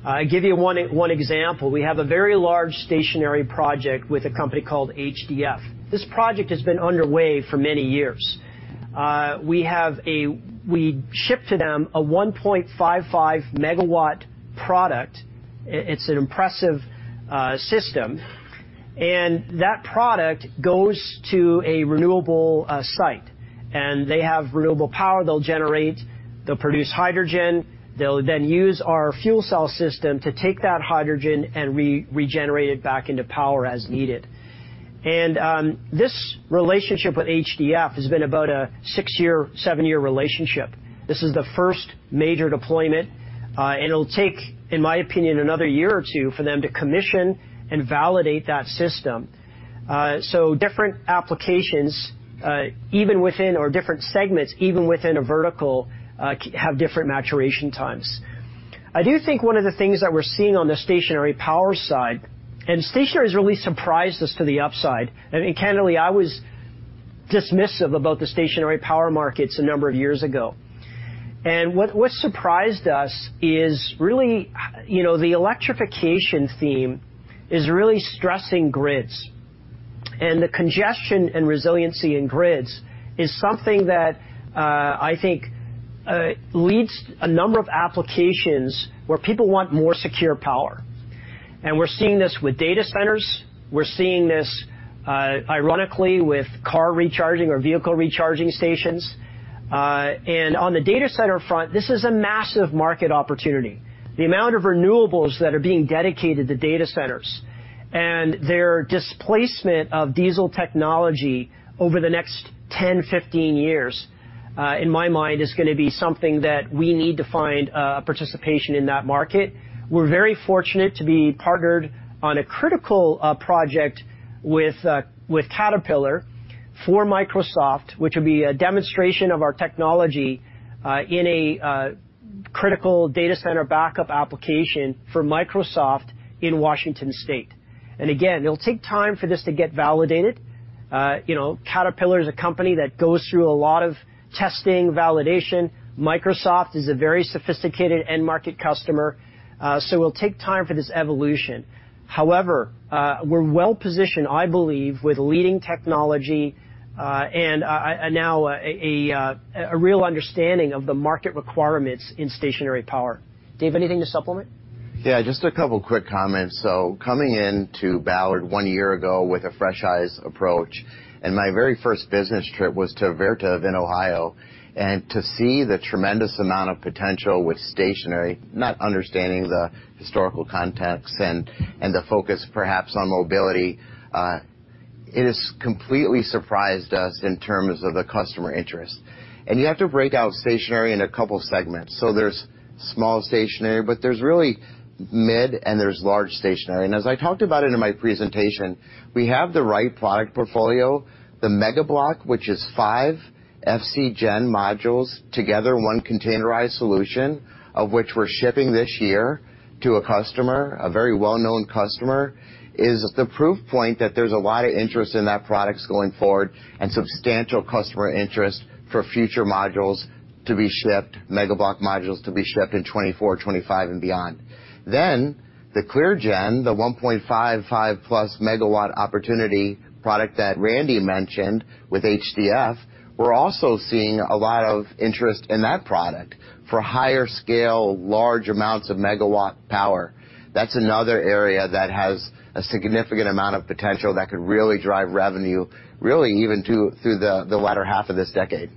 I'll give you one example. We have a very large stationary project with a company called HDF. This project has been underway for many years. We shipped to them a 1.55 megawatt product. It's an impressive system, and that product goes to a renewable site, and they have renewable power they'll generate. They'll produce hydrogen. They'll use our fuel cell system to take that hydrogen and regenerate it back into power as needed. This relationship with HDF has been about a six year, seven year relationship. This is the first major deployment, and it'll take, in my opinion, another one year or two for them to commission and validate that system. Different applications, even within or different segments, even within a vertical, have different maturation times. I do think one of the things that we're seeing on the stationary power side, and stationary has really surprised us to the upside, and candidly, I was dismissive about the stationary power markets a number of years ago. What surprised us is really, you know, the electrification theme is really stressing grids, and the congestion and resiliency in grids is something that, I think, leads to a number of applications where people want more secure power. We're seeing this with data centers. We're seeing this, ironically, with car recharging or vehicle recharging stations. On the data center front, this is a massive market opportunity. The amount of renewables that are being dedicated to data centers and their displacement of diesel technology over the next 10, 15 years, in my mind, is gonna be something that we need to find participation in that market. We're very fortunate to be partnered on a critical project with Caterpillar for Microsoft, which will be a demonstration of our technology in a critical data center backup application for Microsoft in Washington State. Again, it'll take time for this to get validated. You know, Caterpillar is a company that goes through a lot of testing, validation. Microsoft is a very sophisticated end market customer, so it'll take time for this evolution. We're well positioned, I believe, with leading technology, and now a real understanding of the market requirements in stationary power. Dave, anything to supplement? Yeah, just a couple quick comments. Coming into Ballard one year ago with a fresh eyes approach, my very first business trip was to Vertiv in Ohio, to see the tremendous amount of potential with stationary, not understanding the historical context and the focus perhaps on mobility, it has completely surprised us in terms of the customer interest. You have to break out stationary in a couple segments. There's small stationary, but there's really mid and there's large stationary. As I talked about it in my presentation, we have the right product portfolio. The MegaBlock, which is 5 FCgen modules together, one containerized solution, of which we're shipping this year to a customer, a very well-known customer, is the proof point that there's a lot of interest in that product going forward and substantial customer interest for future modules to be shipped, MegaBlock modules to be shipped in 2024, 2025 and beyond. The ClearGen, the 1.55+ MW opportunity product that Randy mentioned with HDF, we're also seeing a lot of interest in that product for higher scale, large amounts of MW power. That's another area that has a significant amount of potential that could really drive revenue, really even to, through the latter half of this decade.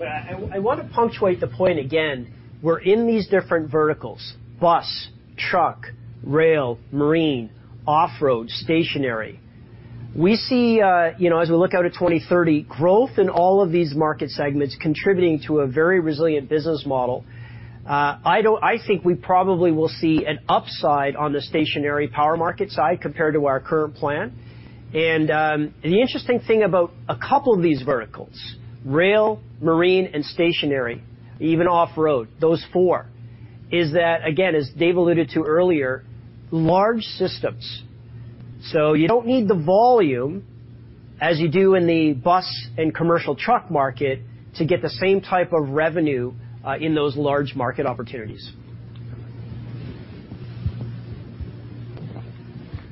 I want to punctuate the point again, we're in these different verticals, bus, truck, rail, marine, off-road, stationary. We see, you know, as we look out at 2030, growth in all of these market segments contributing to a very resilient business model. I think we probably will see an upside on the stationary power market side compared to our current plan. The interesting thing about a couple of these verticals, rail, marine, and stationary, even off-road, those four, is that, again, as Dave alluded to earlier, large systems. You don't need the volume as you do in the bus and commercial truck market to get the same type of revenue in those large market opportunities.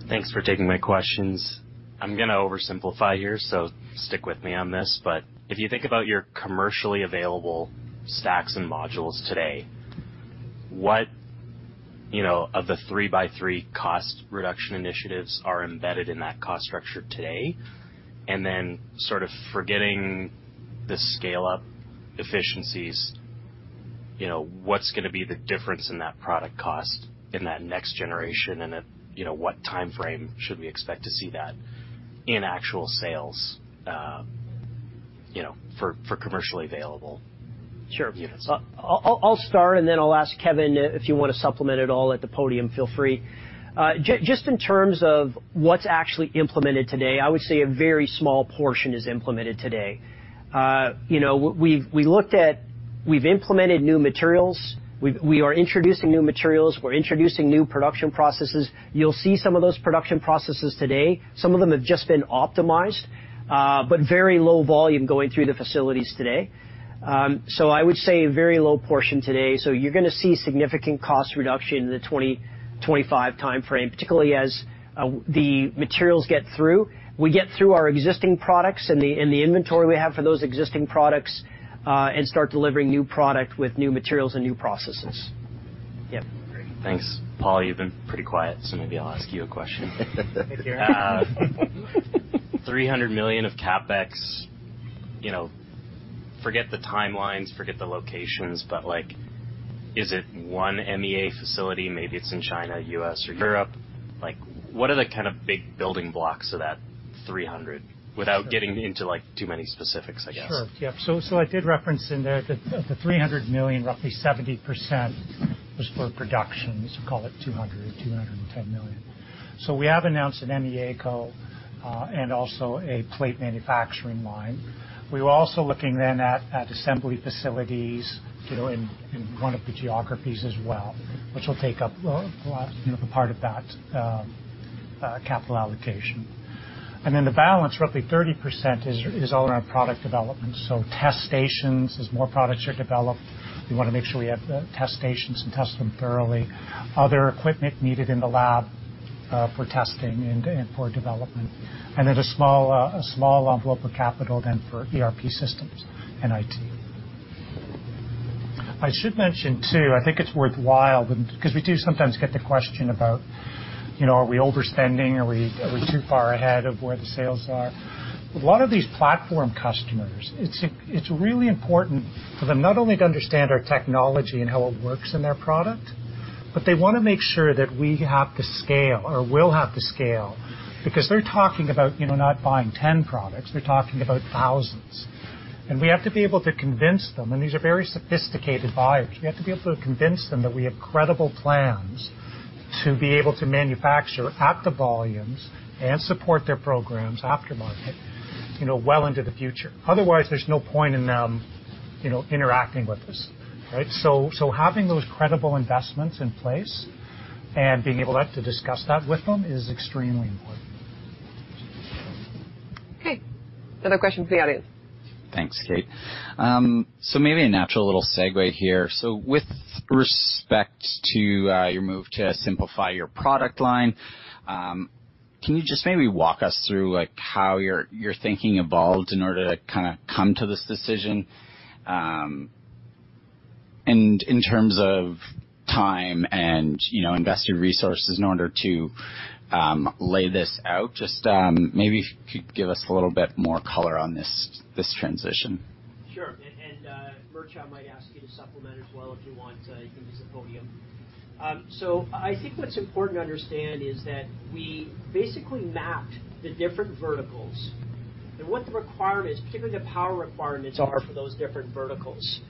Thanks for taking my questions. I'm gonna oversimplify here, so stick with me on this, but if you think about your commercially available stacks and modules today, what, you know, of the 3x3 cost reduction initiatives are embedded in that cost structure today? Then, sort of forgetting the scale-up efficiencies, you know, what's gonna be the difference in that product cost in that next generation, and at, you know, what time frame should we expect to see that in actual sales, you know, for commercially available? Sure. I'll start, and then I'll ask Kevin, if you wanna supplement at all at the podium, feel free. Just in terms of what's actually implemented today, I would say a very small portion is implemented today. You know, we've implemented new materials. We are introducing new materials. We're introducing new production processes. You'll see some of those production processes today. Some of them have just been optimized, but very low volume going through the facilities today. I would say a very low portion today, so you're gonna see significant cost reduction in the 2025 time frame, particularly as the materials get through. We get through our existing products and the inventory we have for those existing products, and start delivering new product with new materials and new processes. Yep. Great. Thanks. Paul, you've been pretty quiet, so maybe I'll ask you a question. Thank you. $300 million of CapEx, you know, forget the timelines, forget the locations, but, like, is it 1 MEA facility? Maybe it's in China, U.S., or Europe. Like, what are the kind of big building blocks of that $300 million, without getting into, like, too many specifics, I guess? Sure. Yep. I did reference in there that the $300 million, roughly 70%, was for production, call it $200 million-$210 million. We have announced an MEA and also a plate manufacturing line. We were also looking then at assembly facilities, you know, in one of the geographies as well, which will take up a lot, you know, a part of that capital allocation. The balance, roughly 30%, is all around product development. Test stations, as more products are developed, we wanna make sure we have the test stations and test them thoroughly. Other equipment needed in the lab for testing and for development. A small envelope of capital, then, for ERP systems and IT. I should mention, too, I think it's worthwhile, because we do sometimes get the question about, you know, are we overspending? Are we, are we too far ahead of where the sales are? A lot of these platform customers, it's really important for them not only to understand our technology and how it works in their product, but they wanna make sure that we have the scale or will have the scale, because they're talking about, you know, not buying 10 products, they're talking about thousands. We have to be able to convince them. These are very sophisticated buyers. We have to be able to convince them that we have credible plans to be able to manufacture at the volumes and support their programs aftermarket, you know, well into the future. Otherwise, there's no point in them, you know, interacting with us, right? Having those credible investments in place and being able to discuss that with them is extremely important. Okay. Another question from the audience. Thanks, Kate. Maybe a natural little segue here. With respect to your move to simplify your product line, can you just maybe walk us through, like, how your thinking evolved in order to kinda come to this decision? In terms of time and, you know, invested resources in order to lay this out, just maybe if you could give us a little bit more color on this transition? Sure. Mircea, I might ask you to supplement as well. If you want, you can use the podium. I think what's important to understand is that we basically mapped the different verticals and what the requirements, particularly the power requirements, are for those different verticals.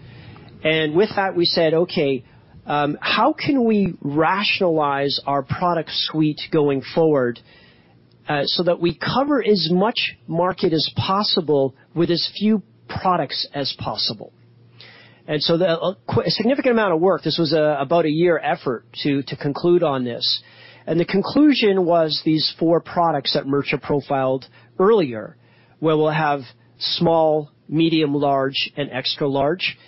With that, we said: Okay, how can we rationalize our product suite going forward, so that we cover as much market as possible with as few products as possible? A significant amount of work, this was about a year effort to conclude on this, and the conclusion was these four products that Mircea profiled earlier, where we'll have small, medium, large, and extra large.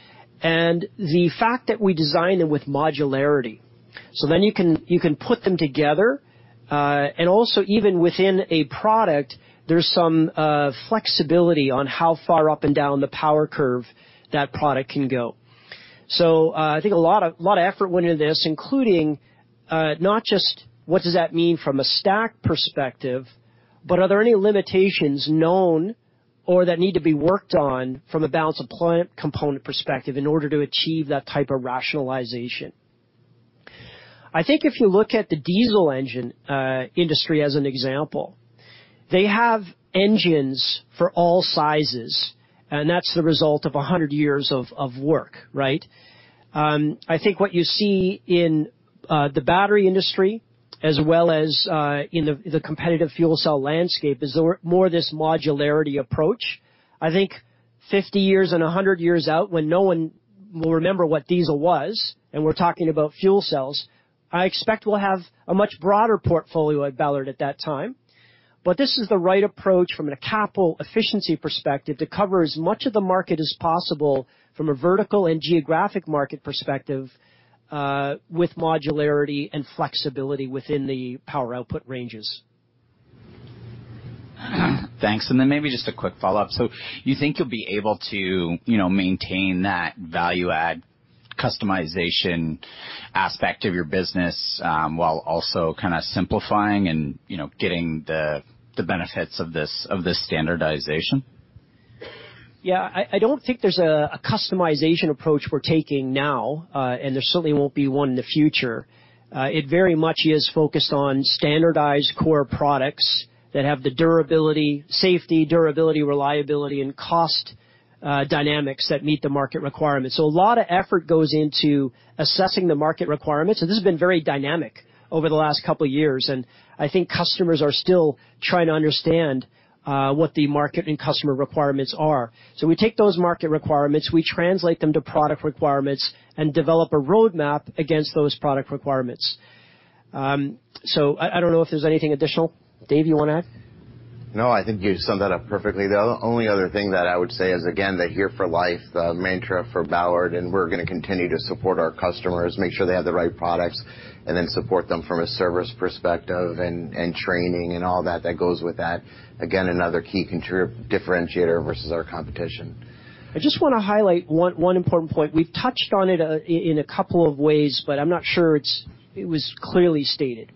The fact that we designed them with modularity, you can put them together, and also, even within a product, there's some flexibility on how far up and down the power curve that product can go. I think a lot of effort went into this, including not just what does that mean from a stack perspective? Are there any limitations known or that need to be worked on from a balance of plant component perspective in order to achieve that type of rationalization? If you look at the diesel engine industry as an example, they have engines for all sizes, and that's the result of 100 years of work, right? I think what you see in the battery industry, as well as in the competitive fuel cell landscape, is there were more this modularity approach. I think 50 years and 100 years out, when no one will remember what diesel was, and we're talking about fuel cells, I expect we'll have a much broader portfolio at Ballard at that time. This is the right approach from a capital efficiency perspective, to cover as much of the market as possible from a vertical and geographic market perspective, with modularity and flexibility within the power output ranges. Thanks. Then maybe just a quick follow-up. You think you'll be able to, you know, maintain that value-add, customization aspect of your business while also kind of simplifying and, you know, getting the benefits of this standardization? Yeah. I don't think there's a customization approach we're taking now, and there certainly won't be one in the future. It very much is focused on standardized core products that have the durability, safety, reliability, and cost dynamics that meet the market requirements. A lot of effort goes into assessing the market requirements, and this has been very dynamic over the last couple of years, and I think customers are still trying to understand what the market and customer requirements are. We take those market requirements, we translate them to product requirements, and develop a roadmap against those product requirements. I don't know if there's anything additional. Dave, you wanna add? I think you summed that up perfectly, though. The only other thing that I would say is, again, the here for life, the mantra for Ballard, we're gonna continue to support our customers, make sure they have the right products, and then support them from a service perspective and training and all that goes with that. Again, another key differentiator versus our competition. I just wanna highlight one important point. We've touched on it, in a couple of ways, but I'm not sure it was clearly stated.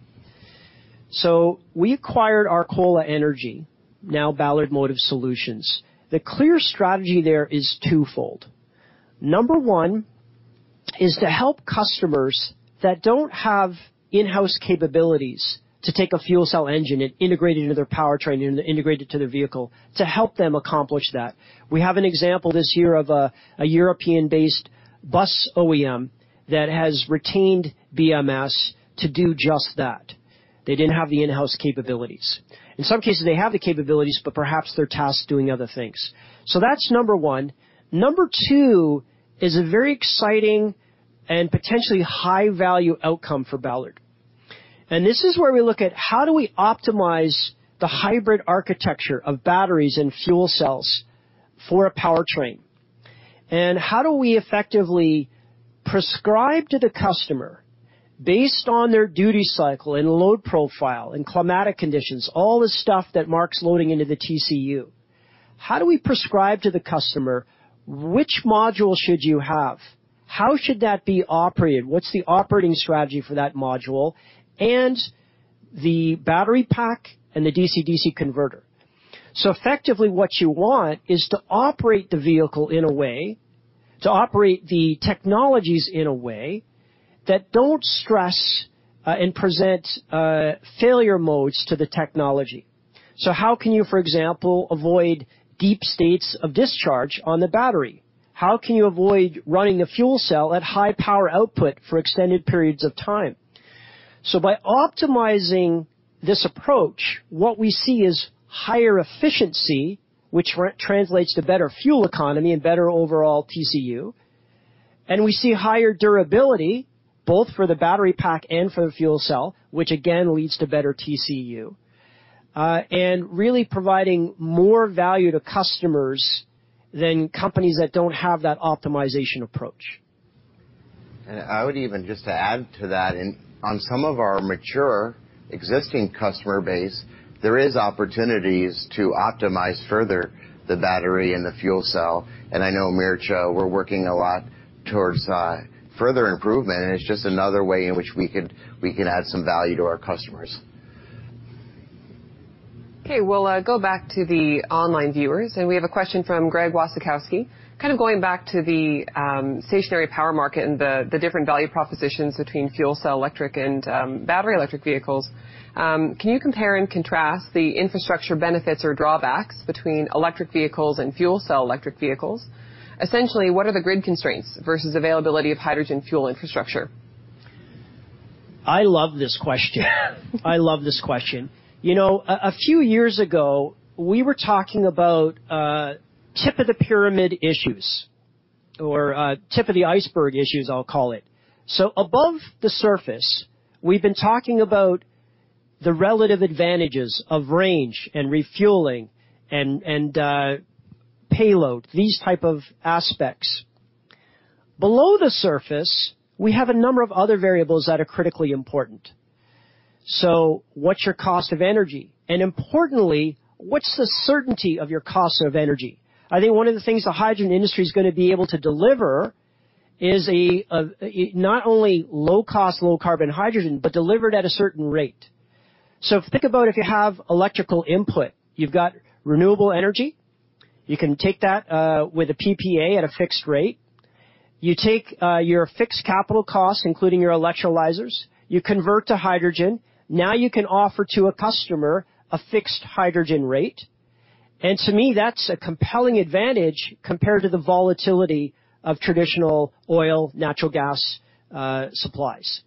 We acquired Arcola Energy, now Ballard Motive Solutions. The clear strategy there is twofold. Number one is to help customers that don't have in-house capabilities to take a fuel cell engine and integrate it into their powertrain and integrate it to their vehicle, to help them accomplish that. We have an example this year of a European-based bus OEM that has retained BMS to do just that. They didn't have the in-house capabilities. In some cases, they have the capabilities, but perhaps they're tasked doing other things. That's number one. Number two is a very exciting and potentially high-value outcome for Ballard. This is where we look at how do we optimize the hybrid architecture of batteries and fuel cells for a powertrain? How do we effectively prescribe to the customer, based on their duty cycle and load profile and climatic conditions, all the stuff that Mark's loading into the TCU. How do we prescribe to the customer, which module should you have? How should that be operated? What's the operating strategy for that module and the battery pack and the DC-DC converter? Effectively, what you want is to operate the vehicle in a way, to operate the technologies in a way that don't stress and present failure modes to the technology. How can you, for example, avoid deep states of discharge on the battery? How can you avoid running a fuel cell at high power output for extended periods of time? By optimizing this approach, what we see is higher efficiency, which translates to better fuel economy and better overall TCU. We see higher durability, both for the battery pack and for the fuel cell, which again, leads to better TCU. Really providing more value to customers than companies that don't have that optimization approach. I would even just to add to that, and on some of our mature existing customer base, there is opportunities to optimize further the battery and the fuel cell. I know, Mircea, we're working a lot towards further improvement, and it's just another way in which we can add some value to our customers. Okay, we'll go back to the online viewers. We have a question from Greg Wasowski. Kind of going back to the stationary power market and the different value propositions between fuel cell electric and battery electric vehicles, can you compare and contrast the infrastructure benefits or drawbacks between electric vehicles and fuel cell electric vehicles? Essentially, what are the grid constraints versus availability of hydrogen fuel infrastructure? I love this question. You know, a few years ago, we were talking about tip-of-the-pyramid issues or tip-of-the-iceberg issues, I'll call it. Above the surface, we've been talking about the relative advantages of range and refueling and payload, these type of aspects. Below the surface, we have a number of other variables that are critically important. What's your cost of energy? Importantly, what's the certainty of your cost of energy? I think one of the things the hydrogen industry is gonna be able to deliver is not only low-cost, low-carbon hydrogen, but delivered at a certain rate. Think about if you have electrical input, you've got renewable energy, you can take that with a PPA at a fixed rate. You take your fixed capital costs, including your electrolyzers, you convert to hydrogen. You can offer to a customer a fixed hydrogen rate, and to me, that's a compelling advantage compared to the volatility of traditional oil, natural gas supplies.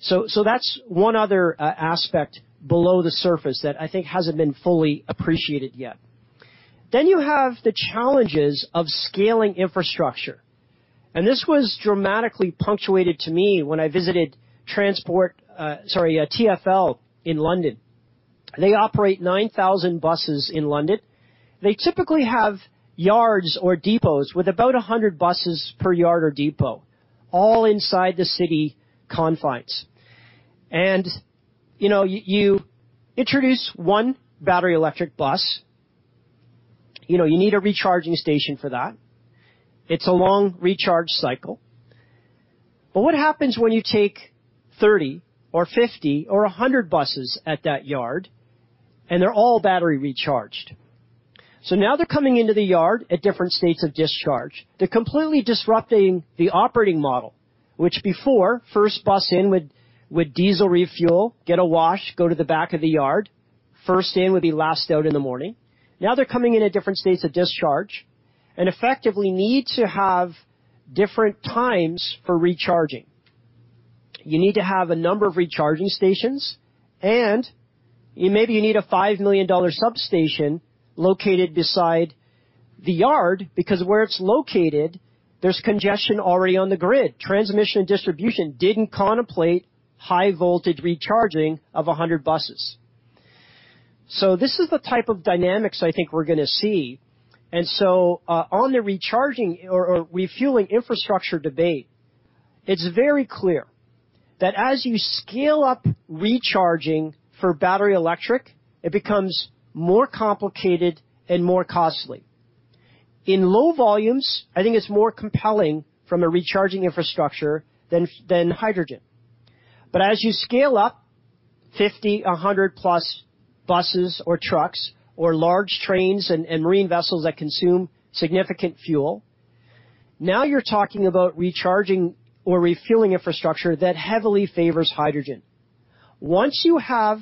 So that's one other aspect below the surface that I think hasn't been fully appreciated yet. You have the challenges of scaling infrastructure, and this was dramatically punctuated to me when I visited Transport, sorry, TfL in London. They operate 9,000 buses in London. They typically have yards or depots with about 100 buses per yard or depot, all inside the city confines. You know, you introduce one battery electric bus, you know, you need a recharging station for that. It's a long recharge cycle. What happens when you take 30 or 50 or 100 buses at that yard, and they're all battery recharged? Now they're coming into the yard at different states of discharge. They're completely disrupting the operating model, which before, first bus in would diesel refuel, get a wash, go to the back of the yard. First in would be last out in the morning. They're coming in at different states of discharge and effectively need to have different times for recharging. You need to have a number of recharging stations, and maybe you need a $5 million substation located beside the yard, because where it's located, there's congestion already on the grid. Transmission and distribution didn't contemplate high voltage recharging of 100 buses. This is the type of dynamics I think we're gonna see. On the recharging or refueling infrastructure debate, it's very clear that as you scale up recharging for battery electric, it becomes more complicated and more costly. In low volumes, I think it's more compelling from a recharging infrastructure than hydrogen. As you scale up 50, 100 plus buses or trucks or large trains and marine vessels that consume significant fuel, now you're talking about recharging or refueling infrastructure that heavily favors hydrogen. Once you have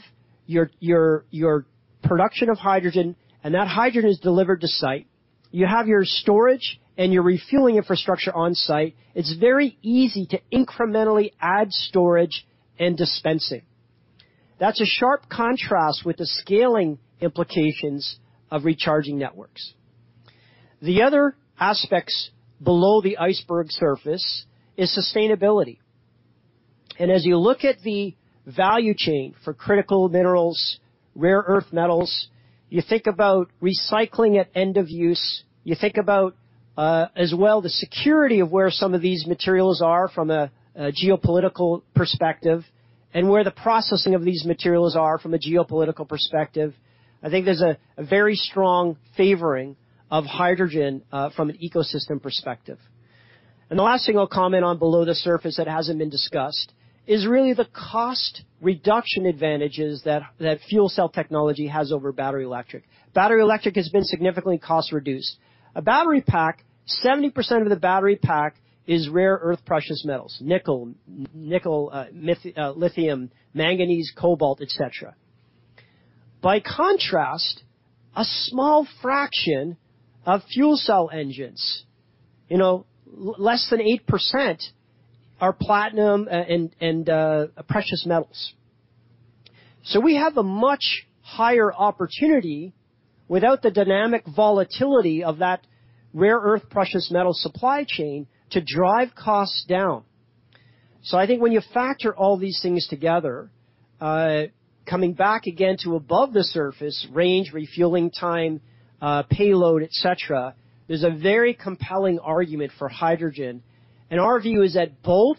your production of hydrogen, and that hydrogen is delivered to site, you have your storage and your refueling infrastructure on site, it's very easy to incrementally add storage and dispensing. That's a sharp contrast with the scaling implications of recharging networks. The other aspects below the iceberg surface is sustainability. As you look at the value chain for critical minerals, rare earth metals, you think about recycling at end of use, you think about, as well, the security of where some of these materials are from a geopolitical perspective, and where the processing of these materials are from a geopolitical perspective. I think there's a very strong favoring of hydrogen from an ecosystem perspective. The last thing I'll comment on below the surface that hasn't been discussed, is really the cost reduction advantages that fuel cell technology has over battery electric. Battery electric has been significantly cost-reduced. A battery pack, 70% of the battery pack is rare earth, precious metals, nickel, lithium, manganese, cobalt, et cetera. A small fraction of fuel cell engines, you know, less than 8% are platinum and precious metals. We have a much higher opportunity without the dynamic volatility of that rare earth, precious metal supply chain to drive costs down. I think when you factor all these things together, coming back again to above the surface, range, refueling time, payload, et cetera, there's a very compelling argument for hydrogen. Our view is that both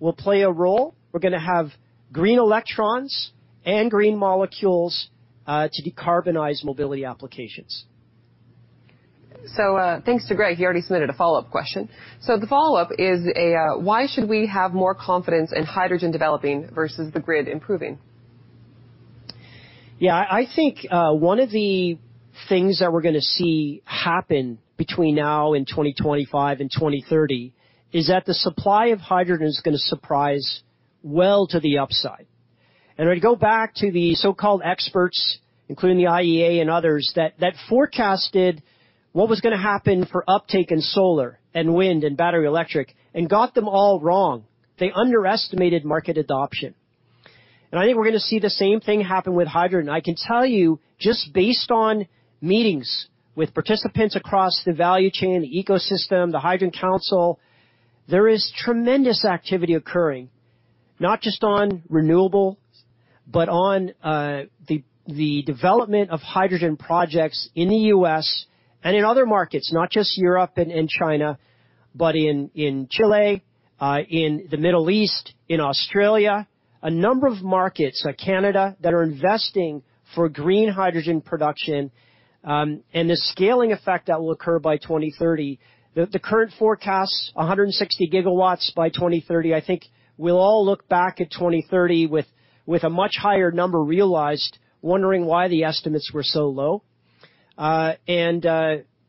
will play a role. We're gonna have green electrons and green molecules to decarbonize mobility applications. Thanks to Greg, he already submitted a follow-up question. The follow-up is, "Why should we have more confidence in hydrogen developing versus the grid improving? Yeah, I think one of the things that we're gonna see happen between now and 2025, and 2030, is that the supply of hydrogen is gonna surprise well to the upside. When you go back to the so-called experts, including the IEA and others, that forecasted what was gonna happen for uptake in solar, and wind, and battery electric, and got them all wrong. They underestimated market adoption. I think we're gonna see the same thing happen with hydrogen. I can tell you, just based on meetings with participants across the value chain, the ecosystem, the Hydrogen Council, there is tremendous activity occurring, not just on renewable, but on the development of hydrogen projects in the U.S. and in other markets, not just Europe and China, but in Chile, in the Middle East, in Australia. a number of markets like Canada, that are investing for green hydrogen production, and the scaling effect that will occur by 2030. The current forecast, 160 gigawatts by 2030. I think we'll all look back at 2030 with a much higher number realized, wondering why the estimates were so low. That,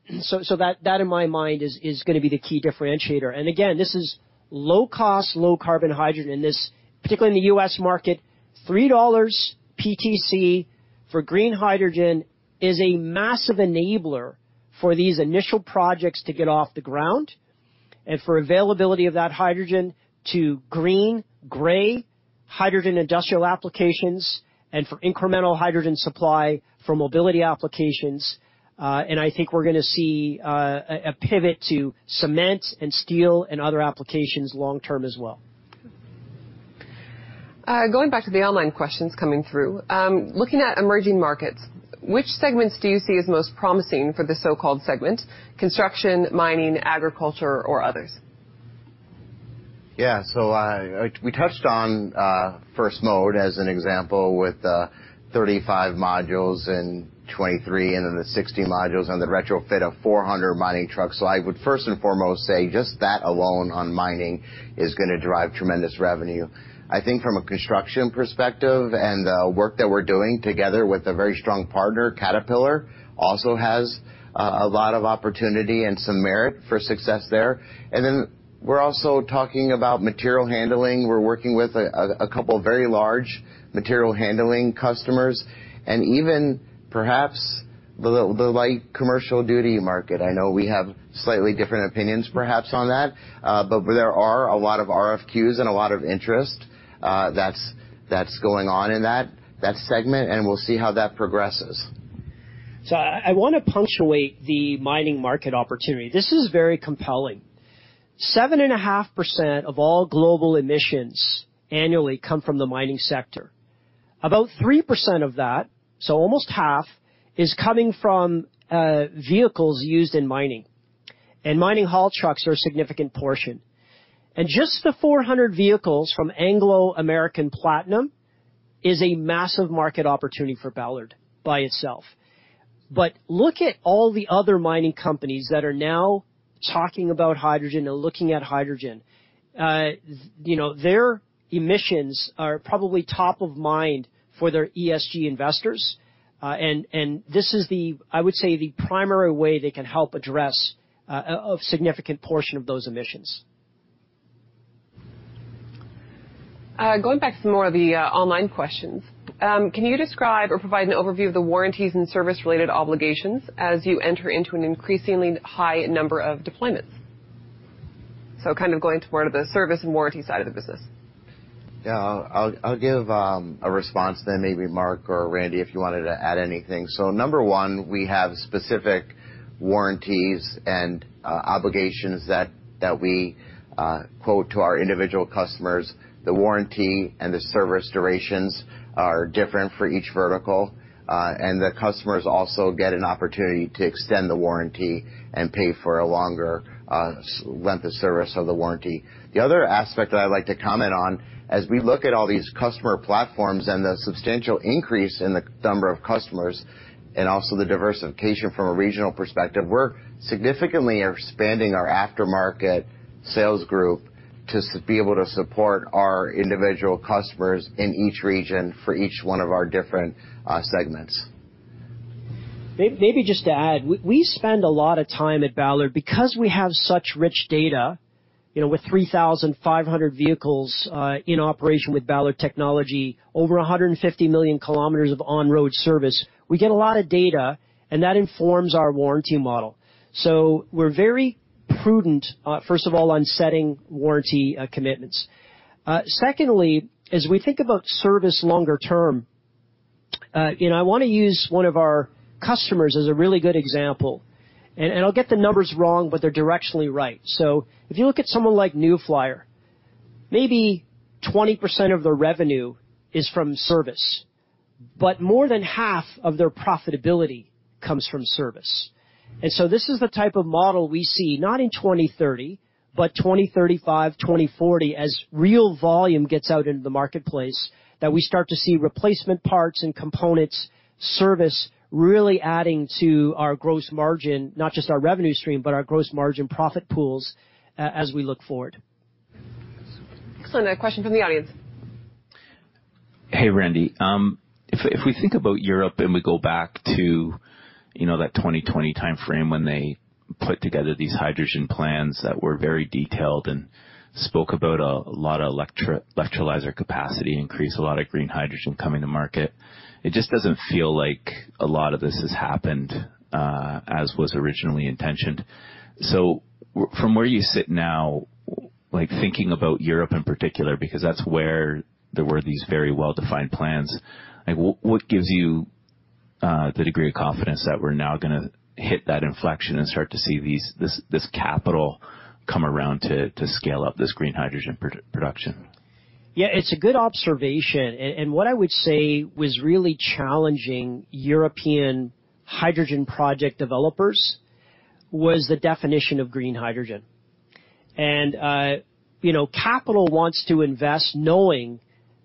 in my mind, is gonna be the key differentiator. Again, this is low cost, low carbon hydrogen in this, particularly in the U.S. market. $3 PTC for green hydrogen is a massive enabler for these initial projects to get off the ground, and for availability of that hydrogen to green, gray hydrogen industrial applications, and for incremental hydrogen supply for mobility applications.I think we're gonna see a pivot to cement and steel and other applications long term as well. going back to the online questions coming through. looking at emerging markets, which segments do you see as most promising for the so-called segment? Construction, mining, agriculture, or others? Yeah. I, we touched on First Mode as an example, with 35 modules in 2023, and then the 60 modules on the retrofit of 400 mining trucks. I would first and foremost say just that alone on mining is gonna drive tremendous revenue. I think from a construction perspective and the work that we're doing together with a very strong partner, Caterpillar, also has a lot of opportunity and some merit for success there. We're also talking about material handling. We're working with a couple of very large material handling customers, and even perhaps the light commercial duty market. I know we have slightly different opinions, perhaps, on that, but there are a lot of RFQs and a lot of interest that's going on in that segment, and we'll see how that progresses. I wanna punctuate the mining market opportunity. This is very compelling. 7.5% of all global emissions annually come from the mining sector. About 3% of that, so almost half, is coming from vehicles used in mining, and mining haul trucks are a significant portion. Just the 400 vehicles from Anglo American Platinum is a massive market opportunity for Ballard by itself. Look at all the other mining companies that are now talking about hydrogen and looking at hydrogen. You know, their emissions are probably top of mind for their ESG investors. And, and this is the, I would say, the primary way they can help address a significant portion of those emissions. Going back to some more of the online questions. Can you describe or provide an overview of the warranties and service-related obligations as you enter into an increasingly high number of deployments, kind of going to more of the service and warranty side of the business? Yeah, I'll give a response, then maybe Mark or Randy, if you wanted to add anything. Number one, we have specific warranties and obligations that we quote to our individual customers. The warranty and the service durations are different for each vertical, and the customers also get an opportunity to extend the warranty and pay for a longer length of service of the warranty. The other aspect that I'd like to comment on, as we look at all these customer platforms and the substantial increase in the number of customers, and also the diversification from a regional perspective, we're significantly expanding our aftermarket sales group to be able to support our individual customers in each region for each one of our different segments. Maybe just to add, we spend a lot of time at Ballard because we have such rich data, you know, with 3,500 vehicles in operation with Ballard technology, over 150 million km of on-road service, we get a lot of data. That informs our warranty model. We're very prudent, first of all, on setting warranty commitments. Secondly, as we think about service longer term, you know, I wanna use one of our customers as a really good example, and I'll get the numbers wrong, but they're directionally right. If you look at someone like New Flyer, maybe 20% of their revenue is from service, but more than half of their profitability comes from service. This is the type of model we see, not in 2030, but 2035, 2040, as real volume gets out into the marketplace, that we start to see replacement parts and components service really adding to our gross margin, not just our revenue stream, but our gross margin profit pools as we look forward. Excellent. A question from the audience. Hey, Randy. If we think about Europe, and we go back to, you know, that 2020 timeframe when they put together these hydrogen plans that were very detailed and spoke about a lot of electrolyzer capacity increase, a lot of green hydrogen coming to market, it just doesn't feel like a lot of this has happened as was originally intentioned. From where you sit now, like, thinking about Europe in particular, because that's where there were these very well-defined plans, what gives you the degree of confidence that we're now gonna hit that inflection and start to see these, this capital come around to scale up this green hydrogen production? Yeah, it's a good observation. What I would say was really challenging European hydrogen project developers was the definition of green hydrogen. You know, capital wants to invest knowing that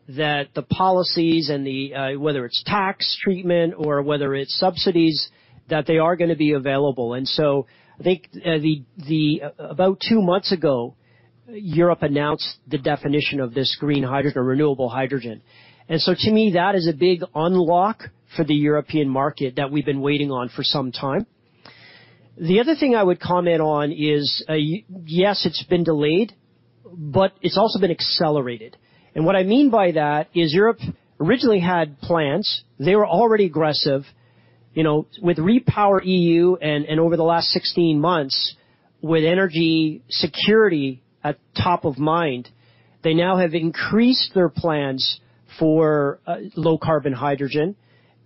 the policies and the, whether it's tax treatment or whether it's subsidies, that they are gonna be available. I think, about two months ago, Europe announced the definition of this green hydrogen or renewable hydrogen. To me, that is a big unlock for the European market that we've been waiting on for some time. The other thing I would comment on is, yes, it's been delayed, but it's also been accelerated. What I mean by that is Europe originally had plans. They were already aggressive, you know, with REPowerEU, and over the last 16 months, with energy security at top of mind, they now have increased their plans for low-carbon hydrogen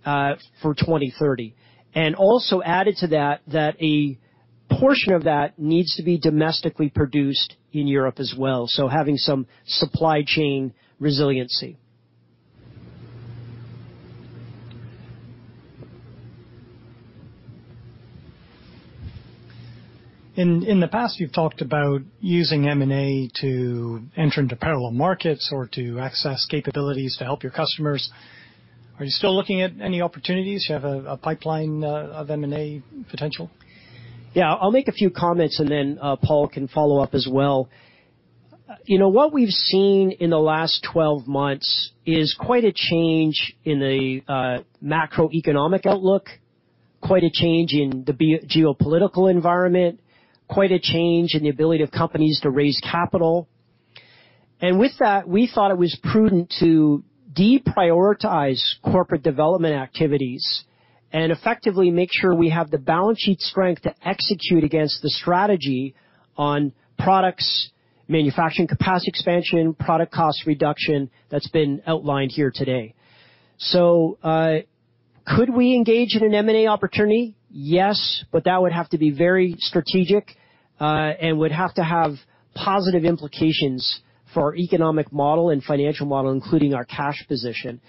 for 2030. Also added to that a portion of that needs to be domestically produced in Europe as well, so having some supply chain resiliency. In the past, you've talked about using M&A to enter into parallel markets or to access capabilities to help your customers. Are you still looking at any opportunities? Do you have a pipeline of M&A potential? Yeah. I'll make a few comments. Paul Dobson can follow up as well. You know, what we've seen in the last 12 months is quite a change in the macroeconomic outlook, quite a change in the geopolitical environment, quite a change in the ability of companies to raise capital. With that, we thought it was prudent to deprioritize corporate development activities and effectively make sure we have the balance sheet strength to execute against the strategy on products, manufacturing capacity expansion, product cost reduction that's been outlined here today. Could we engage in an M&A opportunity? Yes, but that would have to be very strategic and would have to have positive implications for our economic model and financial model, including our cash position.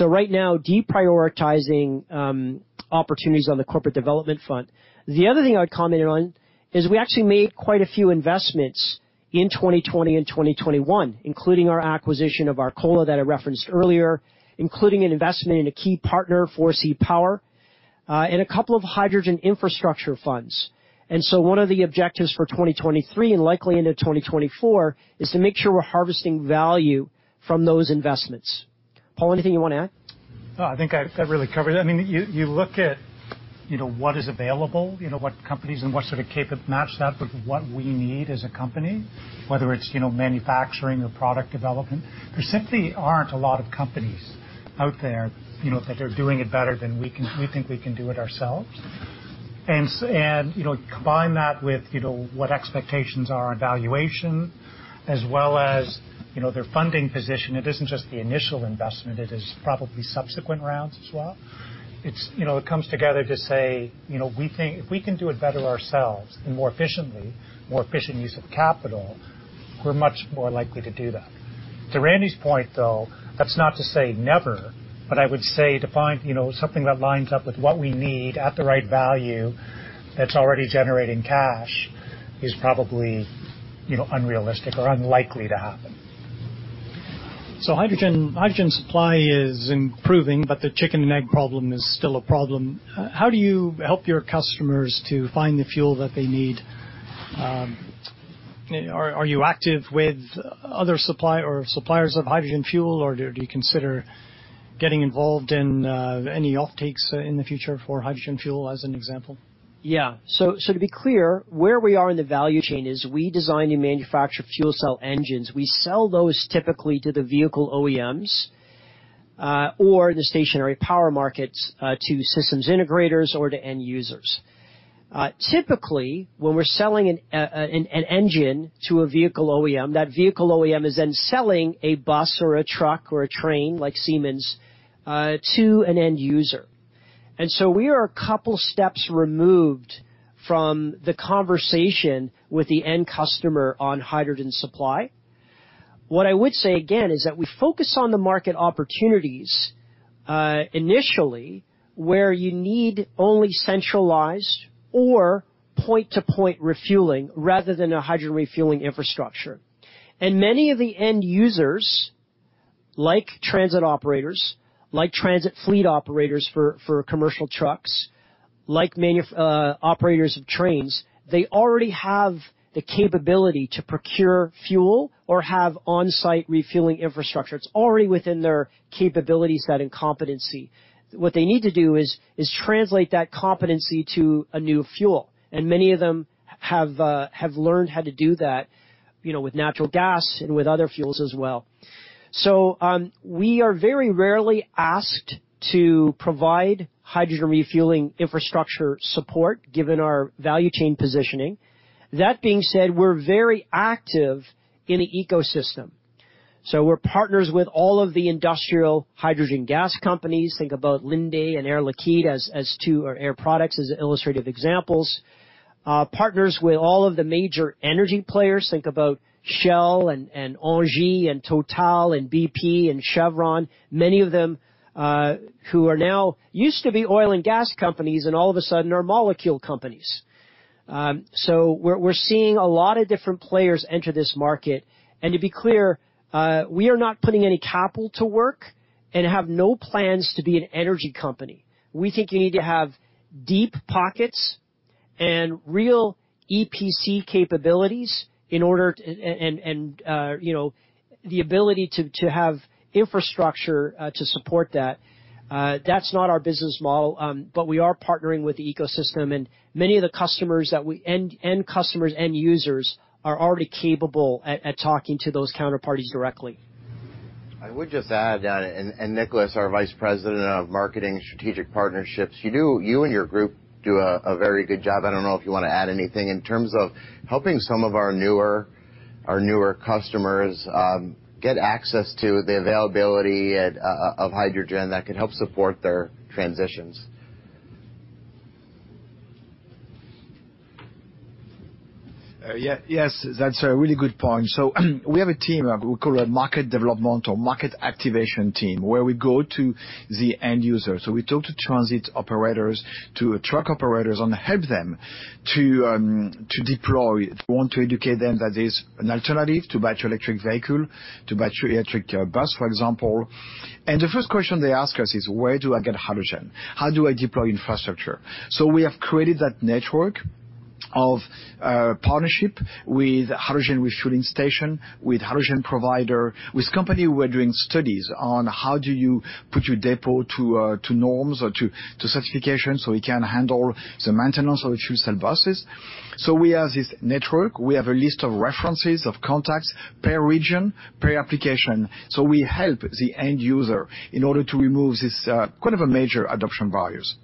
Right now, deprioritizing opportunities on the corporate development front. The other thing I'd comment on is we actually made quite a few investments in 2020 and 2021, including our acquisition of Arcola that I referenced earlier, including an investment in a key partner, Forsee Power, and a couple of hydrogen infrastructure funds. One of the objectives for 2023, and likely into 2024, is to make sure we're harvesting value from those investments. Paul, anything you wanna add? No, I think that really covered it. I mean, you look at, you know, what is available, you know, what companies and what sort of CapEx match that with what we need as a company, whether it's, you know, manufacturing or product development. There simply aren't a lot of companies out there, you know, that are doing it better than we think we can do it ourselves. You know, combine that with, you know, what expectations are on valuation as well as, you know, their funding position. It isn't just the initial investment, it is probably subsequent rounds as well. It's, you know, it comes together to say, you know, we think if we can do it better ourselves and more efficiently, more efficient use of capital, we're much more likely to do that. To Randy's point, though, that's not to say never, but I would say to find, you know, something that lines up with what we need at the right value, that's already generating cash, is probably, you know, unrealistic or unlikely to happen. Hydrogen, hydrogen supply is improving, but the chicken and egg problem is still a problem. How do you help your customers to find the fuel that they need? Are you active with other supply or suppliers of hydrogen fuel, or do you consider getting involved in any offtakes in the future for hydrogen fuel, as an example? Yeah. To be clear, where we are in the value chain is we design and manufacture fuel cell engines. We sell those typically to the vehicle OEMs, or in the stationary power markets, to systems integrators or to end users. Typically, when we're selling an engine to a vehicle OEM, that vehicle OEM is then selling a bus or a truck or a train, like Siemens, to an end user. We are a couple steps removed from the conversation with the end customer on hydrogen supply. What I would say, again, is that we focus on the market opportunities, initially, where you need only centralized or point-to-point refueling rather than a hydrogen refueling infrastructure. Many of the end users, like transit operators, like transit fleet operators for commercial trucks, like operators of trains, they already have the capability to procure fuel or have on-site refueling infrastructure. It's already within their capability set and competency. What they need to do is translate that competency to a new fuel, and many of them have learned how to do that, you know, with natural gas and with other fuels as well. We are very rarely asked to provide hydrogen refueling infrastructure support, given our value chain positioning. That being said, we're very active in the ecosystem. We're partners with all of the industrial hydrogen gas companies. Think about Linde and Air Liquide or Air Products, as illustrative examples. Partners with all of the major energy players. Think about Shell and Engie and Total and BP and Chevron, many of them, who used to be oil and gas companies, and all of a sudden, are molecule companies. We're seeing a lot of different players enter this market. To be clear, we are not putting any capital to work and have no plans to be an energy company. We think you need to have deep pockets and real EPC capabilities in order to. You know, the ability to have infrastructure to support that. That's not our business model, we are partnering with the ecosystem, and many of the end customers, end users, are already capable at talking to those counterparties directly. I would just add, and Nicolas, our vice president of marketing strategic partnerships, you and your group do a very good job, I don't know if you wanna add anything, in terms of helping some of our newer customers get access to the availability of hydrogen that can help support their transitions. Yeah. Yes, that's a really good point. We have a team we call a market development or market activation team, where we go to the end user. We talk to transit operators, to truck operators, and help them to deploy. We want to educate them that there's an alternative to battery electric vehicle, to battery electric bus, for example. The first question they ask us is: Where do I get hydrogen? How do I deploy infrastructure? We have created that network of partnership with hydrogen refueling station, with hydrogen provider, with company who are doing studies on how do you put your depot to norms or to certification, so we can handle the maintenance of the fuel cell buses. We have this network. We have a list of references, of contacts, per region, per application. We help the end user in order to remove this, quite a major adoption barriers.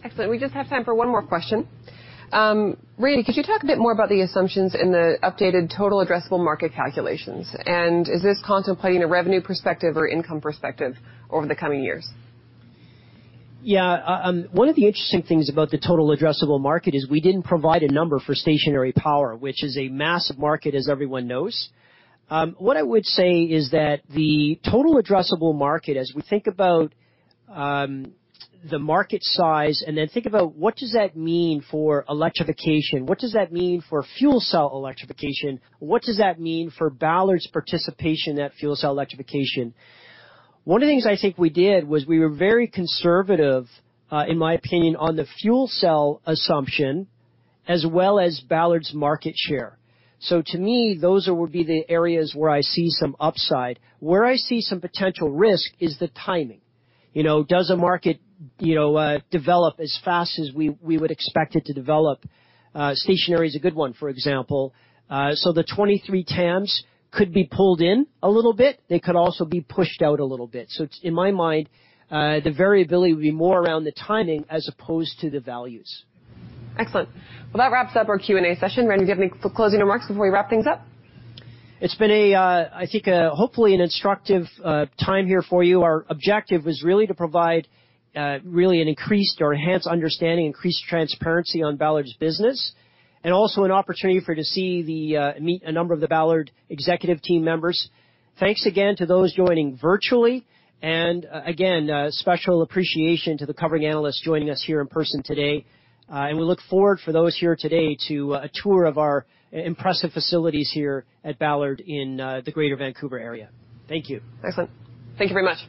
Thank you, Nicholas. Excellent. We just have time for one more question. Randy, could you talk a bit more about the assumptions in the updated Total Addressable Market calculations? Is this contemplating a revenue perspective or income perspective over the coming years? Yeah. One of the interesting things about the total addressable market is we didn't provide a number for stationary power, which is a massive market, as everyone knows. What I would say is that the total addressable market, as we think about the market size, and then think about what does that mean for electrification? What does that mean for fuel cell electrification? What does that mean for Ballard's participation in that fuel cell electrification? One of the things I think we did was we were very conservative, in my opinion, on the fuel cell assumption, as well as Ballard's market share. To me, those would be the areas where I see some upside. Where I see some potential risk is the timing. You know, does a market, you know, develop as fast as we would expect it to develop?. Stationary is a good one, for example. The 23 TAMs could be pulled in a little bit. They could also be pushed out a little bit. It's, in my mind, the variability would be more around the timing as opposed to the values. Excellent. Well, that wraps up our Q&A session. Randy, do you have any closing remarks before we wrap things up? It's been a, I think a, hopefully an instructive, time here for you. Our objective was really to provide, really an increased or enhanced understanding, increased transparency on Ballard's business, and also an opportunity for you to see the, meet a number of the Ballard executive team members. Thanks again to those joining virtually, and, again, special appreciation to the covering analysts joining us here in person today. We look forward, for those here today, to a tour of our impressive facilities here at Ballard in, the Greater Vancouver area. Thank you. Excellent. Thank you very much.